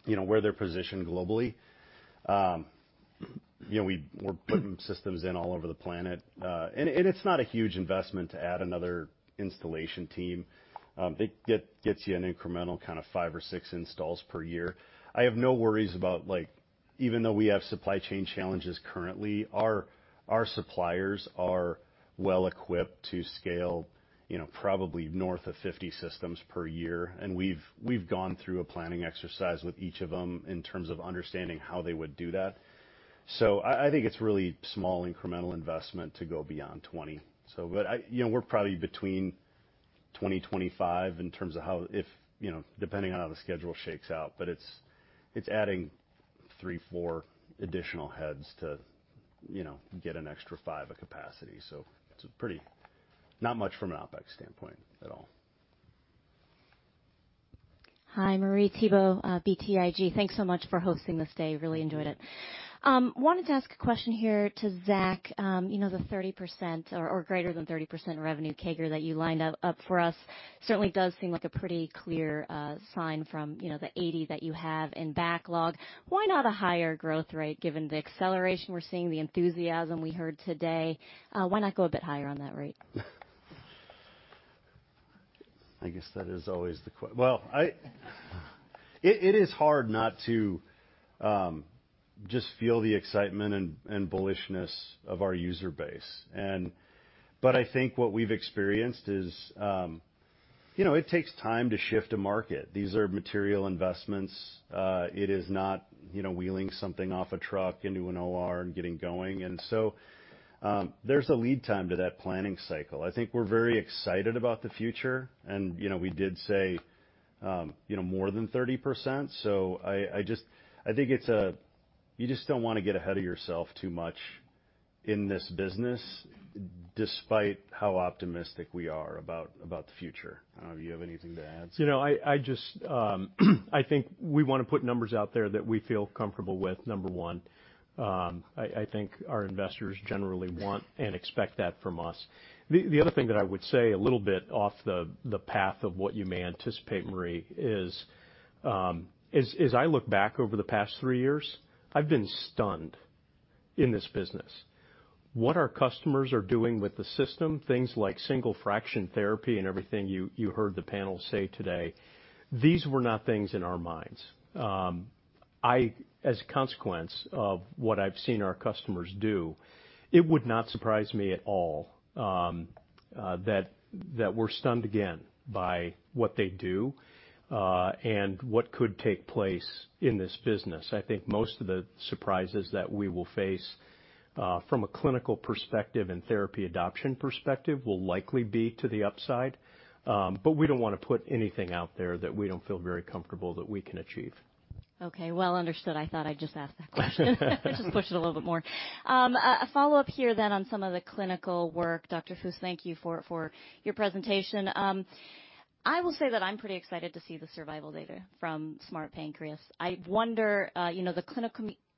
you know, where they're positioned globally. You know, we're putting systems in all over the planet. It's not a huge investment to add another installation team. It gets you an incremental kind of five or six installs per year. I have no worries about, like, even though we have supply chain challenges currently, our suppliers are well equipped to scale, you know, probably north of 50 systems per year. We've gone through a planning exercise with each of them in terms of understanding how they would do that. I think it's really small incremental investment to go beyond 20. You know, we're probably between 20-25 in terms of how, you know, depending on how the schedule shakes out. It's adding three-four additional heads to, you know, get an extra five of capacity. It's not much from an OpEx standpoint at all. Hi, Marie Thibault, BTIG. Thanks so much for hosting this day. Really enjoyed it. Wanted to ask a question here to Zach. You know, the 30% or greater than 30% revenue CAGR that you lined up for us certainly does seem like a pretty clear sign from, you know, the 80 that you have in backlog. Why not a higher growth rate given the acceleration we're seeing, the enthusiasm we heard today? Why not go a bit higher on that rate? It is hard not to just feel the excitement and bullishness of our user base. I think what we've experienced is, you know, it takes time to shift a market. These are material investments. It is not, you know, wheeling something off a truck into an OR and getting going. There's a lead time to that planning cycle. I think we're very excited about the future and, you know, we did say, you know, more than 30%. You just don't wanna get ahead of yourself too much in this business despite how optimistic we are about the future. I don't know if you have anything to add, Scott. You know, I think we wanna put numbers out there that we feel comfortable with, number one. I think our investors generally want and expect that from us. The other thing that I would say a little bit off the path of what you may anticipate, Marie, is as I look back over the past three years, I've been stunned in this business. What our customers are doing with the system, things like single fraction therapy and everything you heard the panel say today, these were not things in our minds. As a consequence of what I've seen our customers do, it would not surprise me at all that we're stunned again by what they do and what could take place in this business. I think most of the surprises that we will face, uh, from a clinical perspective and therapy adoption perspective will likely be to the upside. Um, but we don't wanna put anything out there that we don't feel very comfortable that we can achieve. Okay. Well understood. I thought I'd just ask that question. Just push it a little bit more. A follow-up here then on some of the clinical work. Dr. Fuss, thank you for your presentation. I will say that I'm pretty excited to see the survival data from SMART Pancreas. I wonder, you know, the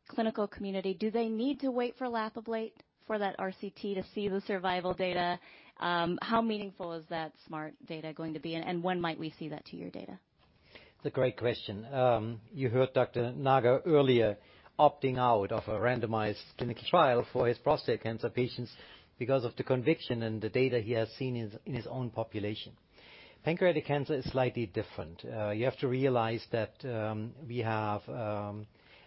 clinical community, do they need to wait for LAP-ABLATE for that RCT to see the survival data? How meaningful is that SMART data going to be, and when might we see that two-year data? It's a great question. You heard Dr. Nagar earlier opting out of a randomized clinical trial for his prostate cancer patients because of the conviction and the data he has seen in his own population. Pancreatic cancer is slightly different. You have to realize that we have a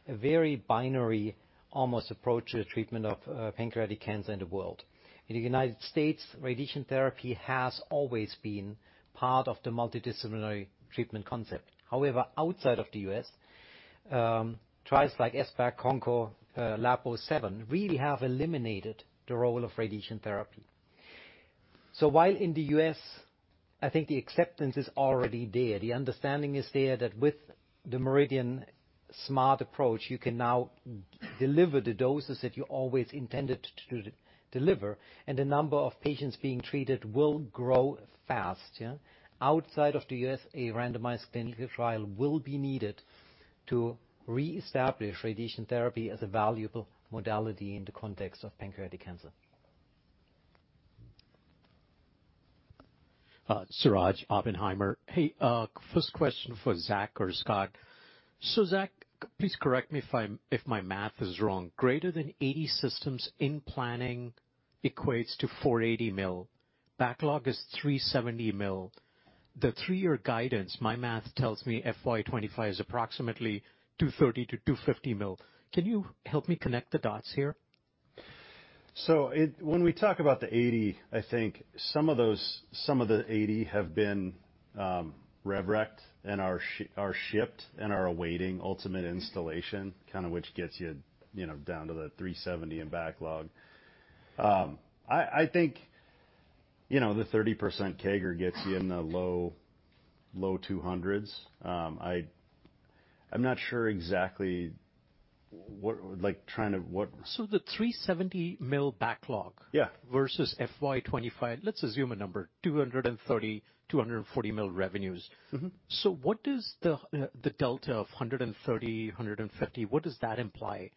very binary almost approach to the treatment of pancreatic cancer in the world. In the United States, radiation therapy has always been part of the multidisciplinary treatment concept. However, outside of the U.S., trials like ESPAC, CONKO, LAP07, really have eliminated the role of radiation therapy. While in the U.S., I think the acceptance is already there, the understanding is there that with the MRIdian SMART approach, you can now deliver the doses that you always intended to deliver, and the number of patients being treated will grow fast, yeah. Outside of the U.S., a randomized clinical trial will be needed to reestablish radiation therapy as a valuable modality in the context of pancreatic cancer. Suraj, Oppenheimer. Hey, first question for Zach or Scott. Zach, please correct me if my math is wrong. Greater than 80 systems in planning equates to $480 million. Backlog is $370 million. The three-year guidance, my math tells me FY 2025 is approximately $230 million-$250 million. Can you help me connect the dots here? When we talk about the $80, I think some of the $80 have been revenue recognition and are shipped and are awaiting ultimate installation, kinda which gets you know, down to the $370 in backlog. I think, you know, the 30% CAGR gets you in the low, low $200s. I'm not sure exactly what, like, trying to what. So the three seventy mil backlog. Yeah. Versus FY 2025, let's assume a number, $230 million-$240 million revenues. Mm-hmm. What does the delta of 130, 150, what does that imply?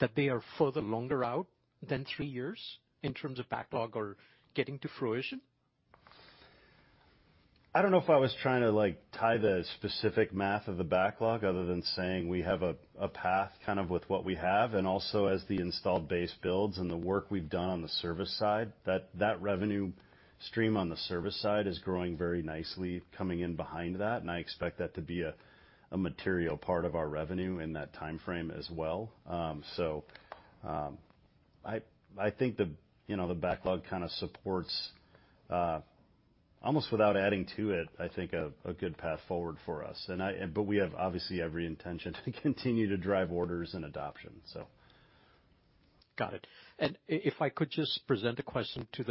That they are further longer out than three years in terms of backlog or getting to fruition? I don't know if I was trying to, like, tie the specific math of the backlog other than saying we have a path kind of with what we have. Also as the installed base builds and the work we've done on the service side, that revenue stream on the service side is growing very nicely coming in behind that. I expect that to be a material part of our revenue in that timeframe as well. I think, you know, the backlog kind of supports almost without adding to it, I think a good path forward for us. We have obviously every intention to continue to drive orders and adoption. Got it. If I could just present a question to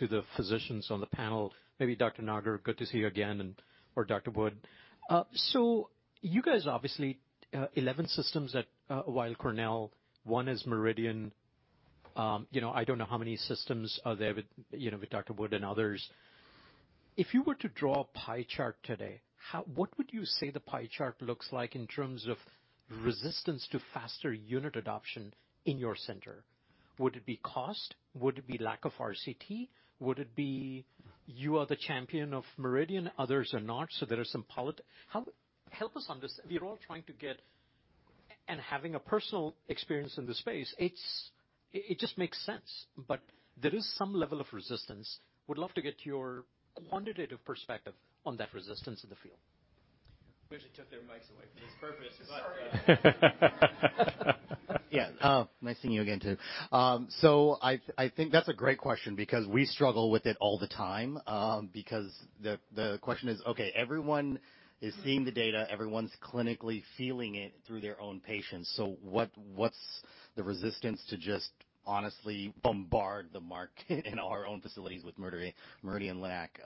the physicians on the panel, maybe Dr. Nagar, good to see you again, and or Dr. Good. You guys obviously 11 systems at Weill Cornell, one is MRIdian. You know, I don't know how many systems are there, you know, with Dr. Good and others. If you were to draw a pie chart today, what would you say the pie chart looks like in terms of resistance to faster unit adoption in your center? Would it be cost? Would it be lack of RCT? Would it be you are the champion of MRIdian, others are not? We're all trying to get and having a personal experience in the space, it just makes sense. There is some level of resistance. Would love to get your quantitative perspective on that resistance in the field. Wish I took their mics away for this purpose. Sorry. Yeah, nice seeing you again, too. I think that's a great question because we struggle with it all the time because the question is, okay, everyone is seeing the data, everyone's clinically feeling it through their own patients. What's the resistance to just honestly bombard the market in our own facilities with MRIdian Linac?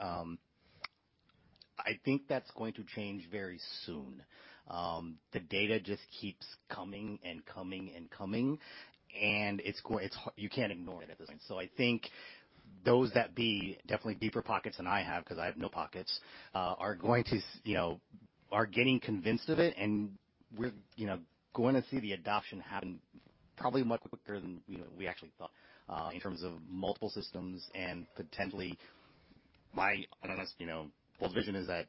I think that's going to change very soon. The data just keeps coming and coming and coming, and you can't ignore it at this point. So I think those that be definitely deeper pockets than I have, 'cause I have no pockets, uh, are going to s-- you know, are getting convinced of it, and we're, you know, going to see the adoption happen probably much quicker than, you know, we actually thought, uh, in terms of multiple systems and potentially my honest, you know, vision is that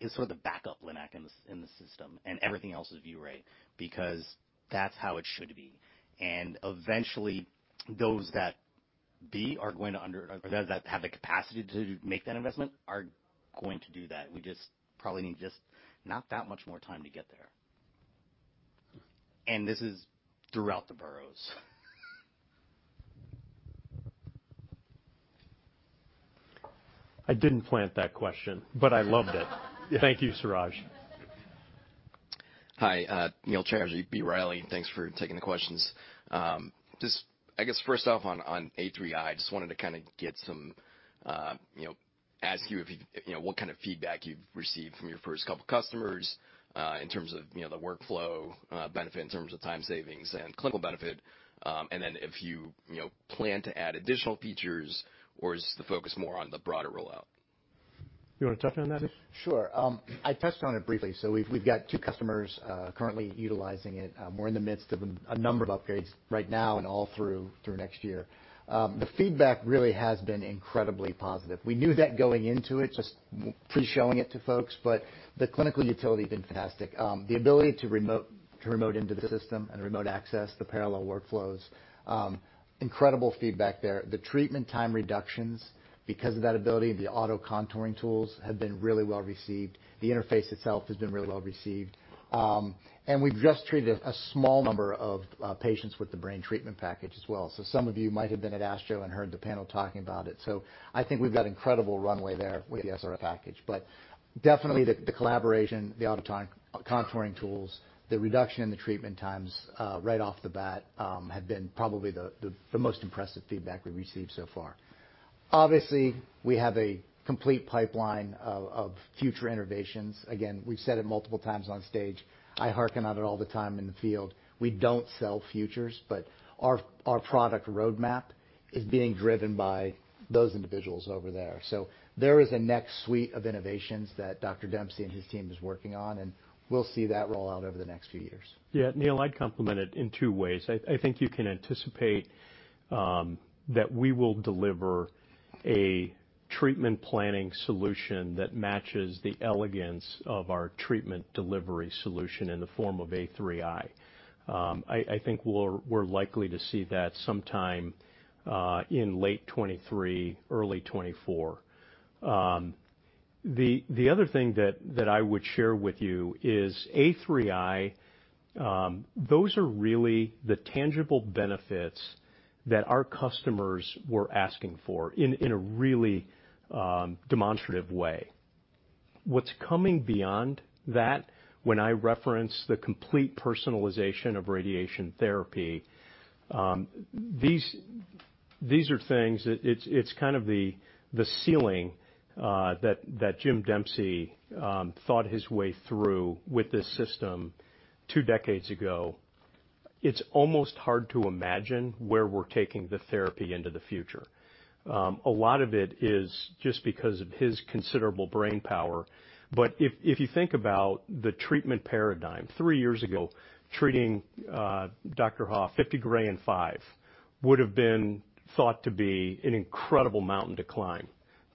is sort of the backup LINAC in the s- in the system, and everything else is ViewRay because that's how it should be. And eventually, those that be are going to under-- or those that have the capacity to make that investment are going to do that. We just probably need just not that much more time to get there. And this is throughout the boroughs. I didn't plant that question, but I loved it. Thank you, Suraj. Hi, Neil Chatterji, B. Riley. Thanks for taking the questions. Just I guess first off on A3i, just wanted to kinda, you know, ask you know, what kind of feedback you've received from your first couple customers in terms of, you know, the workflow benefit in terms of time savings and clinical benefit. If you know, plan to add additional features or is the focus more on the broader rollout? You wanna touch on that, Neil? Sure. I touched on it briefly. We've got two customers currently utilizing it. We're in the midst of a number of upgrades right now and all through next year. The feedback really has been incredibly positive. We knew that going into it, just pre-showing it to folks, but the clinical utility has been fantastic. The ability to remote into the system and remote access, the parallel workflows, incredible feedback there. The treatment time reductions because of that ability, the auto-contouring tools have been really well received. The interface itself has been really well received. We've just treated a small number of patients with the brain treatment package as well. Some of you might have been at ASTRO and heard the panel talking about it. I think we've got incredible runway there with the SBRT package. But definitely the collaboration, the autocontouring tools, the reduction in the treatment times right off the bat have been probably the most impressive feedback we've received so far. Obviously, we have a complete pipeline of future innovations. Again, we've said it multiple times on stage. I harken on it all the time in the field. We don't sell futures, but our product roadmap is being driven by those individuals over there. There is a next suite of innovations that Dr. Dempsey and his team is working on, and we'll see that roll out over the next few years. Yeah, Neil, I'd complement it in two ways. I think you can anticipate that we will deliver a treatment planning solution that matches the elegance of our treatment delivery solution in the form of A3i. I think we're likely to see that sometime in late 2023, early 2024. The other thing that I would share with you is A3i. Those are really the tangible benefits that our customers were asking for in a really demonstrative way. What's coming beyond that, when I reference the complete personalization of radiation therapy, these are things that it's kind of the ceiling that Jim Dempsey thought his way through with this system two decades ago. It's almost hard to imagine where we're taking the therapy into the future. A lot of it is just because of his considerable brainpower. If you think about the treatment paradigm, three years ago, treating Dr. Ha 50 Gray in five would've been thought to be an incredible mountain to climb.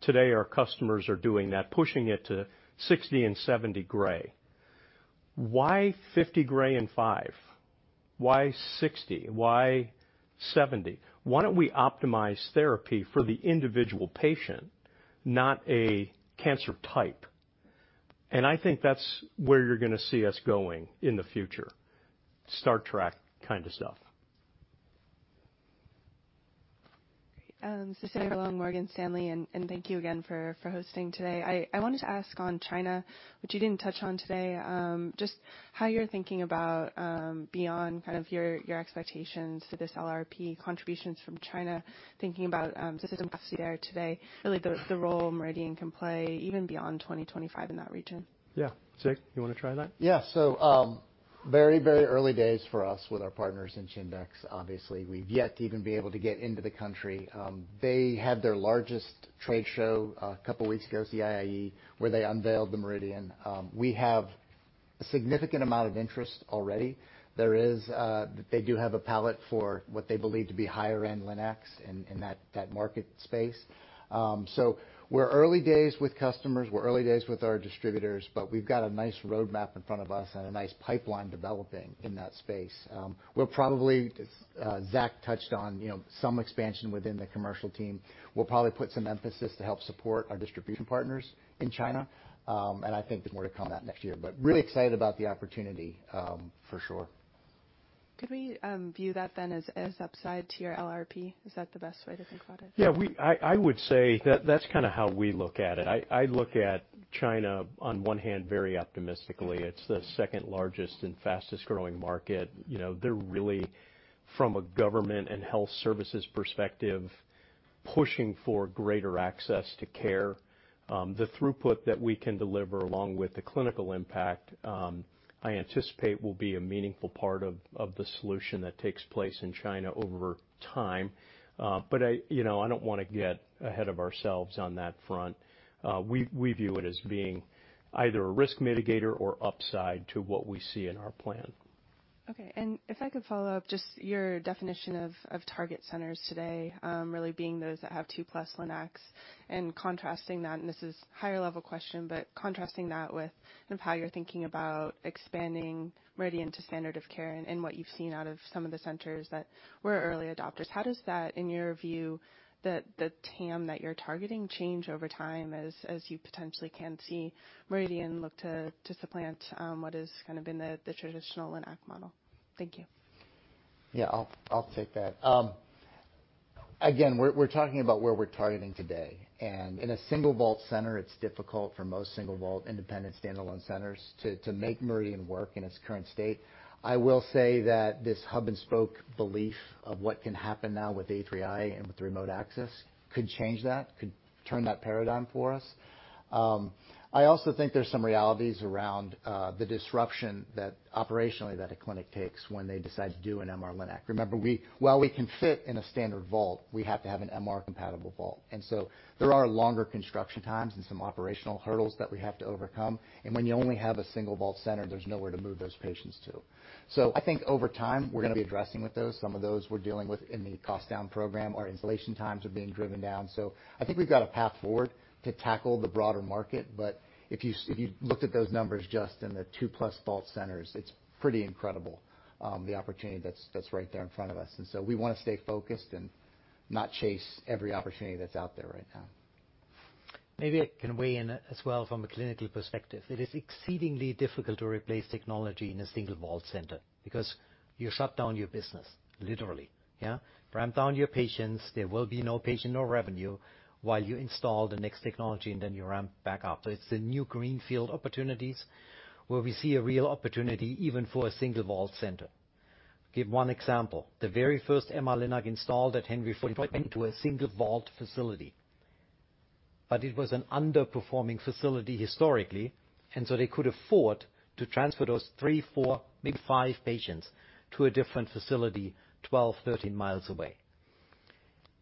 Today, our customers are doing that, pushing it to 60 and 70 Gray. Why 50 Gray in five? Why 60? Why 70? Why don't we optimize therapy for the individual patient, not a cancer type? I think that's where you're gonna see us going in the future. Star Trek kind of stuff. Cecilia Furlong, Morgan Stanley. Thank you again for hosting today. I wanted to ask on China, which you didn't touch on today, just how you're thinking about beyond kind of your expectations to this LRP contributions from China, thinking about system capacity there today, really the role MRIdian can play even beyond 2025 in that region. Yeah. Zieg, you wanna try that? Yeah. Very, very early days for us with our partners in Chindex. Obviously, we've yet to even be able to get into the country. They had their largest trade show a couple weeks ago, CIIE, where they unveiled the MRIdian. We have a significant amount of interest already. They do have a palate for what they believe to be higher-end LINACs in that market space. We're early days with customers. We're early days with our distributors, but we've got a nice roadmap in front of us and a nice pipeline developing in that space. We'll probably, Zach touched on, you know, some expansion within the commercial team. We'll probably put some emphasis to help support our distribution partners in China. I think there's more to come that next year, but really excited about the opportunity, for sure. Could we view that then as upside to your LRP? Is that the best way to think about it? Yeah, I would say that that's kinda how we look at it. I look at China on one hand very optimistically. It's the second largest and fastest-growing market. You know, they're really from a government and health services perspective, pushing for greater access to care. The throughput that we can deliver, along with the clinical impact, I anticipate will be a meaningful part of the solution that takes place in China over time. I, you know, I don't wanna get ahead of ourselves on that front. We view it as being either a risk mitigator or upside to what we see in our plan. Okay. If I could follow up, just your definition of target centers today, really being those that have 2+ LINACs and contrasting that, and this is higher-level question, but contrasting that with kind of how you're thinking about expanding MRIdian to standard of care and what you've seen out of some of the centers that were early adopters. How does that, in your view, the TAM that you're targeting change over time as you potentially can see MRIdian look to supplant what has kind of been the traditional LINAC model? Thank you. Yeah, I'll take that. Again, we're talking about where we're targeting today. In a single vault center, it's difficult for most single vault independent standalone centers to make MRIdian work in its current state. I will say that this hub and spoke belief of what can happen now with A3i and with remote access could change that, could turn that paradigm for us. I also think there's some realities around the disruption that operationally a clinic takes when they decide to do an MR-Linac. Remember, while we can fit in a standard vault, we have to have an MR-compatible vault. There are longer construction times and some operational hurdles that we have to overcome. When you only have a single vault center, there's nowhere to move those patients to. I think over time, we're gonna be addressing with those. Some of those we're dealing with in the cost-down program. Our installation times are being driven down. I think we've got a path forward to tackle the broader market. If you looked at those numbers just in the 2+ vault centers, it's pretty incredible, the opportunity that's right there in front of us. We wanna stay focused and not chase every opportunity that's out there right now. Maybe I can weigh in as well from a clinical perspective. It is exceedingly difficult to replace technology in a single vault center because you shut down your business literally. Yeah. Ramp down your patients. There will be no patient, no revenue while you install the next technology, and then you ramp back up. It's the new greenfield opportunities where we see a real opportunity, even for a single vault center. Give one example. The very first MR-Linac installed at Henry Ford went into a single vault facility, but it was an underperforming facility historically, and so they could afford to transfer those three, four, maybe five patients to a different facility 12, 13 miles away.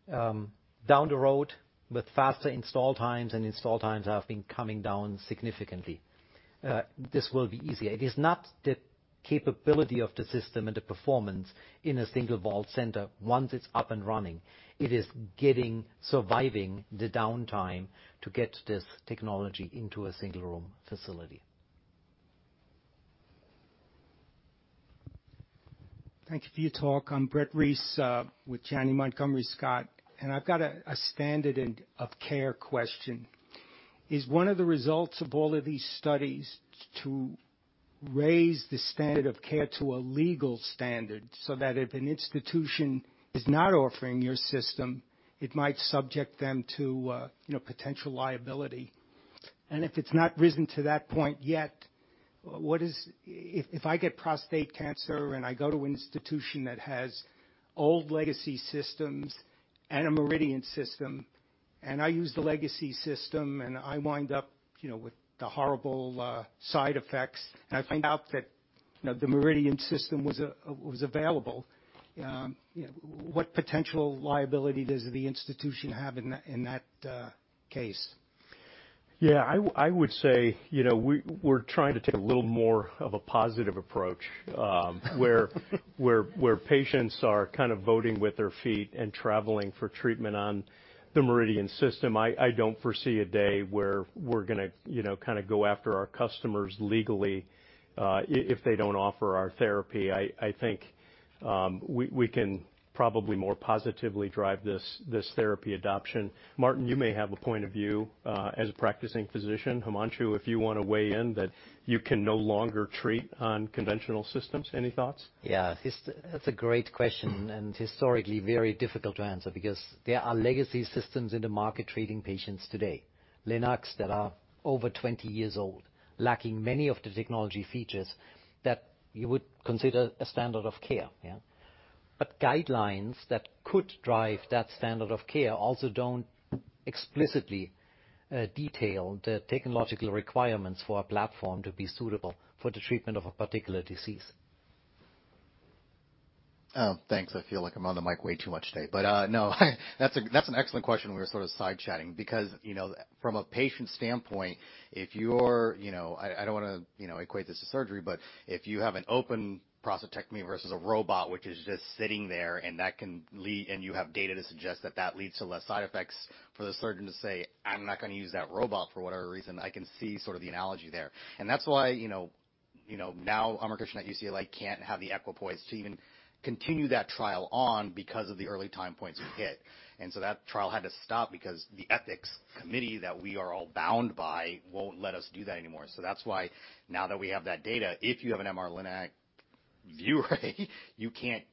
Down the road with faster install times, and install times have been coming down significantly, this will be easier. It is not the capability of the system and the performance in a single vault center once it's up and running. It is surviving the downtime to get this technology into a single-room facility. Thank you for your talk. I'm Brett Reiss with Janney Montgomery Scott. I've got a standard of care question. Is one of the results of all of these studies to raise the standard of care to a legal standard so that if an institution is not offering your system, it might subject them to, you know, potential liability? If it's not risen to that point yet, what is? If I get prostate cancer and I go to an institution that has old legacy systems and a MRIdian system, and I use the legacy system, and I wind up, you know, with the horrible side effects, and I find out that, you know, the MRIdian system was available, you know, what potential liability does the institution have in that case? Yeah, I would say, you know, we're trying to take a little more of a positive approach where patients are kind of voting with their feet and traveling for treatment on the MRIdian system. I don't foresee a day where we're gonna, you know, kinda go after our customers legally if they don't offer our therapy. I think we can probably more positively drive this therapy adoption. Martin, you may have a point of view as a practicing physician. Himanshu, if you wanna weigh in that you can no longer treat on conventional systems. Any thoughts? Yeah. That's a great question, and historically very difficult to answer because there are legacy systems in the market treating patients today. LINACs that are over 20 years old, lacking many of the technology features that you would consider a standard of care. Yeah. Guidelines that could drive that standard of care also don't explicitly detail the technological requirements for a platform to be suitable for the treatment of a particular disease. Thanks. I feel like I'm on the mic way too much today. No, that's an excellent question. We were sort of side chatting because, you know, from a patient standpoint, if you're, you know. I don't wanna, you know, equate this to surgery. If you have an open prostatectomy versus a robot which is just sitting there, and you have data to suggest that that leads to less side effects for the surgeon to say, "I'm not gonna use that robot," for whatever reason, I can see sort of the analogy there. That's why, you know, now Amar Kishan at UCLA can't have the equipoise to even continue that trial on because of the early time points we've hit. And so that trial had to stop because the ethics committee that we are all bound by won't let us do that anymore. So that's why now that we have that data, if you have an MR-LINAC viewer, you can't,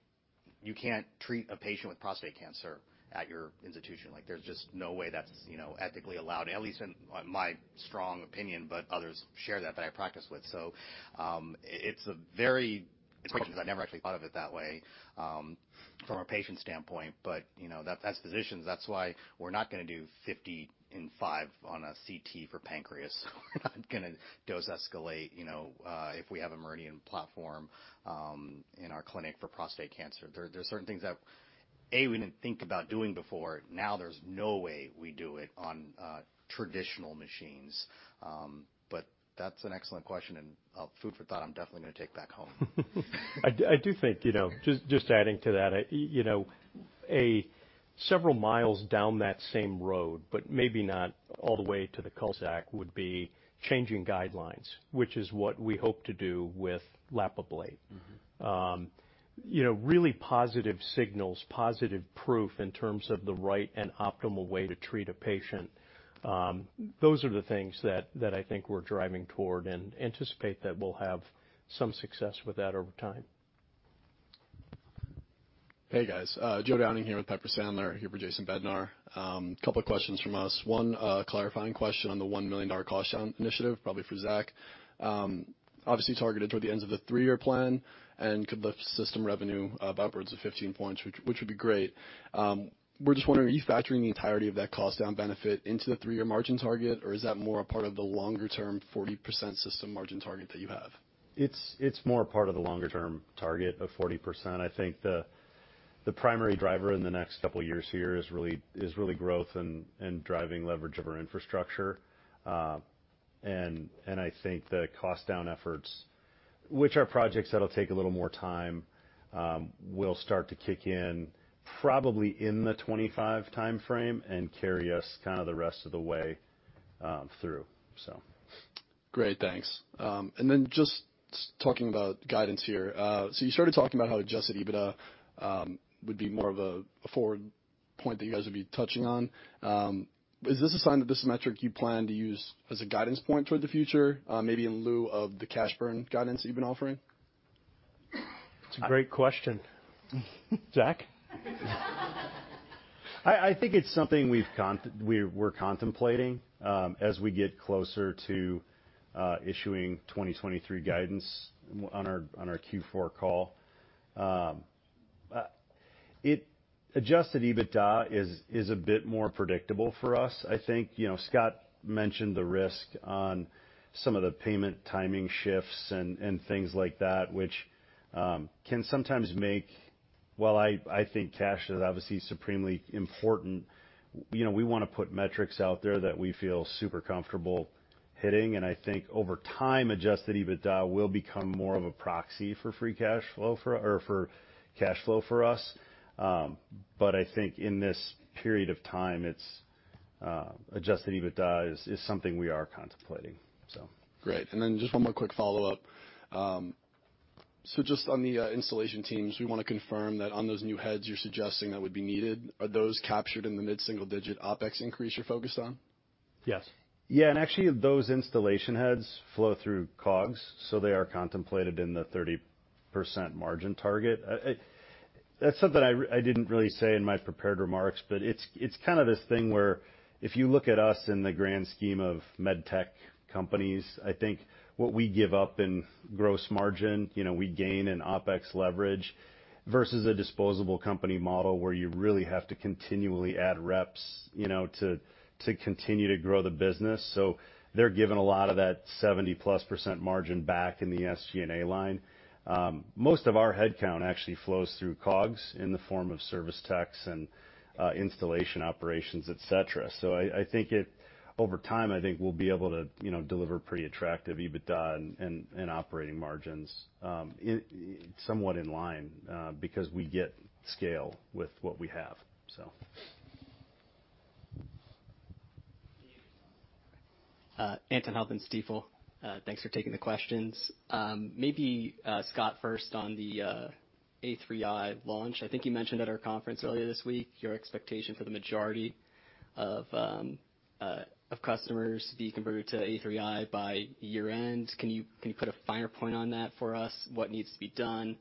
you can't treat a patient with prostate cancer at your institution. Like, there's just no way that's, you know, ethically allowed, at least in my strong opinion, but others share that I practice with. So, um, it's a very... It's a question I've never actually thought of it that way, um, from a patient standpoint. But, you know, that's, as physicians, that's why we're not gonna do 50 in five on a CT for pancreas. We're not gonna dose escalate, you know, uh, if we have a MRIdian platform, um, in our clinic for prostate cancer. There, there are certain things that, A, we didn't think about doing before. Now there's no way we do it on traditional machines. That's an excellent question and food for thought I'm definitely gonna take back home. I do think, you know, just adding to that, you know, several miles down that same road, but maybe not all the way to the cul-de-sac, would be changing guidelines, which is what we hope to do with LAP-ABLATE. Mm-hmm. You know, really positive signals, positive proof in terms of the right and optimal way to treat a patient, those are the things that I think we're driving toward and anticipate that we'll have some success with that over time. Hey, guys. Joe Downing here with Piper Sandler, here for Jason Bednar. Couple of questions from us. One, clarifying question on the $1 million cost down initiative, probably for Zach. Obviously targeted toward the ends of the three-year plan and could lift system revenue of upwards of 15 points, which would be great. We're just wondering, are you factoring the entirety of that cost down benefit into the three-year margin target, or is that more a part of the longer term 40% system margin target that you have? It's more part of the longer term target of 40%. I think the primary driver in the next couple of years here is really growth and driving leverage of our infrastructure. I think the cost down efforts, which are projects that'll take a little more time, will start to kick in probably in the 2025 timeframe and carry us kinda the rest of the way through. Great. Thanks. Just talking about guidance here. You started talking about how adjusted EBITDA would be more of a forward point that you guys would be touching on. Is this a sign that this metric you plan to use as a guidance point toward the future, maybe in lieu of the cash burn guidance that you've been offering? It's a great question. Zach? I think it's something we're contemplating as we get closer to issuing 2023 guidance on our Q4 call. Adjusted EBITDA is a bit more predictable for us. I think, you know, Scott mentioned the risk on some of the payment timing shifts and things like that. While I think cash is obviously supremely important, you know, we wanna put metrics out there that we feel super comfortable hitting. I think over time, Adjusted EBITDA will become more of a proxy for free cash flow or for cash flow for us. I think in this period of time, Adjusted EBITDA is something we are contemplating. Great. Just one more quick follow-up. Just on the installation teams, we wanna confirm that on those new heads you're suggesting that would be needed, are those captured in the mid-single-digit OpEx increase you're focused on? Yes. Yeah. Actually those installation heads flow through COGS, so they are contemplated in the 30% margin target. That's something I didn't really say in my prepared remarks, but it's kind of this thing where if you look at us in the grand scheme of med tech companies, I think what we give up in gross margin, you know, we gain in OpEx leverage versus a disposable company model where you really have to continually add reps, you know, to continue to grow the business. They're given a lot of that 70%+ margin back in the SG&A line. Most of our headcount actually flows through COGS in the form of service techs and installation operations, et cetera. Over time, I think we'll be able to, you know, deliver pretty attractive EBITDA and operating margins somewhat in line because we get scale with what we have. Anthony, on for Stifel. Thanks for taking the questions. Maybe Scott first on the A3i launch. I think you mentioned at our conference earlier this week your expectation for the majority of customers to be converted to A3i by year-end. Can you put a finer point on that for us, what needs to be done?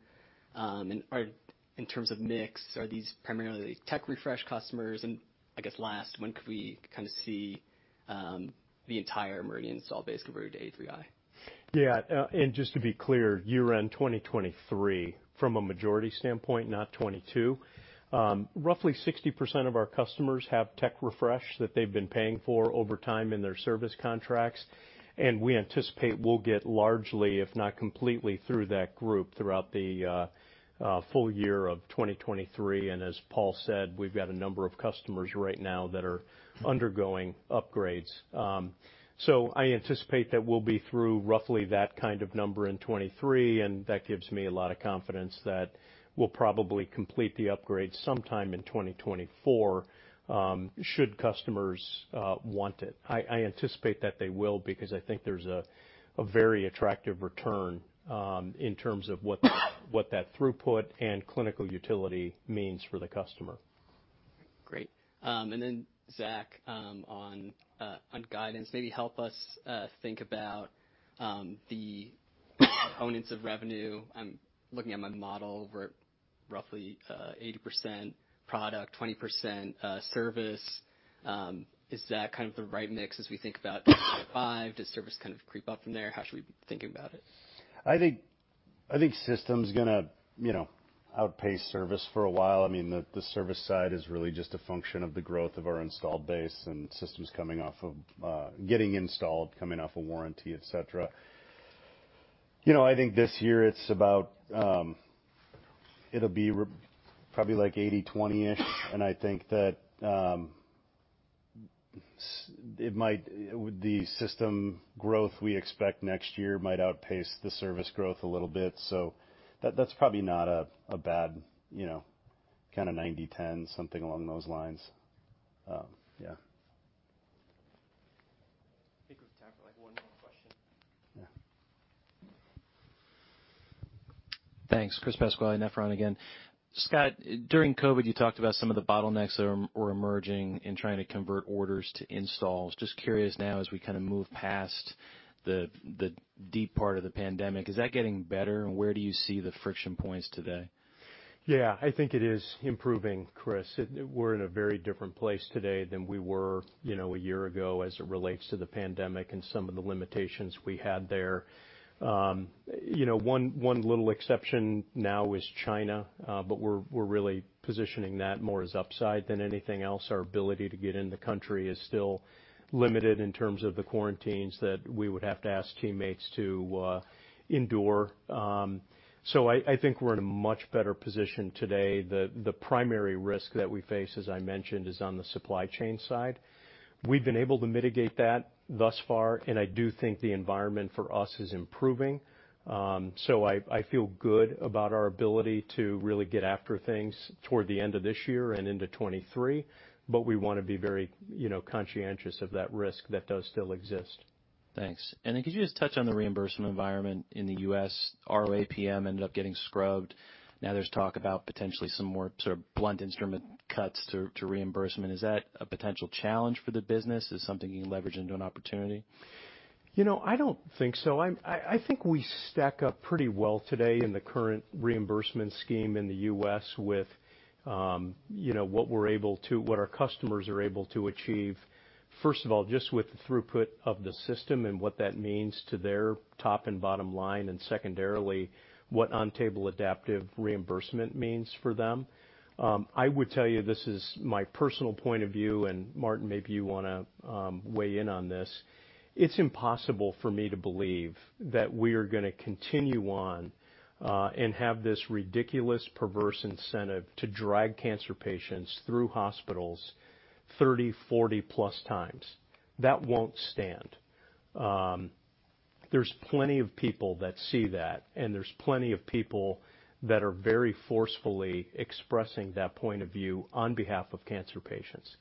In terms of mix, are these primarily tech refresh customers? I guess last, when could we kind of see the entire MRIdian install base converted to A3i? Yeah. Just to be clear, year-end 2023 from a majority standpoint, not 2022. Roughly 60% of our customers have tech refresh that they've been paying for over time in their service contracts, and we anticipate we'll get largely, if not completely, through that group throughout the full year of 2023. As Paul said, we've got a number of customers right now that are undergoing upgrades. I anticipate that we'll be through roughly that kind of number in 2023, and that gives me a lot of confidence that we'll probably complete the upgrade sometime in 2024, should customers want it. I anticipate that they will because I think there's a very attractive return in terms of what that throughput and clinical utility means for the customer. Great. Zach, on guidance, maybe help us think about the components of revenue. I'm looking at my model over roughly 80% product, 20% service. Is that kind of the right mix as we think about five? Does service kind of creep up from there? How should we be thinking about it? I think system's gonna, you know, outpace service for a while. I mean, the service side is really just a function of the growth of our installed base and systems getting installed, coming off of warranty, et cetera. You know, I think this year it'll be probably like 80/20-ish. I think that the system growth we expect next year might outpace the service growth a little bit. That's probably not a bad, you know, kinda 90/10, something along those lines. I think we have time for like one more question. Yeah. Thanks. Chris Pasquale, Nephron again. Scott, during COVID, you talked about some of the bottlenecks that were emerging in trying to convert orders to installs. Just curious now as we kind of move past the deep part of the pandemic, is that getting better, and where do you see the friction points today? Yeah. I think it is improving, Chris. We're in a very different place today than we were, you know, a year ago as it relates to the pandemic and some of the limitations we had there. You know, one little exception now is China, but we're really positioning that more as upside than anything else. Our ability to get in the country is still limited in terms of the quarantines that we would have to ask teammates to endure. I think we're in a much better position today. The primary risk that we face, as I mentioned, is on the supply chain side. We've been able to mitigate that thus far, and I do think the environment for us is improving. I feel good about our ability to really get after things toward the end of this year and into 2023, but we wanna be very, you know, conscientious of that risk that does still exist. Thanks. Could you just touch on the reimbursement environment in the U.S.? RO-APM ended up getting scrubbed. Now there's talk about potentially some more sort of blunt instrument cuts to reimbursement. Is that a potential challenge for the business? Is it something you can leverage into an opportunity? You know, I don't think so. I think we stack up pretty well today in the current reimbursement scheme in the U.S. with, you know, what our customers are able to achieve, first of all, just with the throughput of the system and what that means to their top and bottom line, and secondarily, what on-table adaptive reimbursement means for them. I would tell you, this is my personal point of view, and Martin, maybe you wanna weigh in on this. It's impossible for me to believe that we are gonna continue on and have this ridiculous perverse incentive to drag cancer patients through hospitals 30, 40-plus times. That won't stand. There's plenty of people that see that, and there's plenty of people that are very forcefully expressing that point of view on behalf of cancer patients.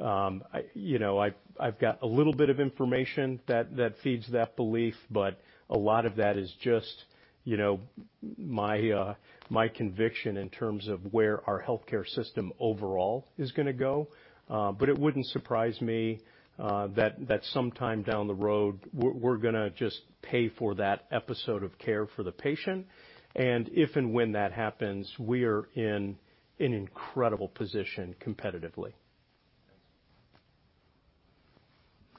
I, you know, I've got a little bit of information that feeds that belief, but a lot of that is just, you know, my conviction in terms of where our healthcare system overall is gonna go. It wouldn't surprise me that sometime down the road, we're gonna just pay for that episode of care for the patient, and if and when that happens, we are in an incredible position competitively. Thanks.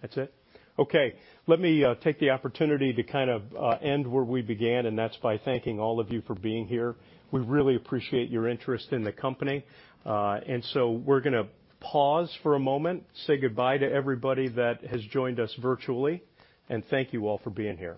That's it? Okay. Let me take the opportunity to kind of end where we began, and that's by thanking all of you for being here. We really appreciate your interest in the company. We're gonna pause for a moment, say goodbye to everybody that has joined us virtually, and thank you all for being here.